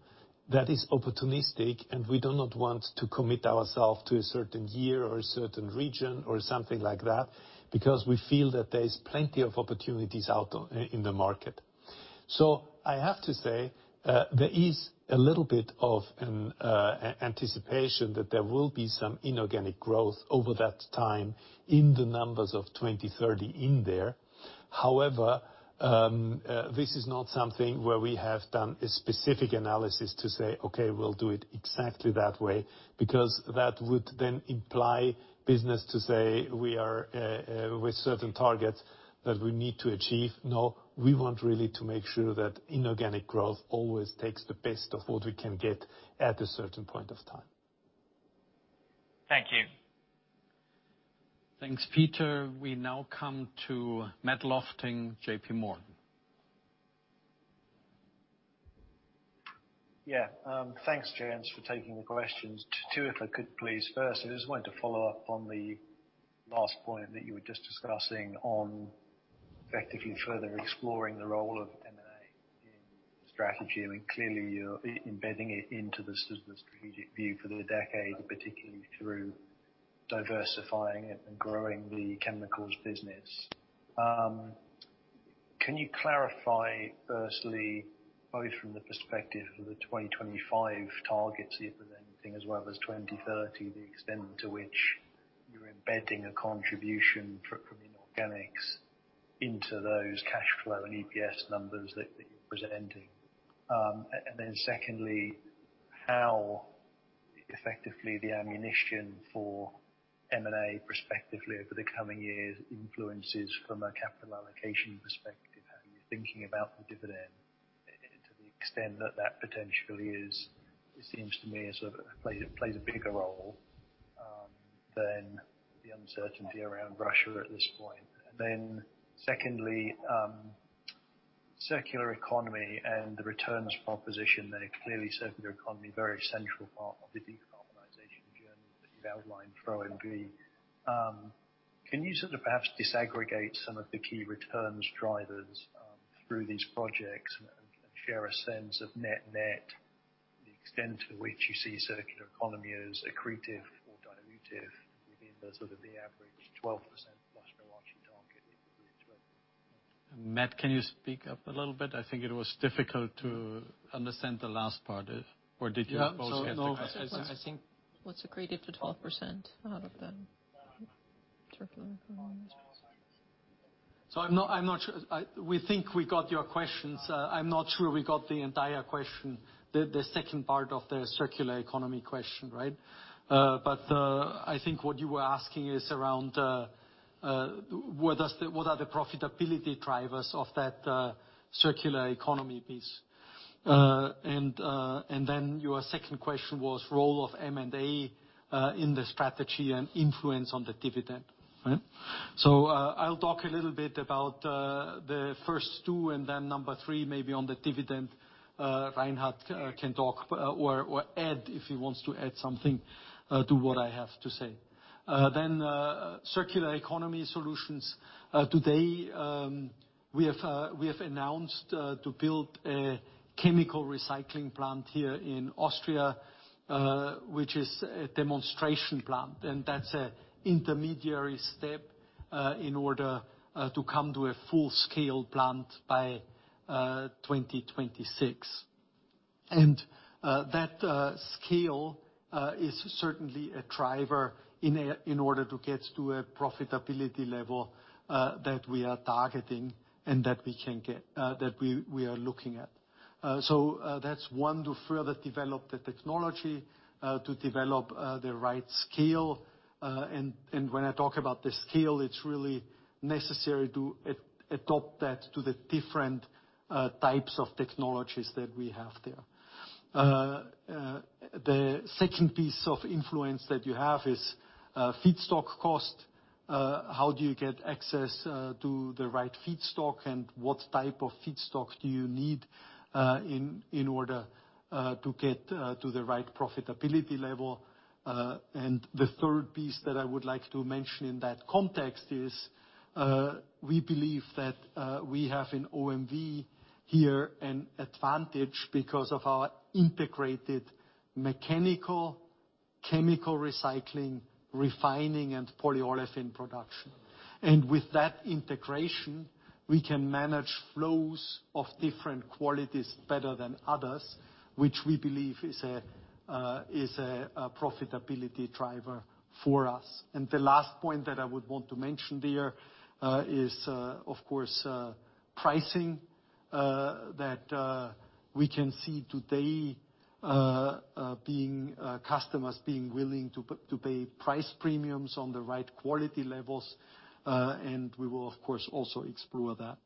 that is opportunistic, and we do not want to commit ourselves to a certain year or a certain region or something like that, because we feel that there is plenty of opportunities out in the market. I have to say, there is a little bit of an anticipation that there will be some inorganic growth over that time in the numbers of 2030 in there. However, this is not something where we have done a specific analysis to say, "Okay, we'll do it exactly that way," because that would then imply business to say we are with certain targets that we need to achieve. No, we want really to make sure that inorganic growth always takes the best of what we can get at a certain point of time. Thank you. Thanks, Peter. We now come to Matt Lofting, JPMorgan. Yeah. Thanks, Jens, for taking the questions. Two, if I could please. First, I just wanted to follow up on the last point that you were just discussing on effectively further exploring the role of M&A in strategy. I mean, clearly, you're embedding it into the strategic view for the decade, particularly through diversifying and growing the chemicals business. Can you clarify firstly, both from the perspective of the 2025 targets, if there's anything, as well as 2030, the extent to which you're embedding a contribution from inorganics into those cash flow and EPS numbers that you're presenting? And then secondly, how effectively the ammunition for M&A prospectively over the coming years influences from a capital allocation perspective, how you're thinking about the dividend and to the extent that that potentially is. It seems to me as sort of plays a bigger role than the uncertainty around Russia at this point. Then secondly, circular economy and the returns proposition. Then clearly circular economy, very central part of the decarbonization journey that you've outlined for OMV. Can you sort of perhaps disaggregate some of the key returns drivers through these projects and share a sense of net net, the extent to which you see circular economy as accretive or dilutive within the sort of the average 12%+ return target into 2030? Matt, can you speak up a little bit? I think it was difficult to understand the last part of. Yeah. No, I think- What's accretive to 12% out of the circular economy? I'm not sure. We think we got your questions. I'm not sure we got the entire question. The second part of the circular economy question, right? I think what you were asking is around what are the profitability drivers of that circular economy piece. Your second question was role of M&A in the strategy and influence on the dividend, right? I'll talk a little bit about the first two, and then number three, maybe on the dividend, Reinhard can talk or add if he wants to add something to what I have to say. Circular economy solutions, today we have announced to build a chemical recycling plant here in Austria, which is a demonstration plant. That's an intermediary step in order to come to a full-scale plant by 2026. That scale is certainly a driver in order to get to a profitability level that we are targeting and that we can get that we are looking at. That's one to further develop the technology to develop the right scale. When I talk about the scale, it's really necessary to adopt that to the different types of technologies that we have there. The second piece of influence that you have is feedstock cost. How do you get access to the right feedstock and what type of feedstock do you need in order to get to the right profitability level? The third piece that I would like to mention in that context is we believe that we have in OMV here an advantage because of our integrated mechanical, chemical recycling, refining and polyolefin production. With that integration, we can manage flows of different qualities better than others, which we believe is a profitability driver for us. The last point that I would want to mention there is of course pricing that we can see today customers being willing to pay price premiums on the right quality levels and we will of course also explore that.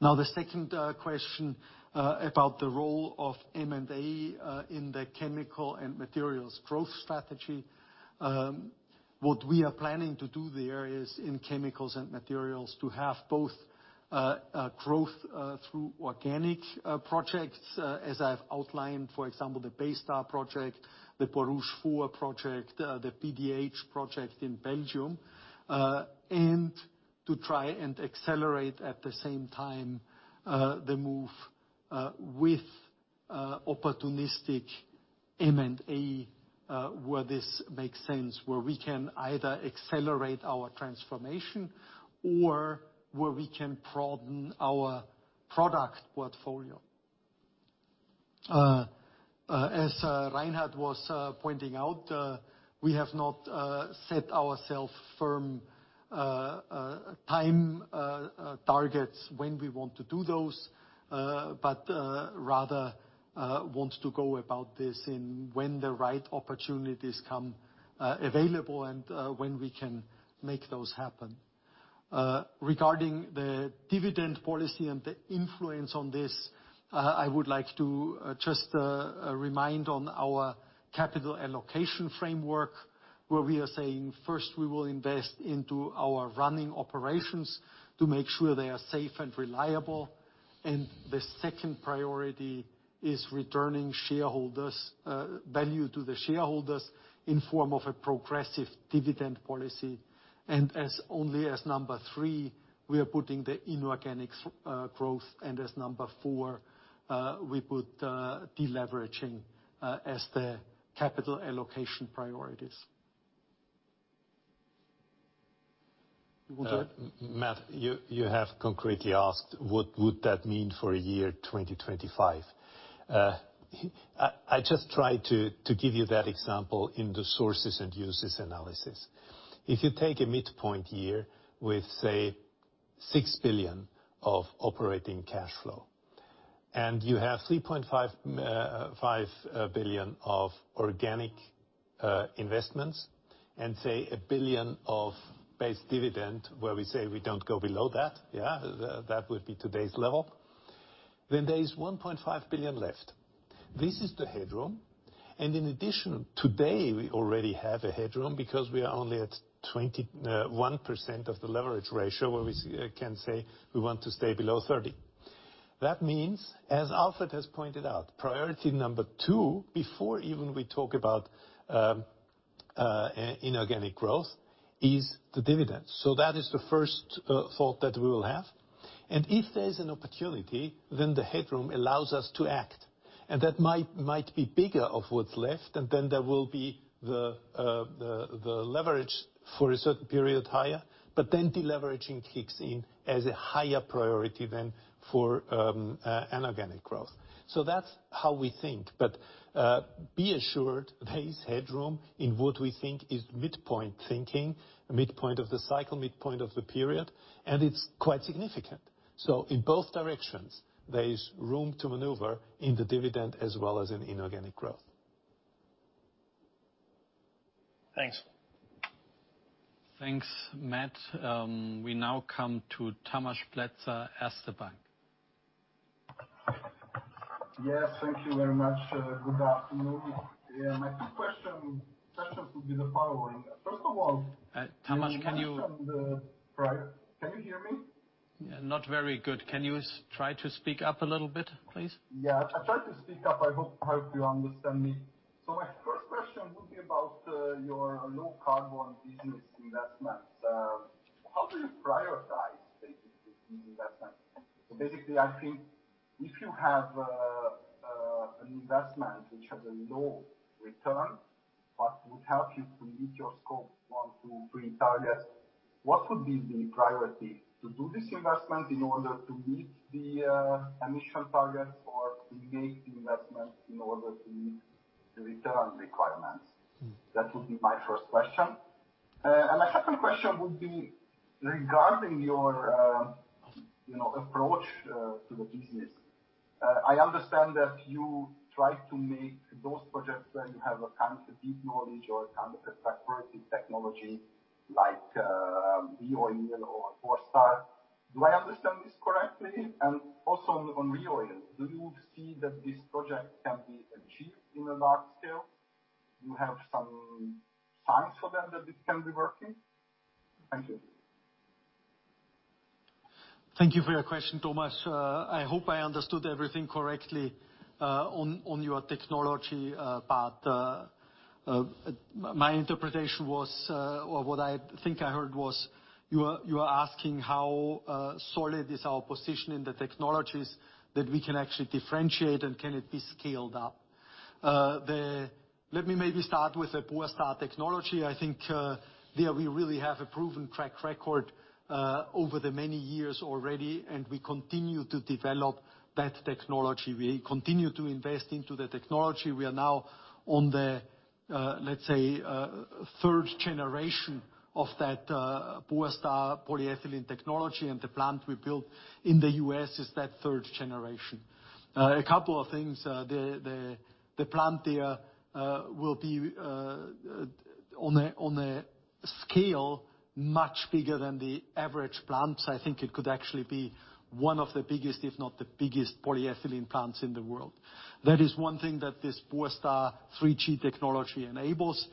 Now, the second question about the role of M&A in the chemical and materials growth strategy. What we are planning to do there is in chemicals and materials to have both a growth through organic projects as I've outlined, for example, the Baystar project, the Borouge 4 project, the PDH project in Belgium. To try and accelerate at the same time the move with opportunistic M&A where this makes sense, where we can either accelerate our transformation or where we can broaden our product portfolio. As Reinhard was pointing out, we have not set ourselves firm time targets when we want to do those, but rather want to go about this when the right opportunities become available and when we can make those happen. Regarding the dividend policy and the influence on this, I would like to just remind on our capital allocation framework, where we are saying, first we will invest into our running operations to make sure they are safe and reliable. The second priority is returning shareholder value to the shareholders in the form of a progressive dividend policy. Only as number three, we are putting the inorganic growth. As number four, we put deleveraging as the capital allocation priorities. Matt, you have concretely asked what would that mean for a year 2025? I just tried to give you that example in the sources and uses analysis. If you take a midpoint year with, say, 6 billion of operating cash flow, and you have 5 billion of organic investments and say, 1 billion of base dividend, where we say we don't go below that would be today's level. Then there is 1.5 billion left. This is the headroom. In addition, today, we already have a headroom because we are only at 21% of the leverage ratio, where we can say we want to stay below 30%. That means, as Alfred has pointed out, priority number two, before even we talk about inorganic growth, is the dividend. That is the first thought that we will have. If there is an opportunity, then the headroom allows us to act. That might be bigger of what's left, and then there will be the leverage for a certain period higher, but then deleveraging kicks in as a higher priority than for inorganic growth. That's how we think. Be assured there is headroom in what we think is midpoint thinking, midpoint of the cycle, midpoint of the period, and it's quite significant. In both directions, there is room to maneuver in the dividend as well as in inorganic growth. Thanks. Thanks, Matt. We now come to Tamás Pletser, Erste Bank. Yes, thank you very much. Good afternoon. Yeah, my two questions would be the following. First of all. Tamás, can you? Can you hear me? Not very good. Can you try to speak up a little bit, please? Yeah, I try to speak up. I hope you understand me. My first question would be about your low carbon business investments. How do you prioritize basically these investments? Basically I think if you have an investment which has a low return, but would help you to meet your Scope 1, 2, 3 targets, what would be the priority? To do this investment in order to meet the emission targets or to make the investment in order to meet the return requirements? That would be my first question. And my second question would be regarding your, you know, approach to the business. I understand that you try to make those projects where you have a kind of a deep knowledge or a kind of a proprietary technology like ReOil or Borstar. Do I understand this correctly? Also on ReOil, do you see that this project can be achieved in a large scale? You have some signs for them that it can be working? Thank you. Thank you for your question, Tamás I hope I understood everything correctly, on your technology part. My interpretation was, or what I think I heard was you are asking how solid is our position in the technologies that we can actually differentiate and can it be scaled up. Let me maybe start with the Borstar technology. I think there we really have a proven track record, over the many years already, and we continue to develop that technology. We continue to invest into the technology. We are now on the, let's say, third generation of that, Borstar polyethylene technology, and the plant we built in the U.S. is that third generation. A couple of things. The plant there will be on a scale much bigger than the average plant. I think it could actually be one of the biggest, if not the biggest, polyethylene plants in the world. That is one thing that this Borstar 3G technology enables.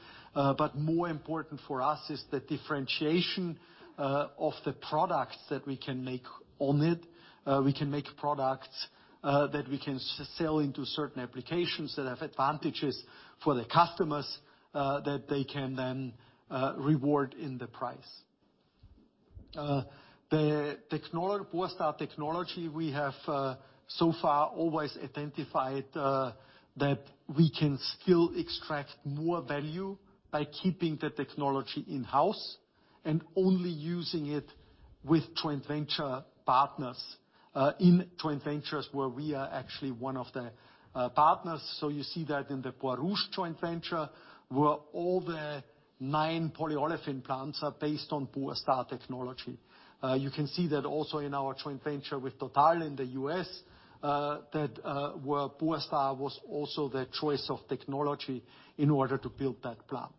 More important for us is the differentiation of the products that we can make on it. We can make products that we can sell into certain applications that have advantages for the customers that they can then reward in the price. The Borstar technology we have so far always identified that we can still extract more value by keeping the technology in-house and only using it with joint venture partners in joint ventures where we are actually one of the partners. You see that in the Borouge joint venture, where all nine polyolefin plants are based on Borstar technology. You can see that also in our joint venture with Total in the U.S., where Borstar was also the choice of technology in order to build that plant.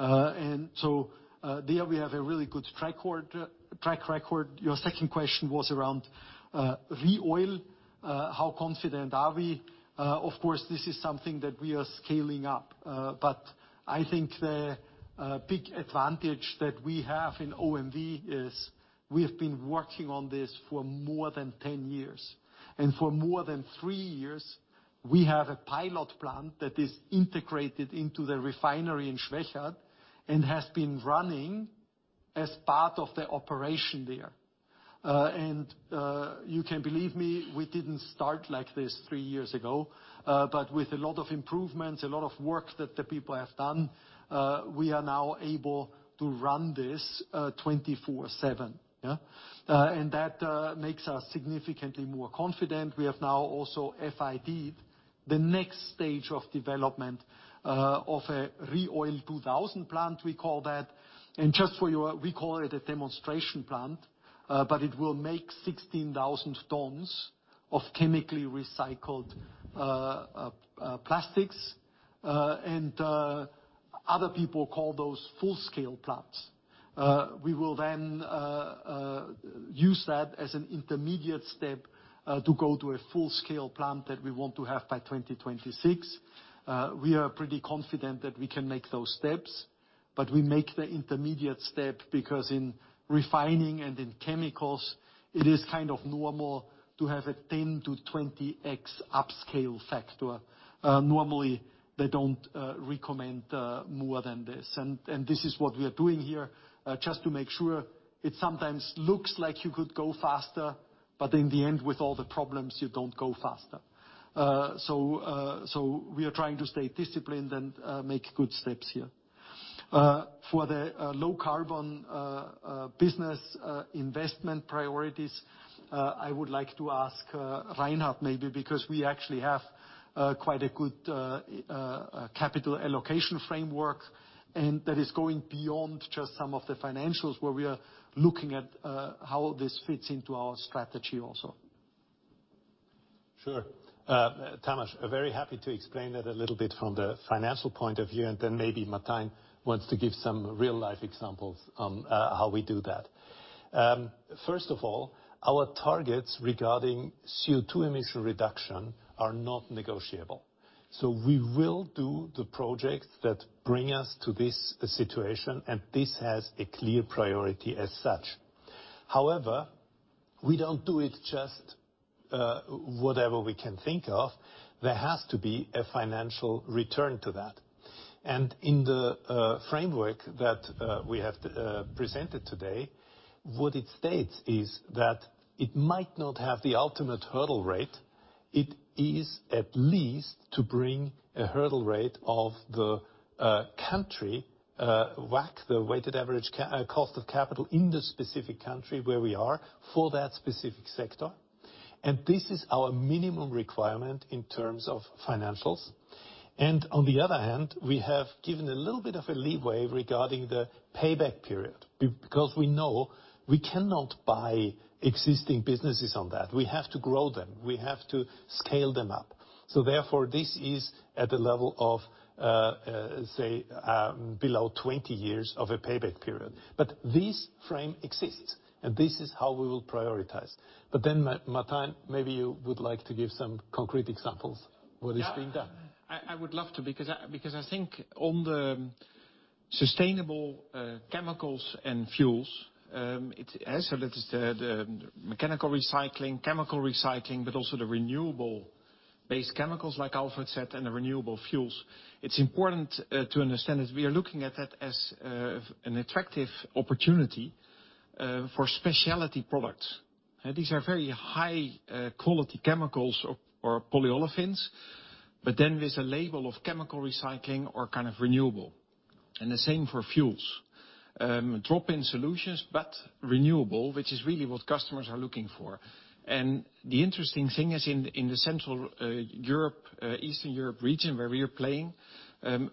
There we have a really good track record. Your second question was around ReOil. How confident are we? Of course, this is something that we are scaling up. But I think the big advantage that we have in OMV is we have been working on this for more than 10 years. For more than 3 years, we have a pilot plant that is integrated into the refinery in Schwechat and has been running as part of the operation there. You can believe me, we didn't start like this three years ago. With a lot of improvements, a lot of work that the people have done, we are now able to run this 24/7. Yeah? That makes us significantly more confident. We have now also FID'd the next stage of development of a ReOil 2000 plant, we call that. We call it a demonstration plant, but it will make 16,000 tons of chemically recycled plastics. Other people call those full-scale plants. We will then use that as an intermediate step to go to a full-scale plant that we want to have by 2026. We are pretty confident that we can make those steps, but we make the intermediate step because in refining and in chemicals, it is kind of normal to have a 10x-20x upscale factor. Normally they don't recommend more than this. This is what we are doing here, just to make sure. It sometimes looks like you could go faster, but in the end, with all the problems, you don't go faster. We are trying to stay disciplined and make good steps here. For the low carbon business investment priorities, I would like to ask Reinhard, maybe, because we actually have quite a good capital allocation framework, and that is going beyond just some of the financials where we are looking at how this fits into our strategy also. Sure. Tamás, very happy to explain that a little bit from the financial point of view, and then maybe Martijn wants to give some real-life examples on how we do that. First of all, our targets regarding CO2 emission reduction are not negotiable. We will do the projects that bring us to this situation, and this has a clear priority as such. However, we don't do it just whatever we can think of. There has to be a financial return to that. In the framework that we have presented today, what it states is that it might not have the ultimate hurdle rate. It is at least to bring a hurdle rate of the country WACC, the weighted average cost of capital in the specific country where we are for that specific sector. This is our minimum requirement in terms of financials. On the other hand, we have given a little bit of a leeway regarding the payback period because we know we cannot buy existing businesses on that. We have to grow them. We have to scale them up. This is at the level of below 20 years of a payback period. This frame exists, and this is how we will prioritize. Martijn, maybe you would like to give some concrete examples what is being done. I would love to, because I think on the sustainable chemicals and fuels, it's as Johann said, mechanical recycling, chemical recycling, but also the renewable-based chemicals, like Alfred said, and the renewable fuels. It's important to understand that we are looking at that as an attractive opportunity for specialty products. These are very high quality chemicals or polyolefins, but then with a label of chemical recycling or kind of renewable. The same for fuels. Drop-in solutions, but renewable, which is really what customers are looking for. The interesting thing is in the Central Europe, Eastern Europe region where we are playing,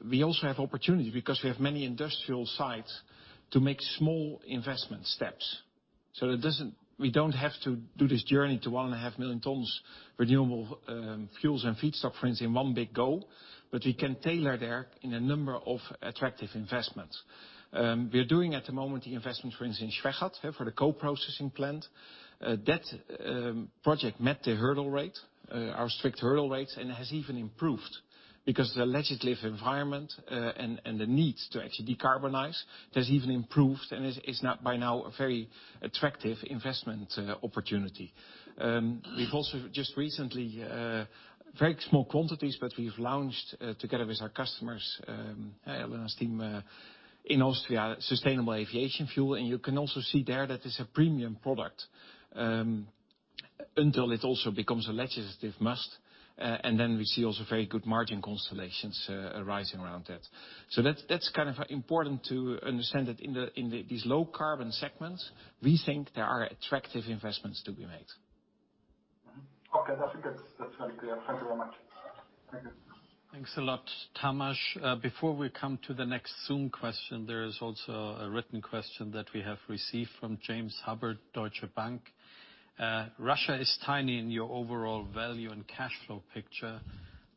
we also have opportunity because we have many industrial sites to make small investment steps. We don't have to do this journey to 1.5 million tons renewable fuels and feedstock, for instance, in one big go, but we can tailor there in a number of attractive investments. We are doing at the moment the investment, for instance, Schwechat, for the co-processing plant. That project met the hurdle rate, our strict hurdle rates, and has even improved because the legislative environment and the needs to actually decarbonize, that's even improved and is now a very attractive investment opportunity. We've also just recently very small quantities, but we've launched together with our customers, with our team in Austria, sustainable aviation fuel. You can also see there that is a premium product. Until it also becomes a legislative must, and then we see also very good margin constellations arising around that. That's kind of important to understand that in these low carbon segments, we think there are attractive investments to be made. Okay. That's it then. That's very clear. Thank you very much. Thank you. Thanks a lot, Tamás. Before we come to the next Zoom question, there is also a written question that we have received from James Hubbard, Deutsche Bank. Russia is tiny in your overall value and cash flow picture.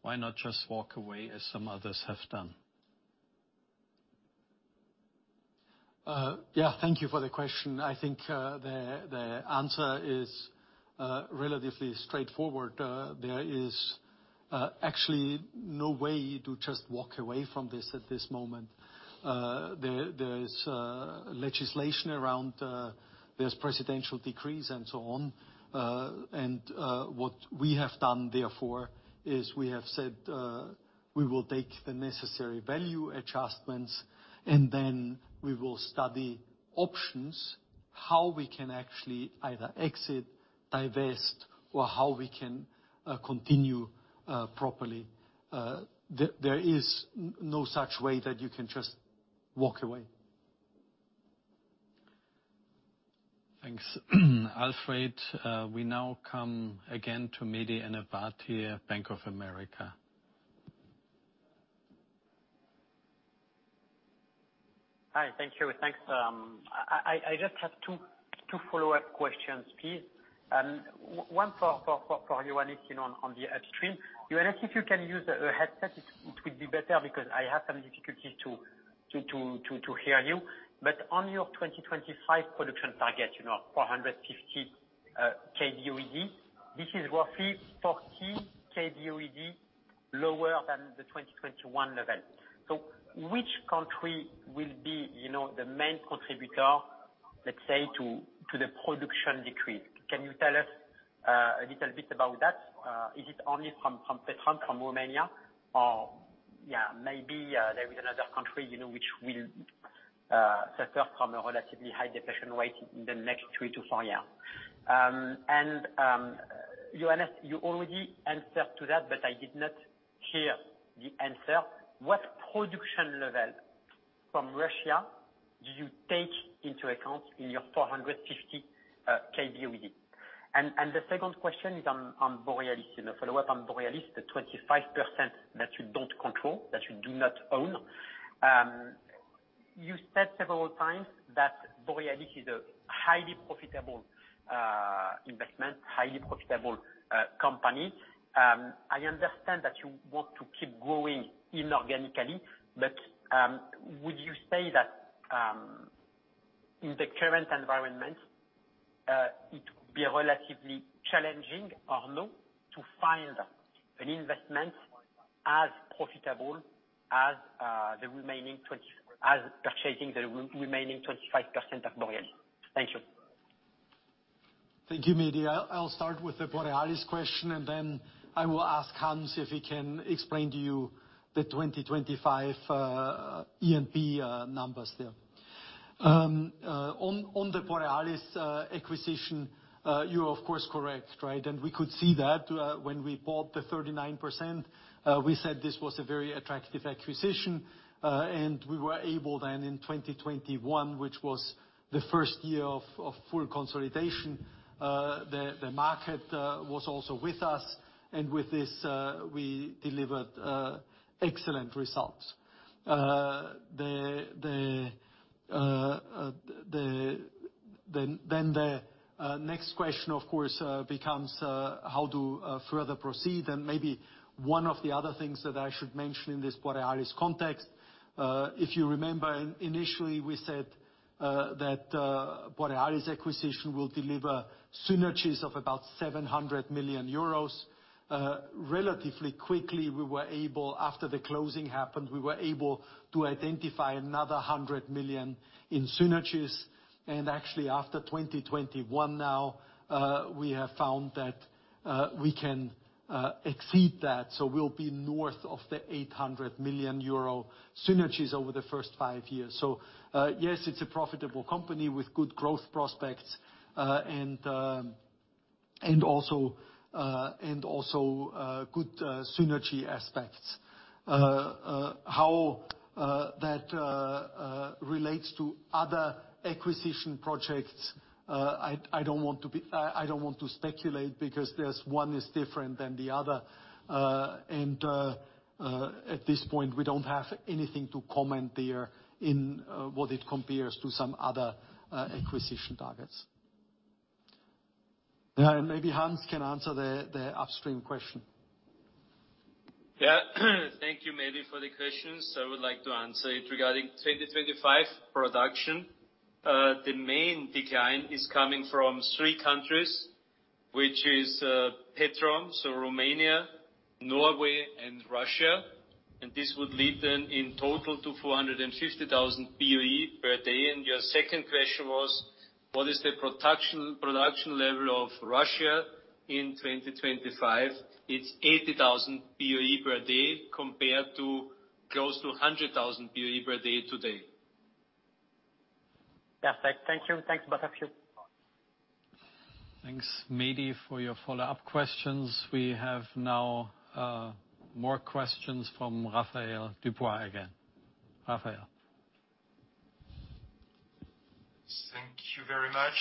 Why not just walk away as some others have done? Yeah. Thank you for the question. I think the answer is relatively straightforward. There is actually no way to just walk away from this at this moment. There is legislation around. There's presidential decrees and so on. What we have done therefore is we have said we will take the necessary value adjustments and then we will study options, how we can actually either exit, divest, or how we can continue properly. There is no such way that you can just walk away. Thanks. Alfred, we now come again to Mehdi Ennebati, Bank of America. Hi. Thank you. Thanks. I just have two follow-up questions, please. One for Johann Pleininger on the upstream. Johann Pleininger, if you can use a headset, it would be better because I have some difficulty to hear you. But on your 2025 production target, you know, 450 kboe/d, this is roughly 40 kboe/d lower than the 2021 level. So which country will be the main contributor, let's say to the production decrease? Can you tell us a little bit about that? Is it only from Petrom, from Romania? Or yeah, maybe there is another country, you know, which will suffer from a relatively high decline rate in the next three to five years. Johanns, you already answered to that, but I did not hear the answer. What production level from Russia do you take into account in your 450 kboe/d? The second question is on Borealis, you know, follow-up on Borealis, the 25% that you don't control, that you do not own. You said several times that Borealis is a highly profitable investment, highly profitable company. I understand that you want to keep growing inorganically, but would you say that in the current environment it would be relatively challenging or no to find an investment as profitable as purchasing the remaining 25% of Borealis? Thank you. Thank you, Mehdi. I'll start with the Borealis question, and then I will ask Johann if he can explain to you the 2025 E&P numbers there. On the Borealis acquisition, you're of course correct, right? We could see that when we bought the 39%, we said this was a very attractive acquisition, and we were able then in 2021, which was the first year of full consolidation, the market was also with us, and with this, we delivered excellent results. The next question, of course, becomes how to further proceed. Maybe one of the other things that I should mention in this Borealis context, if you remember, initially we said that Borealis acquisition will deliver synergies of about 700 million euros. Relatively quickly, after the closing happened, we were able to identify another 100 million in synergies. Actually after 2021 now, we have found that we can exceed that. We'll be north of the 800 million euro synergies over the first five years. Yes, it's a profitable company with good growth prospects, and also good synergy aspects. How that relates to other acquisition projects, I don't want to speculate because one is different than the other. At this point, we don't have anything to comment there in what it compares to some other acquisition targets. Yeah, maybe Hans can answer the upstream question. Yeah. Thank you, Mehdi, for the questions. I would like to answer it. Regarding 2025 production, the main decline is coming from three countries, which is Petrom, so Romania, Norway and Russia. This would lead then in total to 450,000 boe/d. Your second question was, what is the production level of Russia in 2025? It's 80,000 boe/d compared to close to 100,000 boe/d today. Perfect. Thank you. Thanks a bunch, Hans. Thanks, Mehdi, for your follow-up questions. We have now more questions from Raphaël Dubois again. Raphael. Thank you very much.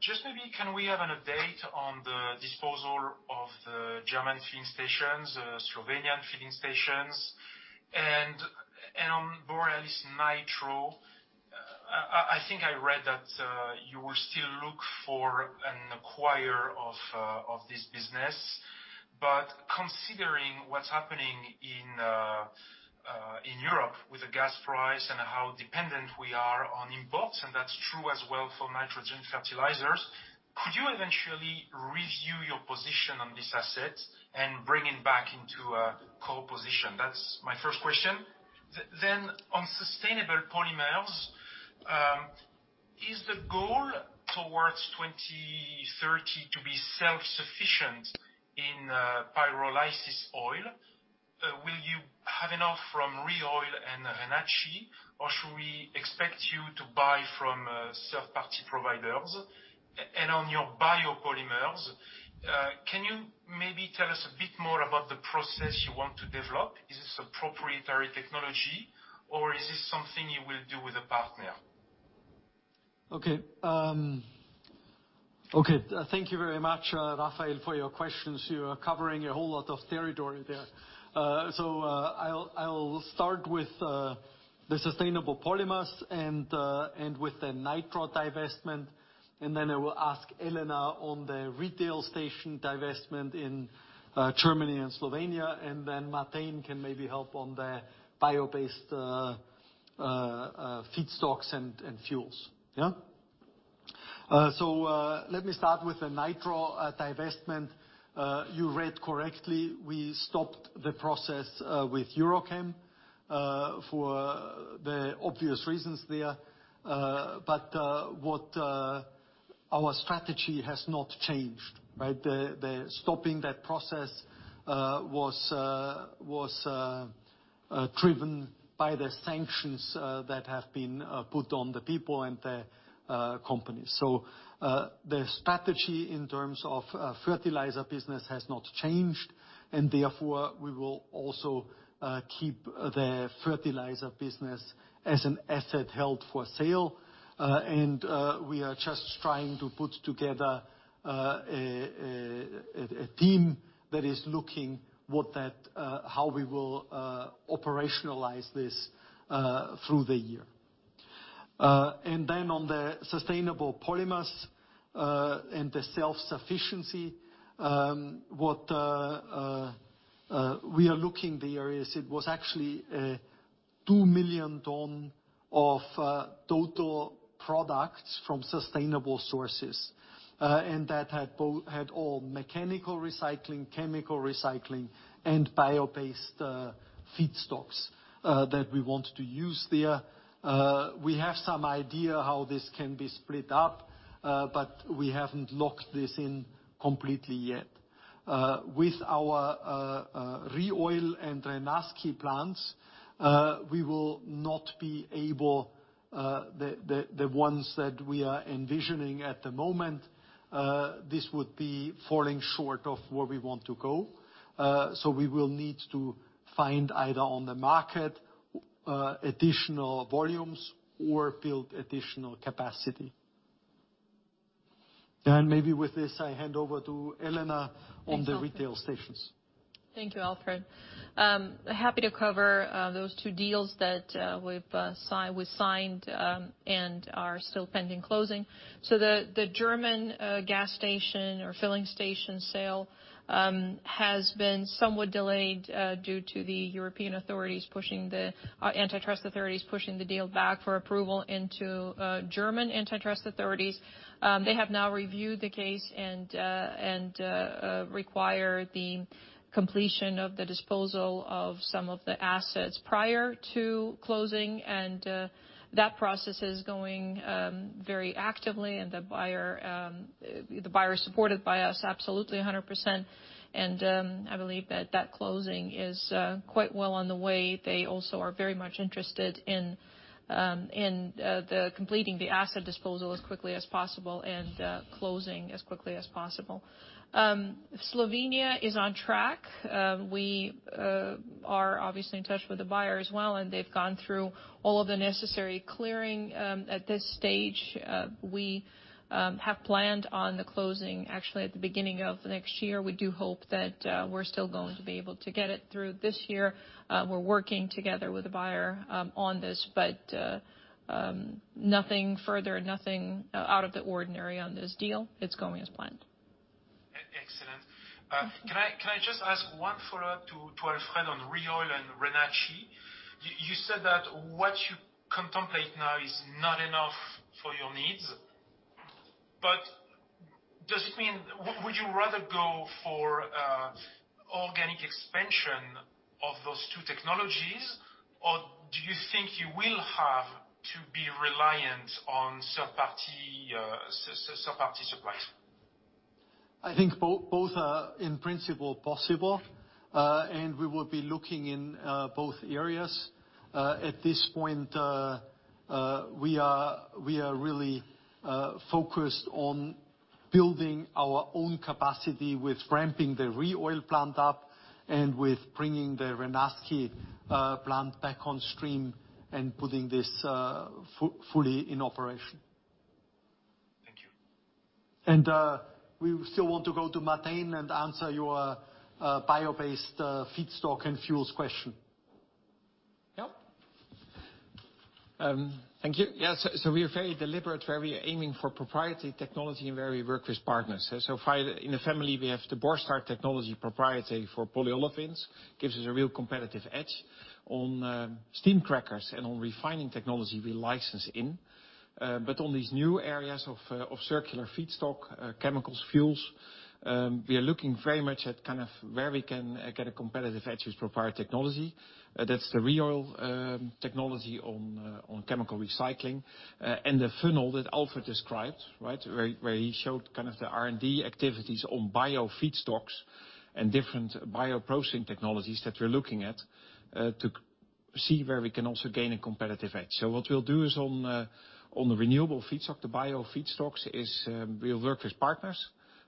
Just maybe can we have an update on the disposal of the German filling stations, Slovenian filling stations? On Borealis Nitrogen, I think I read that you will still look for and acquire of this business. Considering what's happening in Europe with the gas price and how dependent we are on imports, and that's true as well for nitrogen fertilizers, could you eventually review your position on this asset and bring it back into a core position? That's my first question. On sustainable polymers, is the goal towards 2030 to be self-sufficient in pyrolysis oil? Will you have enough from ReOil and Renasci, or should we expect you to buy from third-party providers? On your biopolymers, can you maybe tell us a bit more about the process you want to develop? Is this a proprietary technology, or is this something you will do with a partner? Okay. Okay. Thank you very much, Raphaël, for your questions. You are covering a whole lot of territory there. I'll start with the sustainable polymers and with the nitro divestment, and then I will ask Elena on the retail station divestment in Germany and Slovenia, and then Martijn can maybe help on the bio-based feedstocks and fuels. Yeah? Let me start with the nitro divestment. You read correctly, we stopped the process with EuroChem for the obvious reasons there. Our strategy has not changed, right? The stopping that process was driven by the sanctions that have been put on the people and the companies. The strategy in terms of fertilizer business has not changed, and therefore, we will also keep the fertilizer business as an asset held for sale. We are just trying to put together a team that is looking at how we will operationalize this through the year. On the sustainable polymers and the self-sufficiency, what we are looking at there is, it was actually 2 million tons of total products from sustainable sources. And that had all mechanical recycling, chemical recycling, and bio-based feedstocks that we want to use there. We have some idea how this can be split up, but we haven't locked this in completely yet. With our ReOil and Renasci plants, we will not be able, the ones that we are envisioning at the moment, this would be falling short of where we want to go. We will need to find either on the market additional volumes or build additional capacity. Maybe with this, I hand over to Elena on the retail stations. Thank you, Alfred. Happy to cover those two deals that we've signed and are still pending closing. The German gas station or filling station sale has been somewhat delayed due to the European antitrust authorities pushing the deal back for approval into German antitrust authorities. They have now reviewed the case and require the completion of the disposal of some of the assets prior to closing. That process is going very actively. The buyer is supported by us absolutely a hundred percent. I believe that closing is quite well on the way. They also are very much interested in completing the asset disposal as quickly as possible and closing as quickly as possible. Slovenia is on track. We are obviously in touch with the buyer as well, and they've gone through all of the necessary clearing at this stage. We have planned on the closing actually at the beginning of next year. We do hope that we're still going to be able to get it through this year. We're working together with the buyer on this, but nothing further, nothing out of the ordinary on this deal. It's going as planned. Excellent. Can I just ask one follow-up to Alfred on ReOil and Renasci? You said that what you contemplate now is not enough for your needs, but does it mean, would you rather go for organic expansion of those two technologies, or do you think you will have to be reliant on third-party suppliers? I think both are, in principle, possible. We will be looking in both areas. At this point, we are really focused on building our own capacity with ramping the ReOil plant up and with bringing the Renasci plant back on stream and putting this fully in operation. Thank you. We still want to go to Martijn and answer your bio-based feedstock and fuels question. Yeah. Thank you. Yes. We are very deliberate where we are aiming for proprietary technology and where we work with partners. In the family we have the Borstar technology proprietary for polyolefins. Gives us a real competitive edge. On steam crackers and on refining technology, we license in. But on these new areas of circular feedstock, chemicals, fuels, we are looking very much at kind of where we can get a competitive edge with proprietary technology. That's the ReOil technology on chemical recycling. The funnel that Alfred described, right? Where he showed kind of the R&D activities on bio feedstocks and different bio processing technologies that we're looking at to see where we can also gain a competitive edge. What we'll do on the renewable feedstock, the bio feedstocks, is we'll work with partners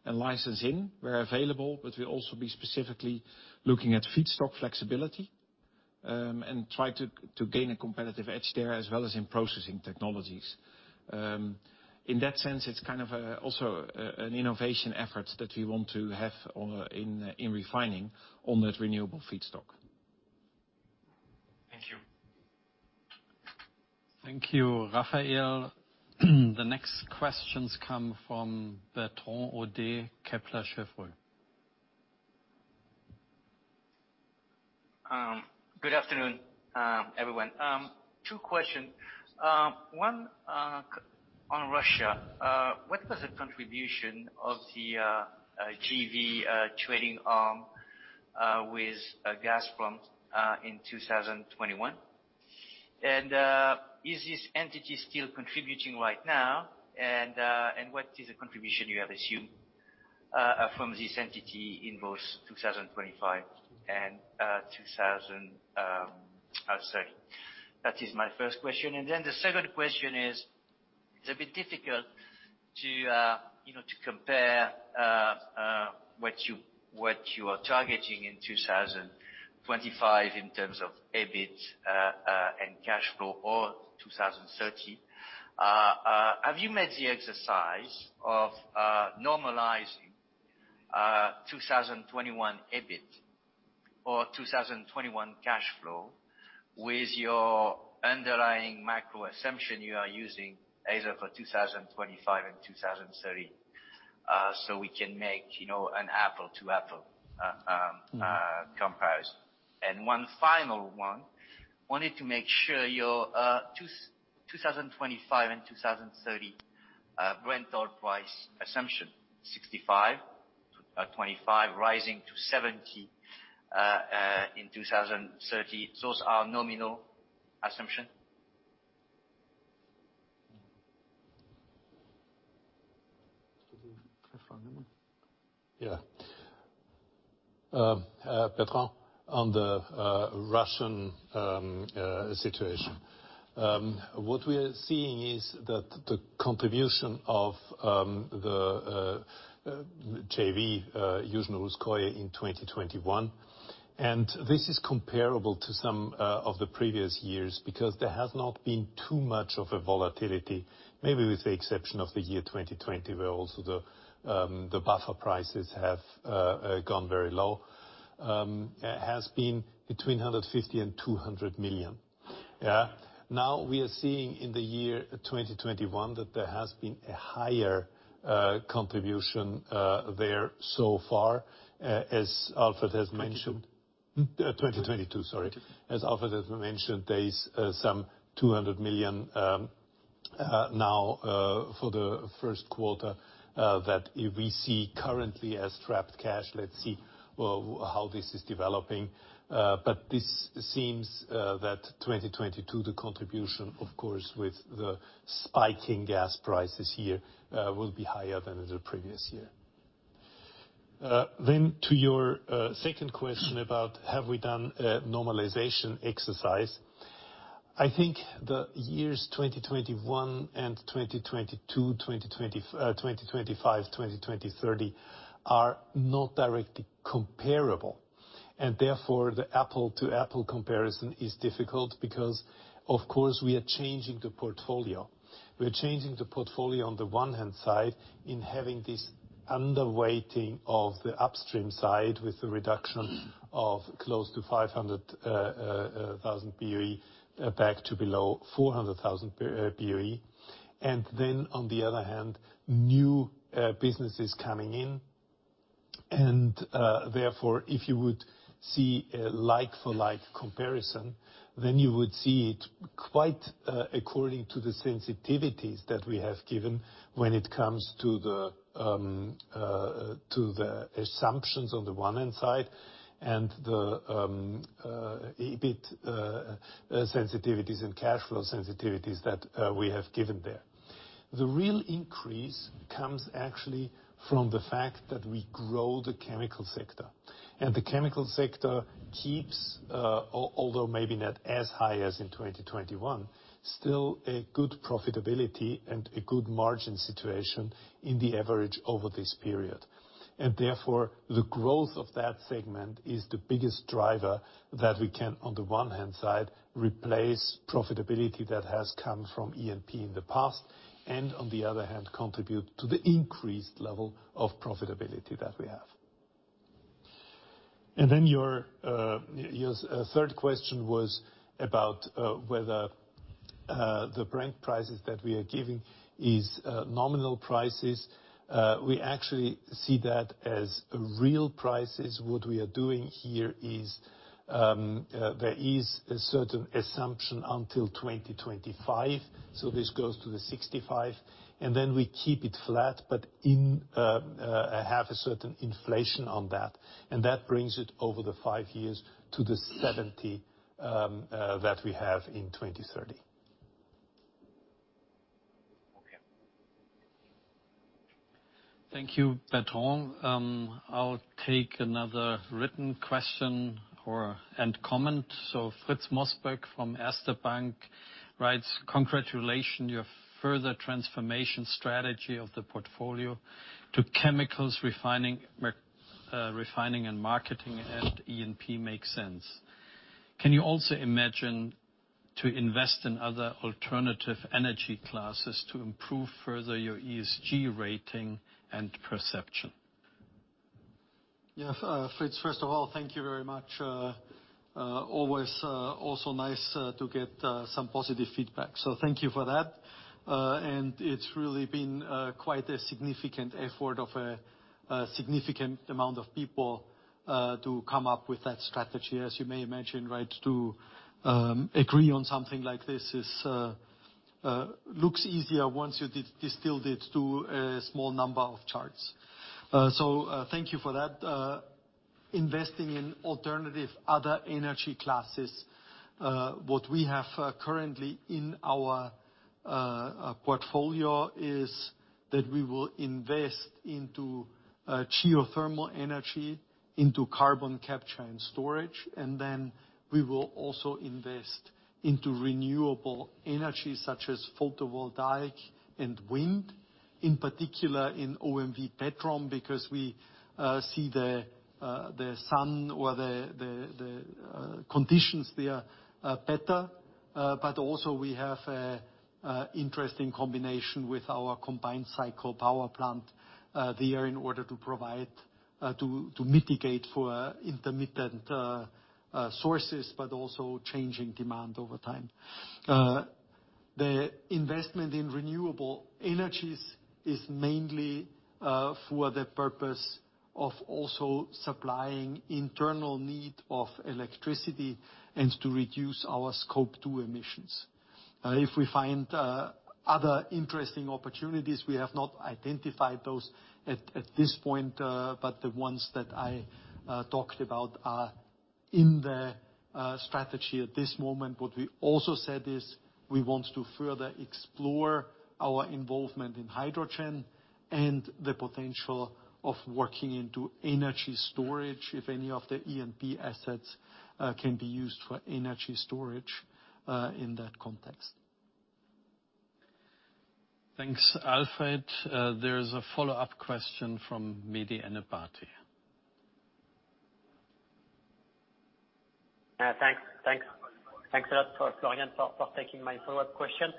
and license in where available, but we'll also be specifically looking at feedstock flexibility and try to gain a competitive edge there as well as in processing technologies. In that sense, it's kind of also an innovation efforts that we want to have in refining on that renewable feedstock. Thank you. Thank you, Raphaël. The next questions come from Bertrand Hodee, Kepler Cheuvreux. Good afternoon, everyone. Two questions. One, on Russia. What was the contribution of the JV trading arm with Gazprom in 2021? And what is the contribution you have assumed from this entity in both 2025 and 2030? That is my first question. And then the second question is, it's a bit difficult, you know, to compare what you are targeting in 2025 in terms of EBIT and cash flow or 2030. Have you made the exercise of normalizing 2021 EBIT or 2021 cash flow with your underlying macro assumption you are using either for 2025 and 2030, so we can make, you know, an apples-to-apples comparison? One final one. I wanted to make sure your 2025 and 2030 Brent oil price assumption, $65 in 2025 rising to $70 in 2030, those are nominal assumption? Yeah. Bertrand On the Russian situation. What we are seeing is that the contribution of the JV Yuzhno-Russkoye in 2021, and this is comparable to some of the previous years because there has not been too much of a volatility, maybe with the exception of the year 2020 where also the buffer prices have gone very low, has been between 150 million and 200 million. Yeah. Now we are seeing in the year 2021 that there has been a higher contribution there so far, as Alfred has mentioned. 2022. 2022, sorry. As Alfred has mentioned, there is some 200 million now for the first quarter that we see currently as trapped cash. Let's see how this is developing. This seems that 2022, the contribution of course with the spiking gas prices here will be higher than in the previous year. To your second question about have we done a normalization exercise. I think the years 2021 and 2022, 2025, 2030 are not directly comparable, and therefore, the apple-to-apple comparison is difficult because of course we are changing the portfolio. We are changing the portfolio on the one hand side in having this underweighting of the upstream side with the reduction of close to 500,000 BOE back to below 400,000 BOE. On the other hand, new businesses coming in. Therefore, if you would see a like-for-like comparison, then you would see it quite according to the sensitivities that we have given when it comes to the assumptions on the one hand side and the EBIT sensitivities and cash flow sensitivities that we have given there. The real increase comes actually from the fact that we grow the chemical sector, and the chemical sector keeps, although maybe not as high as in 2021, still a good profitability and a good margin situation in the average over this period. Therefore, the growth of that segment is the biggest driver that we can on the one hand side replace profitability that has come from E&P in the past, and on the other hand contribute to the increased level of profitability that we have. Then your third question was about whether the Brent prices that we are giving is nominal prices. We actually see that as real prices. What we are doing here is there is a certain assumption until 2025, so this goes to the 65, and then we keep it flat, but we have a certain inflation on that, and that brings it over the five years to the 70 that we have in 2030. Okay. Thank you, Bertrand. I'll take another written question and comment. Fritz Mostböck from Erste Bank writes, "Congratulations. Your further transformation strategy of the portfolio to chemicals refining and marketing and E&P makes sense. Can you also imagine to invest in other alternative energy classes to improve further your ESG rating and perception? Yeah. Fritz, first of all, thank you very much. It's always also nice to get some positive feedback. Thank you for that. It's really been quite a significant effort of a significant amount of people to come up with that strategy. As you may imagine, right, to agree on something like this looks easier once you distilled it to a small number of charts. Thank you for that. Investing in alternative other energy classes, what we have currently in our portfolio is that we will invest into geothermal energy, into carbon capture and storage, and then we will also invest into renewable energy such as photovoltaic and wind, in particular in OMV Petrom because we see the sun or the conditions there better. We have an interesting combination with our combined cycle power plant there in order to provide to mitigate for intermittent sources, but also changing demand over time. The investment in renewable energies is mainly for the purpose of also supplying internal need of electricity and to reduce our Scope 2 emissions. If we find other interesting opportunities, we have not identified those at this point, but the ones that I talked about are in the Strategy at this moment. What we also said is we want to further explore our involvement in hydrogen and the potential of working into energy storage, if any of the E&P assets can be used for energy storage in that context. Thanks, Alfred. There's a follow-up question from Mehdi Ennebati. Thanks a lot for Florian for taking my follow-up question.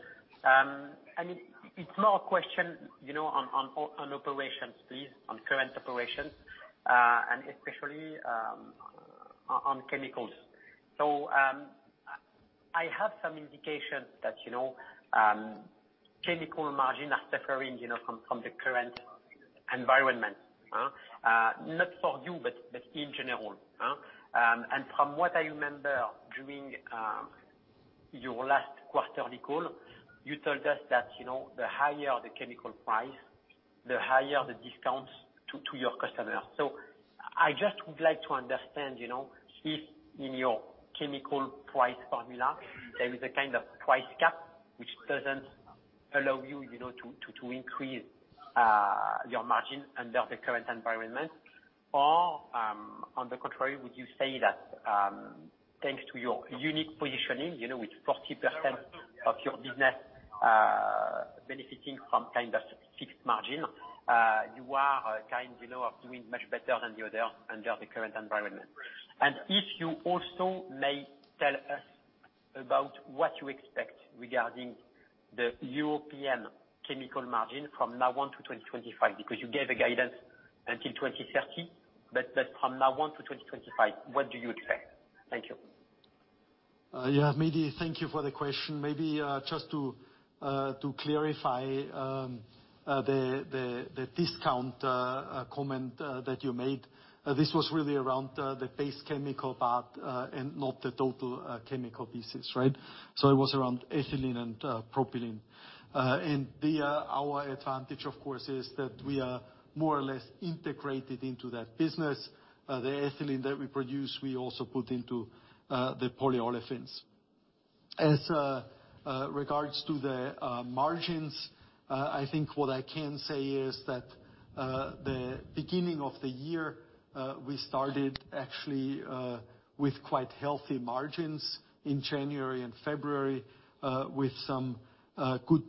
It's more a question, you know, on operations please, on current operations. Especially on chemicals. I have some indications that, you know, chemical margins are suffering, you know, from the current environment. Not for you, but in general. From what I remember during your last quarterly call, you told us that, you know, the higher the chemical price, the higher the discounts to your customers. I just would like to understand, you know, if in your chemical price formula, there is a kind of price cap which doesn't allow you know, to increase your margin under the current environment. On the contrary, would you say that, thanks to your unique positioning, you know, with 40% of your business benefiting from kind of fixed margin, you are kind of doing much better than the other under the current environment. If you also may tell us about what you expect regarding the European chemical margin from now on to 2025, because you gave a guidance until 2030, but from now on to 2025, what do you expect? Thank you. Yeah, Mehdi, thank you for the question. Maybe just to clarify the discount comment that you made, this was really around the base chemical part and not the total chemical pieces, right? It was around ethylene and propylene. Our advantage of course is that we are more or less integrated into that business. The ethylene that we produce, we also put into the polyolefins. As regards to the margins, I think what I can say is that the beginning of the year we started actually with quite healthy margins in January and February with some good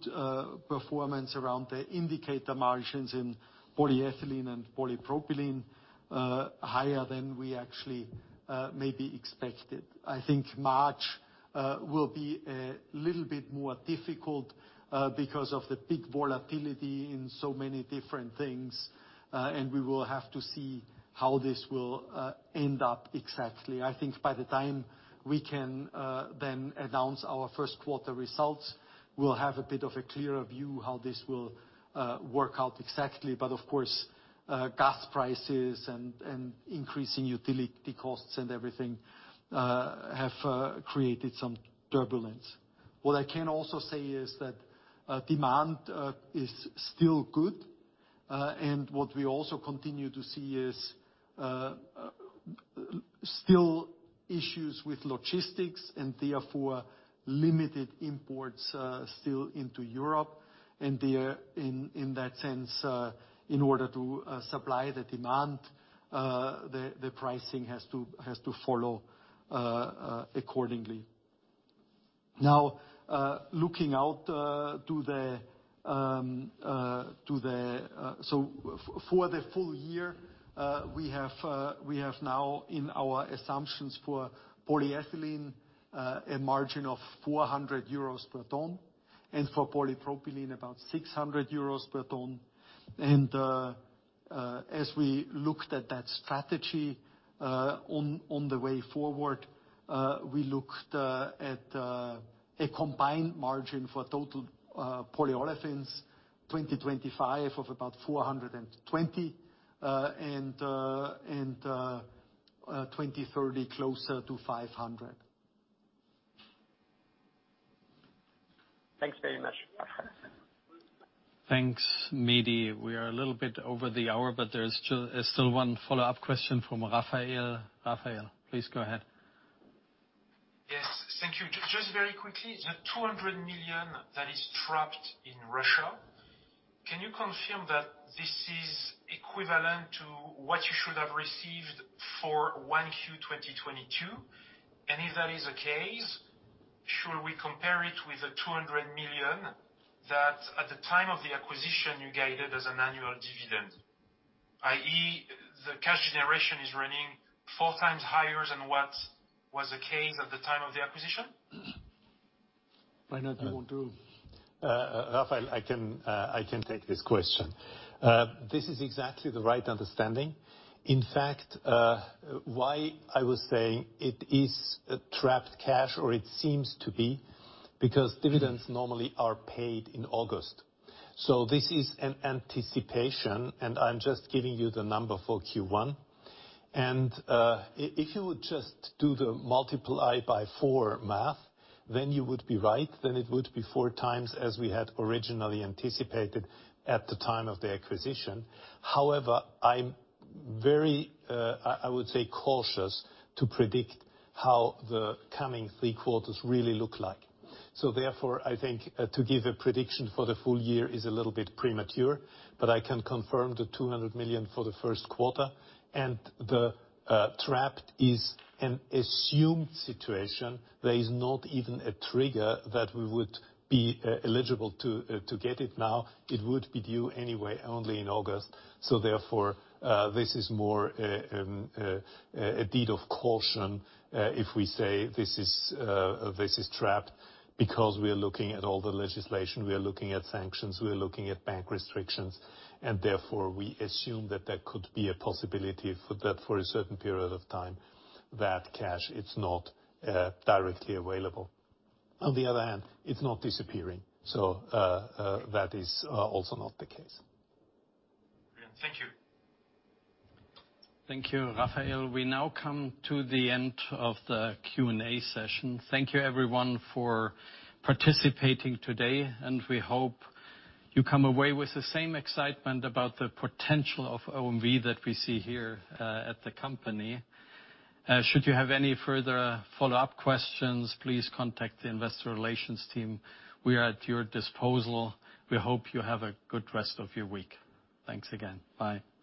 performance around the indicator margins in polyethylene and polypropylene higher than we actually maybe expected. I think March will be a little bit more difficult because of the big volatility in so many different things and we will have to see how this will end up exactly. I think by the time we can then announce our first quarter results, we'll have a bit of a clearer view how this will work out exactly. Of course, gas prices and increasing utility costs and everything have created some turbulence. What I can also say is that demand is still good. What we also continue to see is still issues with logistics and therefore limited imports still into Europe. In that sense, in order to supply the demand, the pricing has to follow accordingly. Now, looking out to the full year, we now have in our assumptions for polyethylene a margin of 400 euros per ton, and for polypropylene, about 600 euros per ton. As we looked at that strategy on the way forward, we looked at a combined margin for total polyolefins 2025 of about 420, and 2030 closer to 500. Thanks very much. Thanks, Mehdi. We are a little bit over the hour, but there's still one follow-up question from Raphaël. Raphaël, please go ahead. Yes. Thank you. Just very quickly, the 200 million that is trapped in Russia, can you confirm that this is equivalent to what you should have received for Q1 2022? If that is the case, should we compare it with the 200 million that at the time of the acquisition you guided as an annual dividend, i.e., the cash generation is running 4 times higher than what was the case at the time of the acquisition? Why don't you want to- Raphaël, I can take this question. This is exactly the right understanding. In fact, why I was saying it is a trapped cash, or it seems to be, because dividends normally are paid in August. This is an anticipation, and I'm just giving you the number for Q1. If you would just do the multiply by four math, then you would be right, then it would be four times as we had originally anticipated at the time of the acquisition. However, I'm very, I would say cautious to predict how the coming three quarters really look like. Therefore, I think to give a prediction for the full year is a little bit premature, but I can confirm the 200 million for the first quarter. The trapped is an assumed situation. There is not even a trigger that we would be eligible to get it now. It would be due anyway only in August, so therefore this is more an act of caution if we say this is trapped because we are looking at all the legislation, we are looking at sanctions, we are looking at bank restrictions, and therefore we assume that there could be a possibility for that for a certain period of time that cash is not directly available. On the other hand, it's not disappearing. That is also not the case. Thank you. Thank you, Raphaël. We now come to the end of the Q&A session. Thank you everyone for participating today, and we hope you come away with the same excitement about the potential of OMV that we see here at the company. Should you have any further follow-up questions, please contact the investor relations team. We are at your disposal. We hope you have a good rest of your week. Thanks again. Bye.